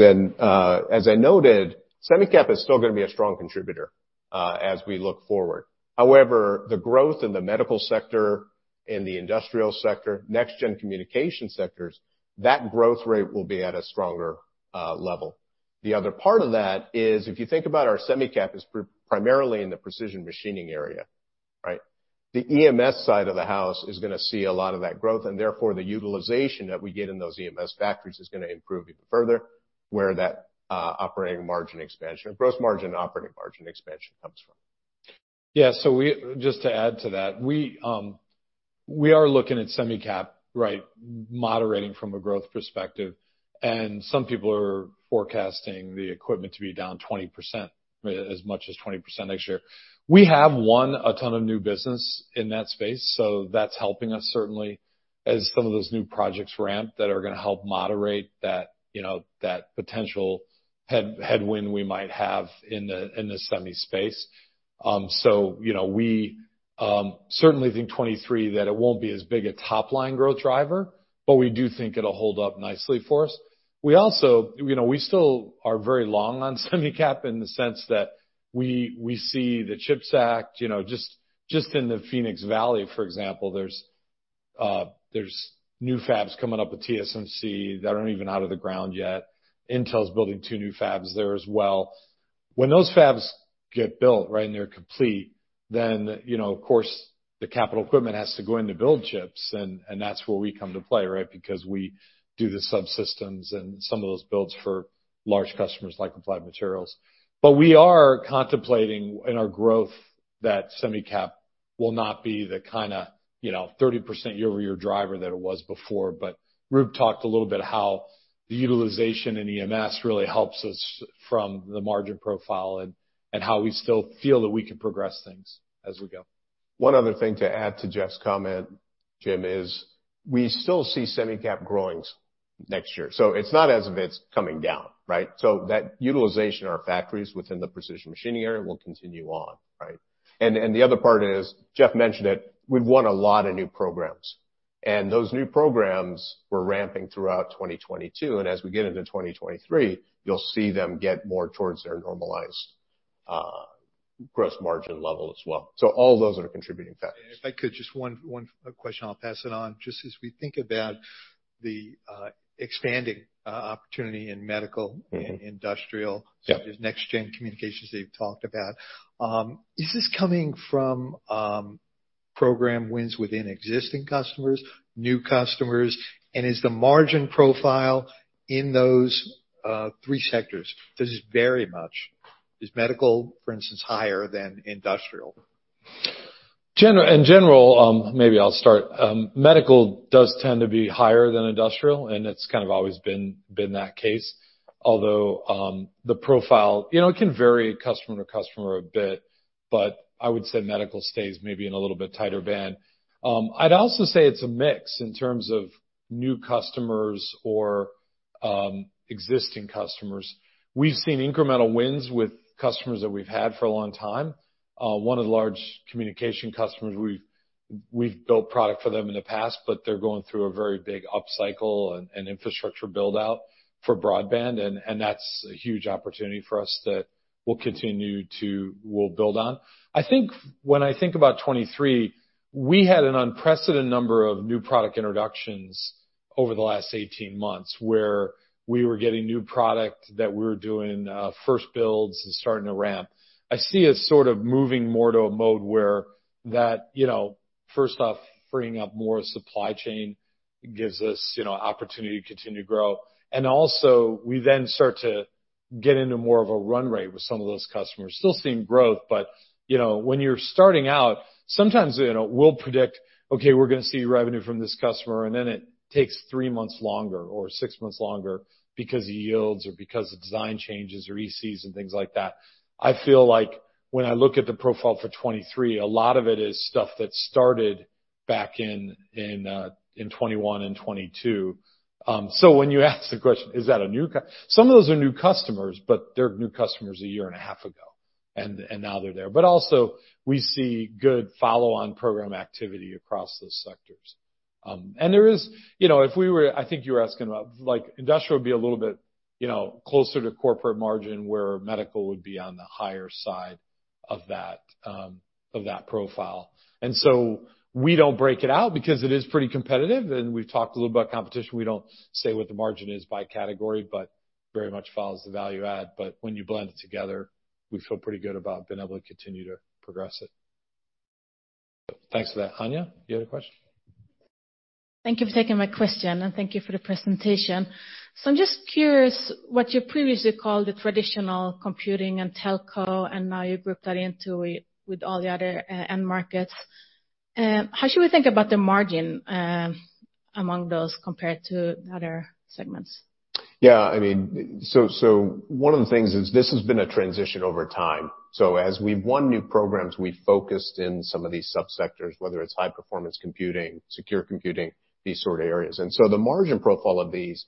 As I noted, Semicap is still going to be a strong contributor as we look forward. However, the growth in the medical sector, in the industrial sector, next-gen communication sectors, that growth rate will be at a stronger level. The other part of that is if you think about our Semicap is primarily in the precision machining area, right? The EMS side of the house is going to see a lot of that growth. Therefore, the utilization that we get in those EMS factories is going to improve even further where that operating margin expansion, gross margin operating margin expansion comes from. Yeah. Just to add to that. We are looking at Semicap moderating from a growth perspective. Some people are forecasting the equipment to be down 20%, as much as 20% next year. We have won a ton of new business in that space. That's helping us certainly as some of those new projects ramp that are going to help moderate that potential headwind we might have in the semi space. We certainly think 2023 that it won't be as big a top-line growth driver, but we do think it'll hold up nicely for us. We still are very long on Semicap in the sense that we see the CHIPS Act, just in the Phoenix Valley, for example, there's new fabs coming up with TSMC that aren't even out of the ground yet. Intel's building two new fabs there as well. When those fabs get built and they're complete, of course the capital equipment has to go in to build chips. That's where we come to play. We do the subsystems and some of those builds for large customers like Applied Materials. We are contemplating in our growth that Semicap will not be the kind of 30% year-over-year driver that it was before. Roop talked a little bit how the utilization in EMS really helps us from the margin profile and how we still feel that we can progress things as we go. One other thing to add to Jeff's comment, Jim, is we still see semi-cap growing next year. It's not as if it's coming down, right? That utilization in our factories within the precision machining area will continue on. Right? The other part is, Jeff mentioned it, we've won a lot of new programs. Those new programs were ramping throughout 2022. As we get into 2023, you'll see them get more towards their normalized gross margin level as well. All those are contributing factors. If I could, just one question, I'll pass it on. Just as we think about the expanding opportunity in medical and industrial- Yeah next-gen communications that you've talked about. Is this coming from program wins within existing customers, new customers? Is the margin profile in those three sectors? Does it vary much? Is medical, for instance, higher than industrial? In general, maybe I'll start. Medical does tend to be higher than industrial, it's kind of always been that case. The profile can vary customer to customer a bit, but I would say medical stays maybe in a little bit tighter band. I'd also say it's a mix in terms of new customers or existing customers. We've seen incremental wins with customers that we've had for a long time. One of the large communication customers, we've built product for them in the past, but they're going through a very big upcycle and infrastructure build-out for broadband. That's a huge opportunity for us that we'll build on. I think when I think about 2023, we had an unprecedented number of new product introductions over the last 18 months where we were getting new product that we were doing first builds and starting to ramp. I see us sort of moving more to a mode where that first off, freeing up more supply chain gives us opportunity to continue to grow. We then start to get into more of a run rate with some of those customers. Still seeing growth, when you're starting out, sometimes we'll predict, okay, we're going to see revenue from this customer, and then it takes three months longer or six months longer because of yields or because of design changes or ECs and things like that. I feel like when I look at the profile for 2023, a lot of it is stuff that started back in 2021 and 2022. When you ask the question, is that a new customer? Some of those are new customers, but they're new customers a year and a half ago, and now they're there. We see good follow-on program activity across those sectors. I think you were asking about like industrial would be a little bit, you know, closer to corporate margin where medical would be on the higher side of that profile. We don't break it out because it is pretty competitive and we've talked a little about competition. We don't say what the margin is by category, very much follows the value add. When you blend it together, we feel pretty good about being able to continue to progress it. Thanks for that. Anja, you had a question? Thank you for taking my question, and thank you for the presentation. I'm just curious what you previously called the traditional computing and telco, and now you grouped that into with all the other end markets. How should we think about the margin among those compared to other segments? Yeah. One of the things is this has been a transition over time. As we've won new programs, we focused in some of these sub-sectors, whether it's high-performance computing, secure computing, these sort of areas. The margin profile of these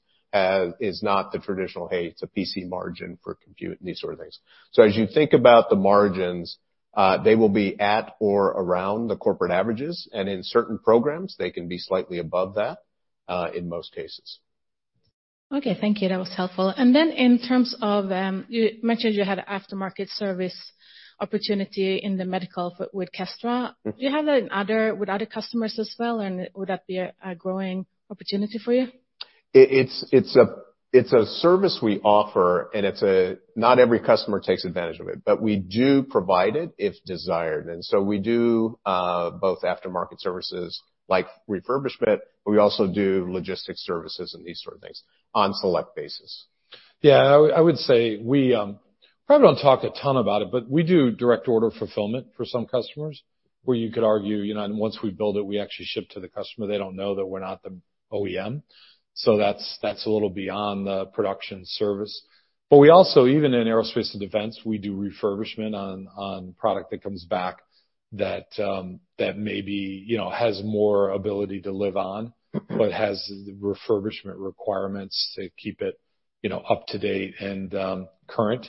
is not the traditional, hey, it's a PC margin for compute and these sort of things. As you think about the margins, they will be at or around the corporate averages, and in certain programs, they can be slightly above that, in most cases. Thank you. That was helpful. In terms of, you mentioned you had aftermarket service opportunity in the medical with Kestra. Do you have that with other customers as well, and would that be a growing opportunity for you? It's a service we offer, and not every customer takes advantage of it. We do provide it if desired, and so we do both aftermarket services like refurbishment, but we also do logistics services and these sort of things on select basis. Yeah. I would say we probably don't talk a ton about it, but we do direct order fulfillment for some customers where you could argue, once we build it, we actually ship to the customer. They don't know that we're not the OEM. That's a little beyond the production service. We also, even in aerospace and defense, we do refurbishment on product that comes back that maybe has more ability to live on but has refurbishment requirements to keep it up to date and current.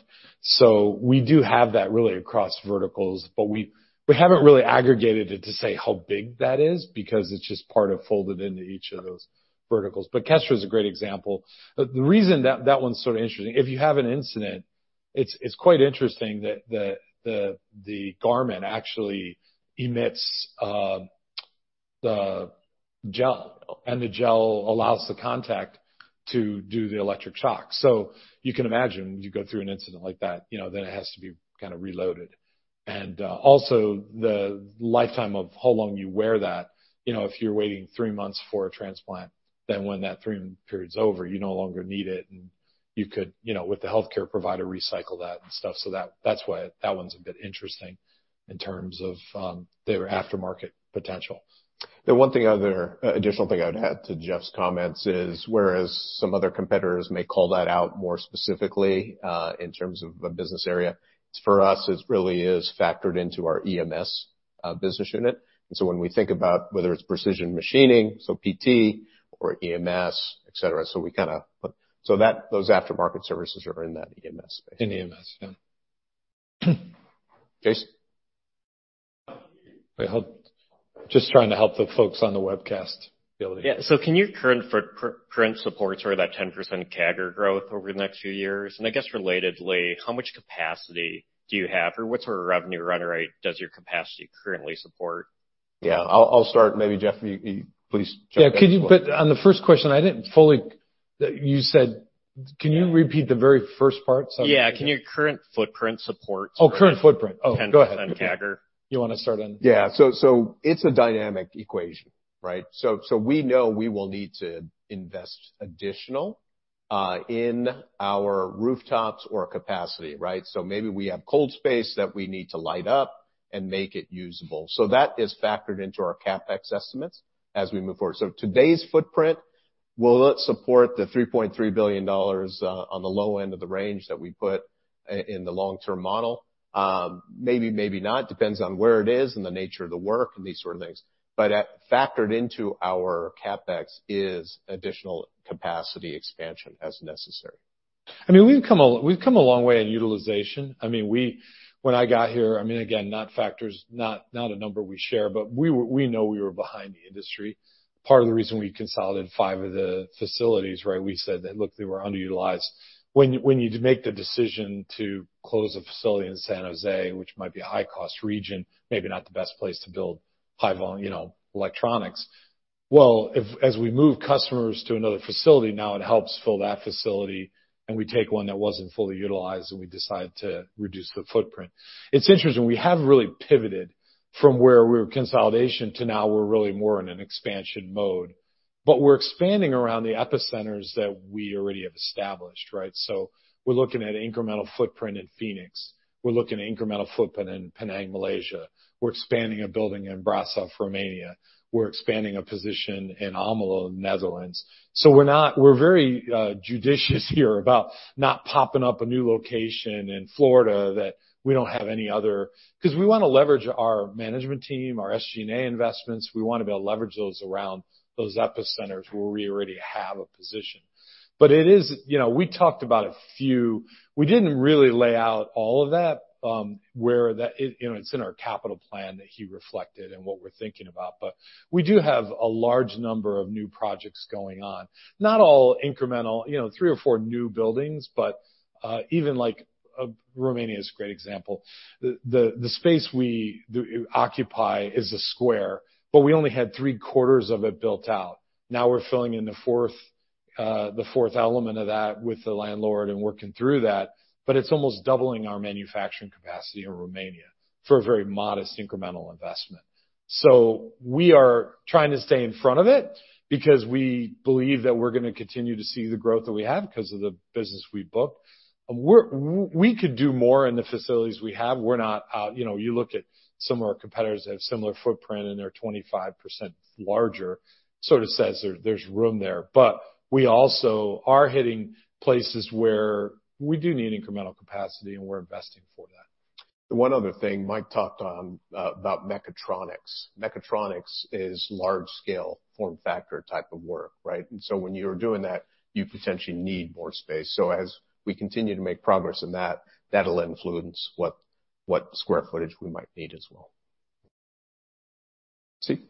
We do have that really across verticals, but we haven't really aggregated it to say how big that is because it's just part of folded into each of those verticals. Kestra is a great example. The reason that that one's sort of interesting, if you have an incident, it's quite interesting that the garment actually emits the gel, and the gel allows the contact to do the electric shock. You can imagine when you go through an incident like that, then it has to be kind of reloaded. Also the lifetime of how long you wear that. If you're waiting 3 months for a transplant, then when that 3-month period is over, you no longer need it, and you could, with the healthcare provider, recycle that and stuff. That's why that one's a bit interesting in terms of their aftermarket potential. The one thing other, additional thing I'd add to Jeff's comments is whereas some other competitors may call that out more specifically, in terms of a business area, for us, it really is factored into our EMS business unit. When we think about whether it's Precision Technologies, so PT or EMS, et cetera. Those aftermarket services are in that EMS space. In EMS. Yeah. Jason. Wait, hold. Just trying to help the folks on the webcast be able to- Yeah. Can your current footprint support sort of that 10% CAGR growth over the next few years? I guess relatedly, how much capacity do you have or what sort of revenue run rate does your capacity currently support? Yeah. I'll start. Maybe Jeff, you please jump in as well. Yeah. On the first question, you said, can you repeat the very first part? Sorry. Yeah. Can your current footprint support? Oh, current footprint. Oh, go ahead. 10% CAGR? You want to start on- Yeah. It's a dynamic equation, right? We know we will need to invest additional in our rooftops or capacity, right? Maybe we have cold space that we need to light up and make it usable. That is factored into our CapEx estimates as we move forward. Today's footprint will it support the $3.3 billion on the low end of the range that we put in the long-term model? Maybe, maybe not. Depends on where it is and the nature of the work and these sort of things. Factored into our CapEx is additional capacity expansion as necessary. I mean, we've come a long way in utilization. When I got here, again, not a number we share, but we know we were behind the industry. Part of the reason we consolidated five of the facilities, right? We said that, look, they were underutilized. When you make the decision to close a facility in San Jose, which might be a high-cost region, maybe not the best place to build high electronics. Well, as we move customers to another facility, now it helps fill that facility, and we take one that wasn't fully utilized, and we decide to reduce the footprint. It's interesting, we have really pivoted from where we were consolidation to now we're really more in an expansion mode. We're expanding around the epicenters that we already have established, right? We're looking at incremental footprint in Phoenix. We're looking at incremental footprint in Penang, Malaysia. We're expanding a building in Brasov, Romania. We're expanding a position in Almelo, Netherlands. We're very judicious here about not popping up a new location in Florida. Because we want to leverage our management team, our SG&A investments. We want to be able to leverage those around those epicenters where we already have a position. We talked about a few. We didn't really lay out all of that, where it's in our capital plan that he reflected and what we're thinking about. We do have a large number of new projects going on. Not all incremental, three or four new buildings, but even like Romania is a great example. The space we occupy is a square, but we only had three-quarters of it built out. Now we're filling in the fourth element of that with the landlord and working through that, but it's almost doubling our manufacturing capacity in Romania for a very modest incremental investment. We are trying to stay in front of it because we believe that we're going to continue to see the growth that we have because of the business we book. We could do more in the facilities we have. You look at some of our competitors that have similar footprint, and they're 25% larger, sort of says there's room there. We also are hitting places where we do need incremental capacity, and we're investing for that. The one other thing Mike talked on about mechatronics. Mechatronics is large scale form factor type of work, right? When you're doing that, you potentially need more space. As we continue to make progress in that'll influence what square footage we might need as well. Steve.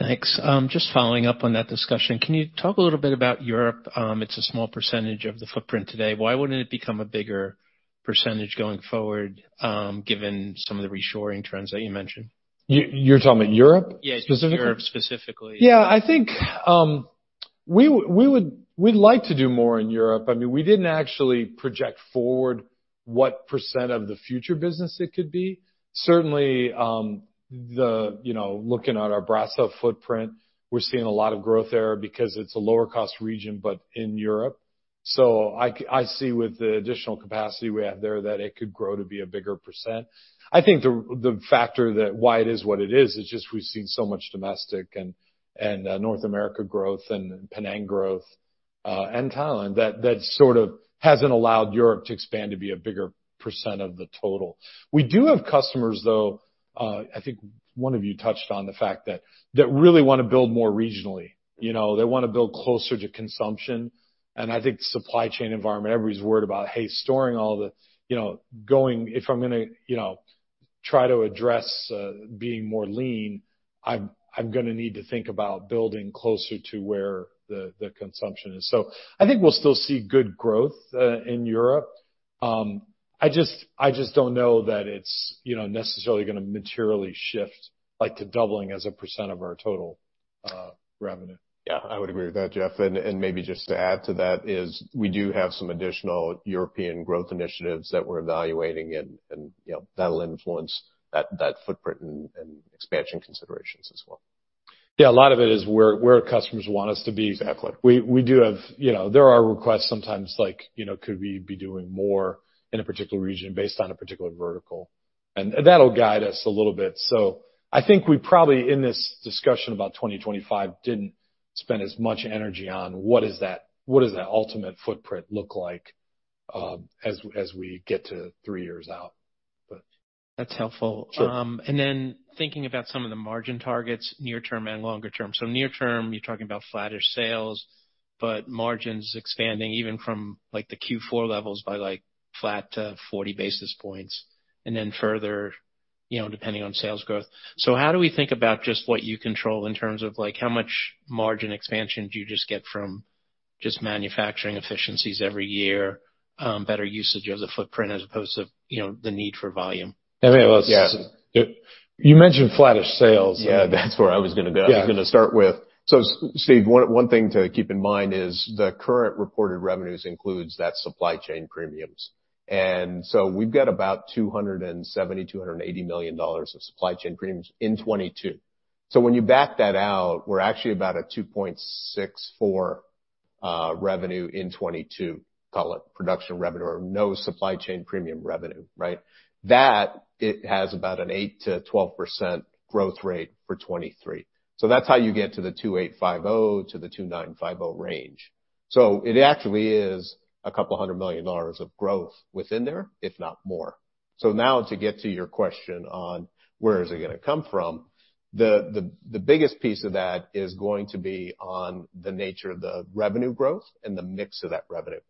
Thanks. Just following up on that discussion, can you talk a little bit about Europe? It's a small percentage of the footprint today. Why wouldn't it become a bigger percentage going forward, given some of the reshoring trends that you mentioned? You're talking about Europe specifically? Yes, just Europe specifically. Yeah, I think, we'd like to do more in Europe. We didn't actually project forward what % of the future business it could be. Certainly, looking at our Brasov footprint, we're seeing a lot of growth there because it's a lower cost region, but in Europe. I see with the additional capacity we have there that it could grow to be a bigger %. I think the factor that why it is what it is just we've seen so much domestic and North America growth and Penang growth, and Thailand, that sort of hasn't allowed Europe to expand to be a bigger % of the total. We do have customers, though, I think one of you touched on the fact that really want to build more regionally. They want to build closer to consumption. I think supply chain environment, everybody's worried about, hey, If I'm going to try to address being more lean, I'm going to need to think about building closer to where the consumption is. I think we'll still see good growth in Europe. I just don't know that it's necessarily going to materially shift, like to doubling as a % of our total revenue. I would agree with that, Jeff. Maybe just to add to that is we do have some additional European growth initiatives that we're evaluating, and that'll influence that footprint and expansion considerations as well. Yeah, a lot of it is where customers want us to be. Exactly. There are requests sometimes, like could we be doing more in a particular region based on a particular vertical? That'll guide us a little bit. I think we probably, in this discussion about 2025, didn't spend as much energy on what does that ultimate footprint look like as we get to three years out. That's helpful. Sure. Thinking about some of the margin targets, near term and longer term. Near term, you're talking about flattish sales, but margins expanding even from the Q4 levels by flat to 40 basis points, and then further, depending on sales growth. How do we think about what you control in terms of how much margin expansion do you get from manufacturing efficiencies every year, better usage of the footprint, as opposed to the need for volume? You mentioned flattish sales. Yeah, that's where I was going to go. Yeah. Steve, one thing to keep in mind is the current reported revenues includes that supply chain premiums. We've got about $270 million, $280 million of supply chain premiums in 2022. When you back that out, we're actually about a $2.64 billion revenue in 2022. Call it production revenue or no supply chain premium revenue, right? That, it has about an 8%-12% growth rate for 2023. That's how you get to the $2,850 million to the $2,950 million range. It actually is a couple of hundred million dollars of growth within there, if not more. Now to get to your question on where is it going to come from? The biggest piece of that is going to be on the nature of the revenue growth and the mix of that revenue.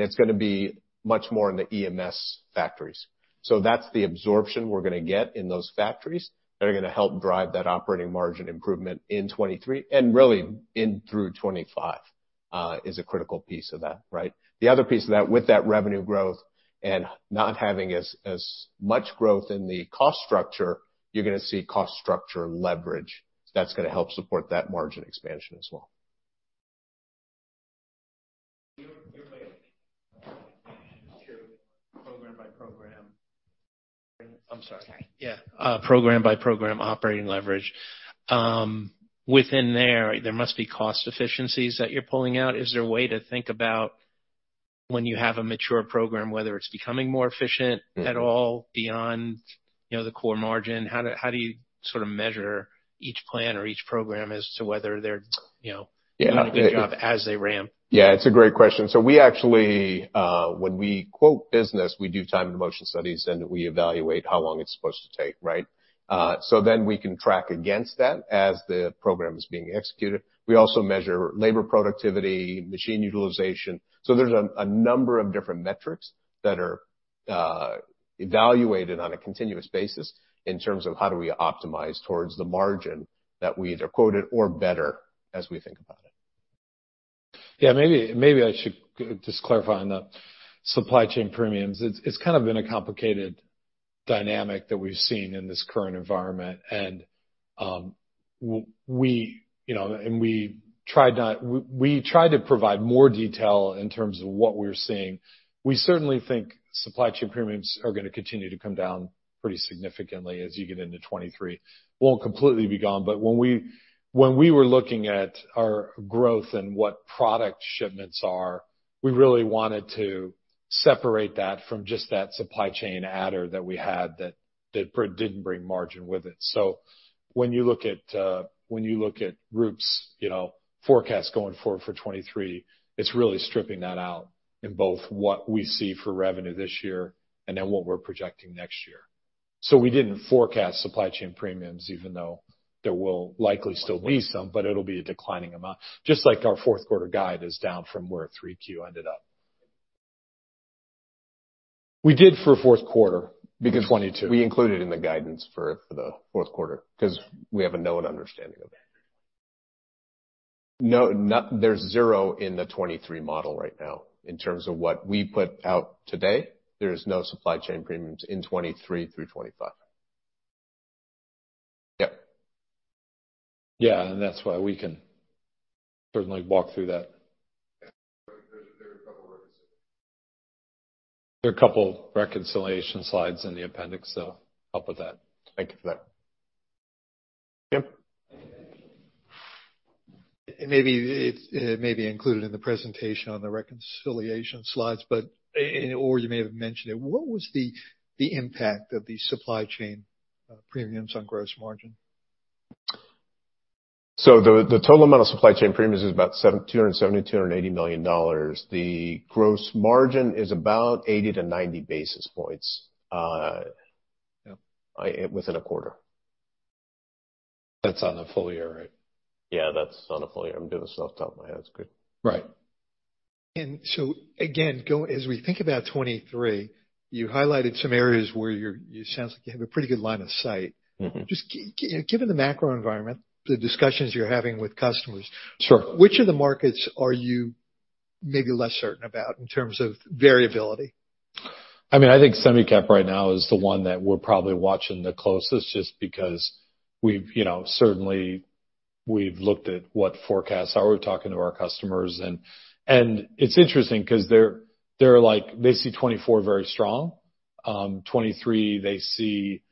It's going to be much more in the EMS factories. That's the absorption we're going to get in those factories that are going to help drive that operating margin improvement in 2023, and really through 2025, is a critical piece of that, right? The other piece of that, with that revenue growth and not having as much growth in the cost structure, you're going to see cost structure leverage. That's going to help support that margin expansion as well. You're making sure program by program. I'm sorry. Sorry. Yeah. Program by program operating leverage. Within there must be cost efficiencies that you're pulling out. Is there a way to think about when you have a mature program, whether it's becoming more efficient at all beyond the core margin? How do you sort of measure each plan or each program as to whether they're- Yeah doing a good job as they ramp? Yeah, it's a great question. We actually, when we quote business, we do time and motion studies, and we evaluate how long it's supposed to take, right? Then we can track against that as the program is being executed. We also measure labor productivity, machine utilization. There's a number of different metrics that are evaluated on a continuous basis in terms of how do we optimize towards the margin that we either quoted or better as we think about it. Yeah, maybe I should just clarify on the supply chain premiums. It's kind of been a complicated dynamic that we've seen in this current environment. We try to provide more detail in terms of what we're seeing. We certainly think supply chain premiums are going to continue to come down pretty significantly as you get into 2023. Won't completely be gone, but when we were looking at our growth and what product shipments are, we really wanted to separate that from just that supply chain adder that we had that didn't bring margin with it. When you look at Roop's forecast going forward for 2023, it's really stripping that out in both what we see for revenue this year and then what we're projecting next year. We didn't forecast supply chain premiums, even though there will likely still be some, but it'll be a declining amount. Just like our fourth quarter guide is down from where 3Q ended up. We did for fourth quarter. In 2022. We included in the guidance for the fourth quarter because we have a known understanding of it. No, there's zero in the 2023 model right now. In terms of what we put out today, there is no supply chain premiums in 2023 through 2025. Yep. Yeah, that's why we can certainly walk through that. There are a couple reconciliation slides in the appendix, help with that. Thank you for that. Jim? It may be included in the presentation on the reconciliation slides, or you may have mentioned it. What was the impact of the supply chain premiums on gross margin? The total amount of supply chain premiums is about $270 million-$280 million. The gross margin is about 80 to 90 basis points. Yep within a quarter. That's on the full year, right? Yeah, that's on the full year. I'm doing this off the top of my head. It's good. Right. Again, as we think about 2023, you highlighted some areas where it sounds like you have a pretty good line of sight. Just given the macro environment, the discussions you're having with customers. Sure Which of the markets are you maybe less certain about in terms of variability? I think semi-cap right now is the one that we're probably watching the closest, just because certainly we've looked at what forecasts are. We're talking to our customers, it's interesting because they see 2024 very strong. 2023 they see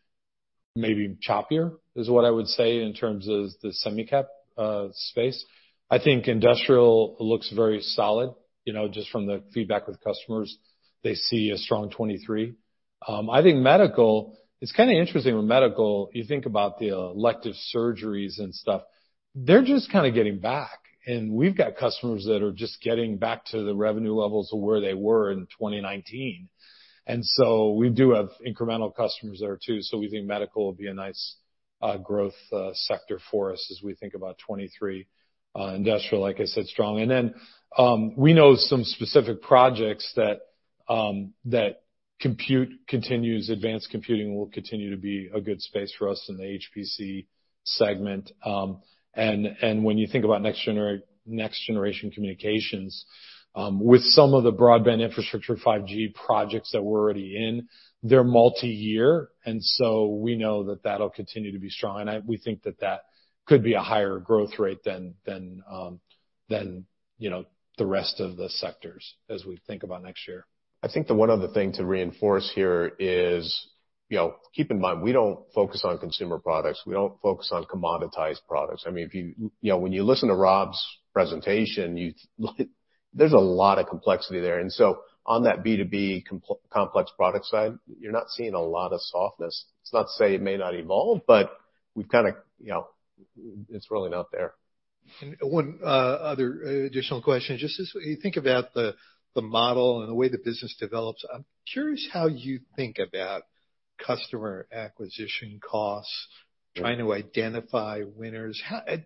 maybe choppier, is what I would say, in terms of the semi-cap space. I think industrial looks very solid, just from the feedback with customers. They see a strong 2023. I think medical, it's kind of interesting with medical, you think about the elective surgeries and stuff. They're just kind of getting back, and we've got customers that are just getting back to the revenue levels of where they were in 2019. So we do have incremental customers there too, so we think medical will be a nice growth sector for us as we think about 2023. Industrial, like I said, strong. Then we know some specific projects that compute continues, advanced computing will continue to be a good space for us in the HPC segment. When you think about next-generation communications, with some of the broadband infrastructure 5G projects that we're already in, they're multi-year, so we know that that'll continue to be strong. We think that that could be a higher growth rate than the rest of the sectors, as we think about next year. I think the one other thing to reinforce here is, keep in mind, we don't focus on consumer products. We don't focus on commoditized products. When you listen to Rob's presentation, there's a lot of complexity there. So on that B2B complex product side, you're not seeing a lot of softness. It's not to say it may not evolve, but it's really not there. One other additional question. Just as you think about the model and the way the business develops, I'm curious how you think about customer acquisition costs, trying to identify winners.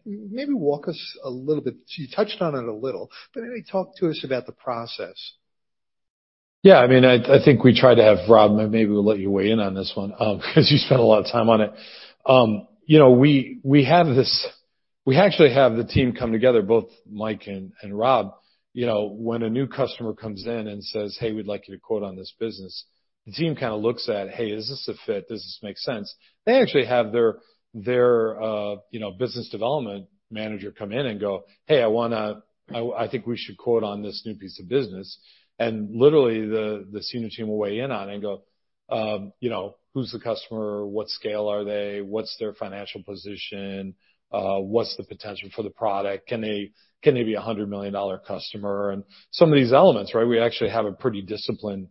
Maybe walk us a little bit, because you touched on it a little, but maybe talk to us about the process. Yeah, I think we try to have Rob, maybe we'll let you weigh in on this one because you spent a lot of time on it. We actually have the team come together, both Mike and Rob. When a new customer comes in and says, "Hey, we'd like you to quote on this business." The team kind of looks at, "Hey, is this a fit? Does this make sense?" They actually have their business development manager come in and go, "Hey, I think we should quote on this new piece of business." Literally, the senior team will weigh in on it and go, "Who's the customer? What scale are they? What's their financial position? What's the potential for the product? Can they be a $100 million customer?" Some of these elements. We actually have a pretty disciplined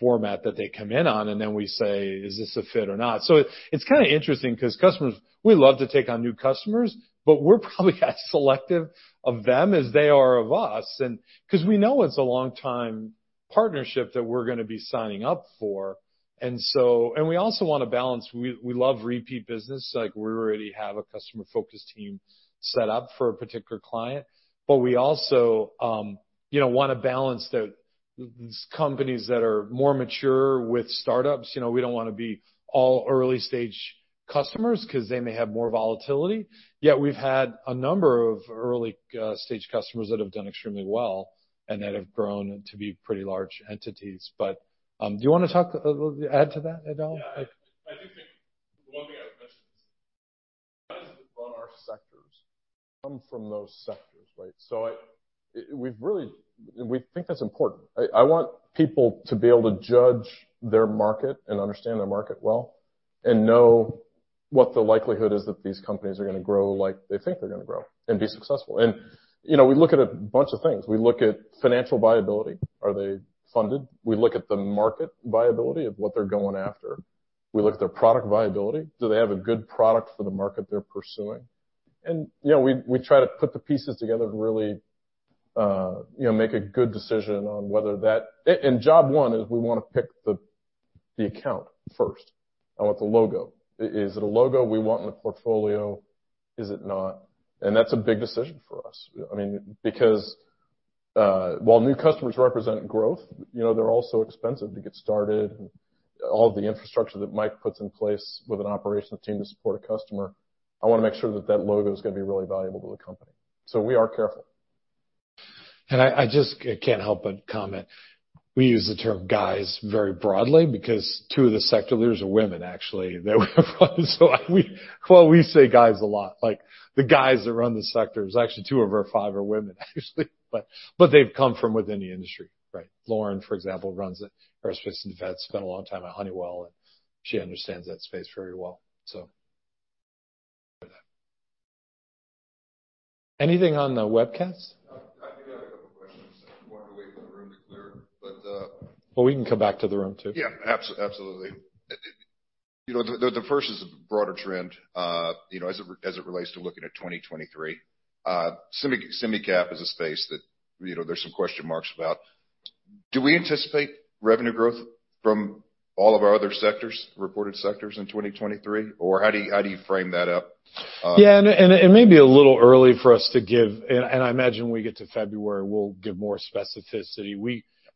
format that they come in on, and then we say, "Is this a fit or not?" It's kind of interesting because customers, we love to take on new customers, but we're probably as selective of them as they are of us. Because we know it's a long-time partnership that we're going to be signing up for. We also want to balance, we love repeat business. We already have a customer focus team set up for a particular client. We also want to balance these companies that are more mature with startups. We don't want to be all early-stage customers because they may have more volatility, yet we've had a number of early-stage customers that have done extremely well and that have grown to be pretty large entities. Do you want to add to that at all? Yeah. I do think one thing I would mention is that is on our sectors, come from those sectors, right? We think that's important. I want people to be able to judge their market and understand their market well, and know what the likelihood is that these companies are going to grow like they think they're going to grow and be successful. We look at a bunch of things. We look at financial viability. Are they funded? We look at the market viability of what they're going after. We look at their product viability. Do they have a good product for the market they're pursuing? Job one is we want to pick the account first and with the logo. Is it a logo we want in the portfolio? Is it not? That's a big decision for us. While new customers represent growth, they're also expensive to get started, and all of the infrastructure that Mike puts in place with an operational team to support a customer, I want to make sure that that logo is going to be really valuable to the company. We are careful. I just can't help but comment. We use the term guys very broadly because two of the sector leaders are women, actually, that we have. We say guys a lot, like the guys that run the sectors, actually, two of our five are women, actually. They've come from within the industry, right? Lauren, for example, runs Aerospace and Defense, spent a long time at Honeywell, and she understands that space very well. With that. Anything on the webcast? I think I have a couple of questions. I wanted to wait for the room to clear. Well, we can come back to the room, too. Yeah. Absolutely. The first is a broader trend as it relates to looking at 2023. Semi-cap is a space that there's some question marks about. Do we anticipate revenue growth from all of our other sectors, reported sectors in 2023? How do you frame that up? Yeah. It may be a little early for us to give, and I imagine when we get to February, we'll give more specificity.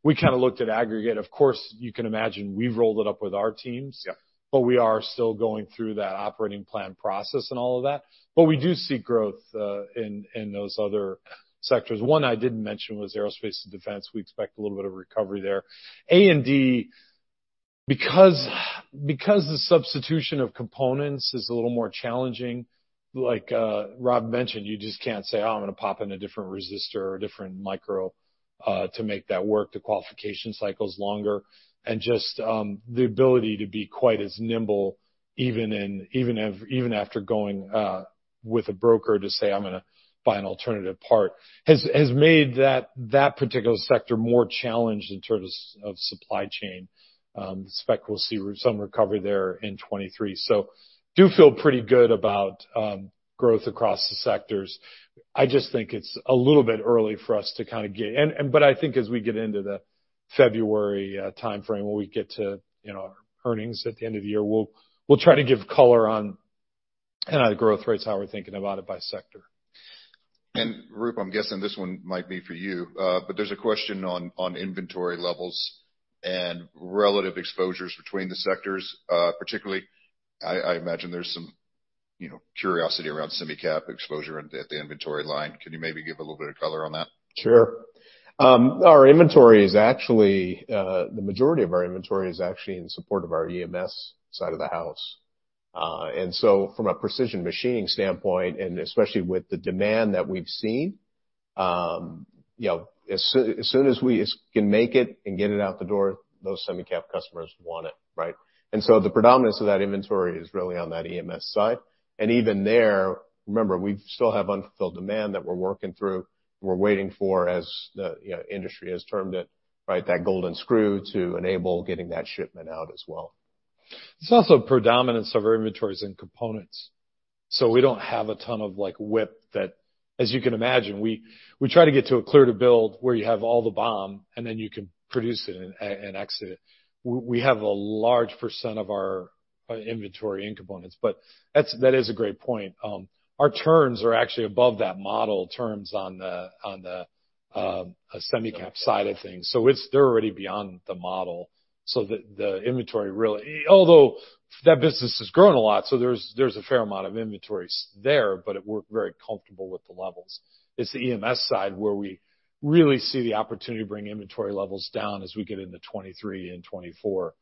We kind of looked at aggregate. Of course, you can imagine we've rolled it up with our teams. Yeah. We are still going through that operating plan process and all of that. We do see growth in those other sectors. One I didn't mention was Aerospace and Defense. We expect a little bit of recovery there. A&D, because the substitution of components is a little more challenging, like Rob mentioned, you just can't say, "Oh, I'm going to pop in a different resistor or a different micro to make that work." The qualification cycle's longer. Just the ability to be quite as nimble even after going with a broker to say, "I'm going to buy an alternative part," has made that particular sector more challenged in terms of supply chain. Expect we'll see some recovery there in 2023. Do feel pretty good about growth across the sectors. I think as we get into the February timeframe, when we get to our earnings at the end of the year, we'll try to give color on the growth rates, how we're thinking about it by sector. Roop, I'm guessing this one might be for you. There's a question on inventory levels and relative exposures between the sectors. Particularly, I imagine there's some curiosity around semi-cap exposure at the inventory line. Can you maybe give a little bit of color on that? Sure. The majority of our inventory is actually in support of our EMS side of the house. From a precision machining standpoint, and especially with the demand that we've seen, as soon as we can make it and get it out the door, those semi-cap customers want it, right? The predominance of that inventory is really on that EMS side. Even there, remember, we still have unfulfilled demand that we're working through. We're waiting for, as the industry has termed it, that golden screw to enable getting that shipment out as well. It's also predominance of our inventories and components. We don't have a ton of WIP that, as you can imagine, we try to get to a clear to build where you have all the BOM, and then you can produce it and exit it. We have a large percent of our inventory in components. That is a great point. Our turns are actually above that model turns on the semi-cap side of things. They're already beyond the model. The inventory really, although that business has grown a lot, so there's a fair amount of inventories there, but we're very comfortable with the levels. It's the EMS side where we really see the opportunity to bring inventory levels down as we get into 2023 and 2024,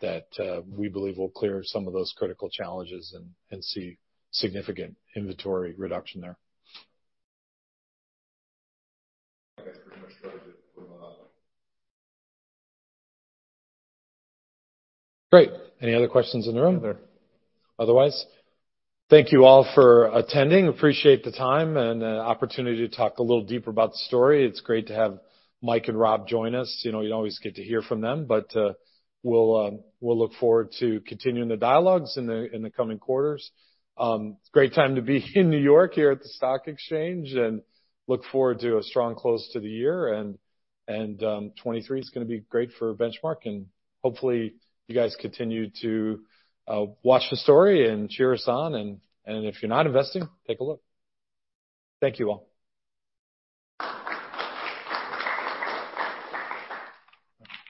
that we believe will clear some of those critical challenges and see significant inventory reduction there. I guess we're pretty much done with the online. Great. Any other questions in the room? Nothing. Thank you all for attending. Appreciate the time and the opportunity to talk a little deeper about the story. It's great to have Mike and Rob join us. You don't always get to hear from them, but we'll look forward to continuing the dialogues in the coming quarters. It's a great time to be in New York here at the Stock Exchange, and look forward to a strong close to the year. 2023 is going to be great for Benchmark, and hopefully, you guys continue to watch the story and cheer us on. If you're not investing, take a look. Thank you all.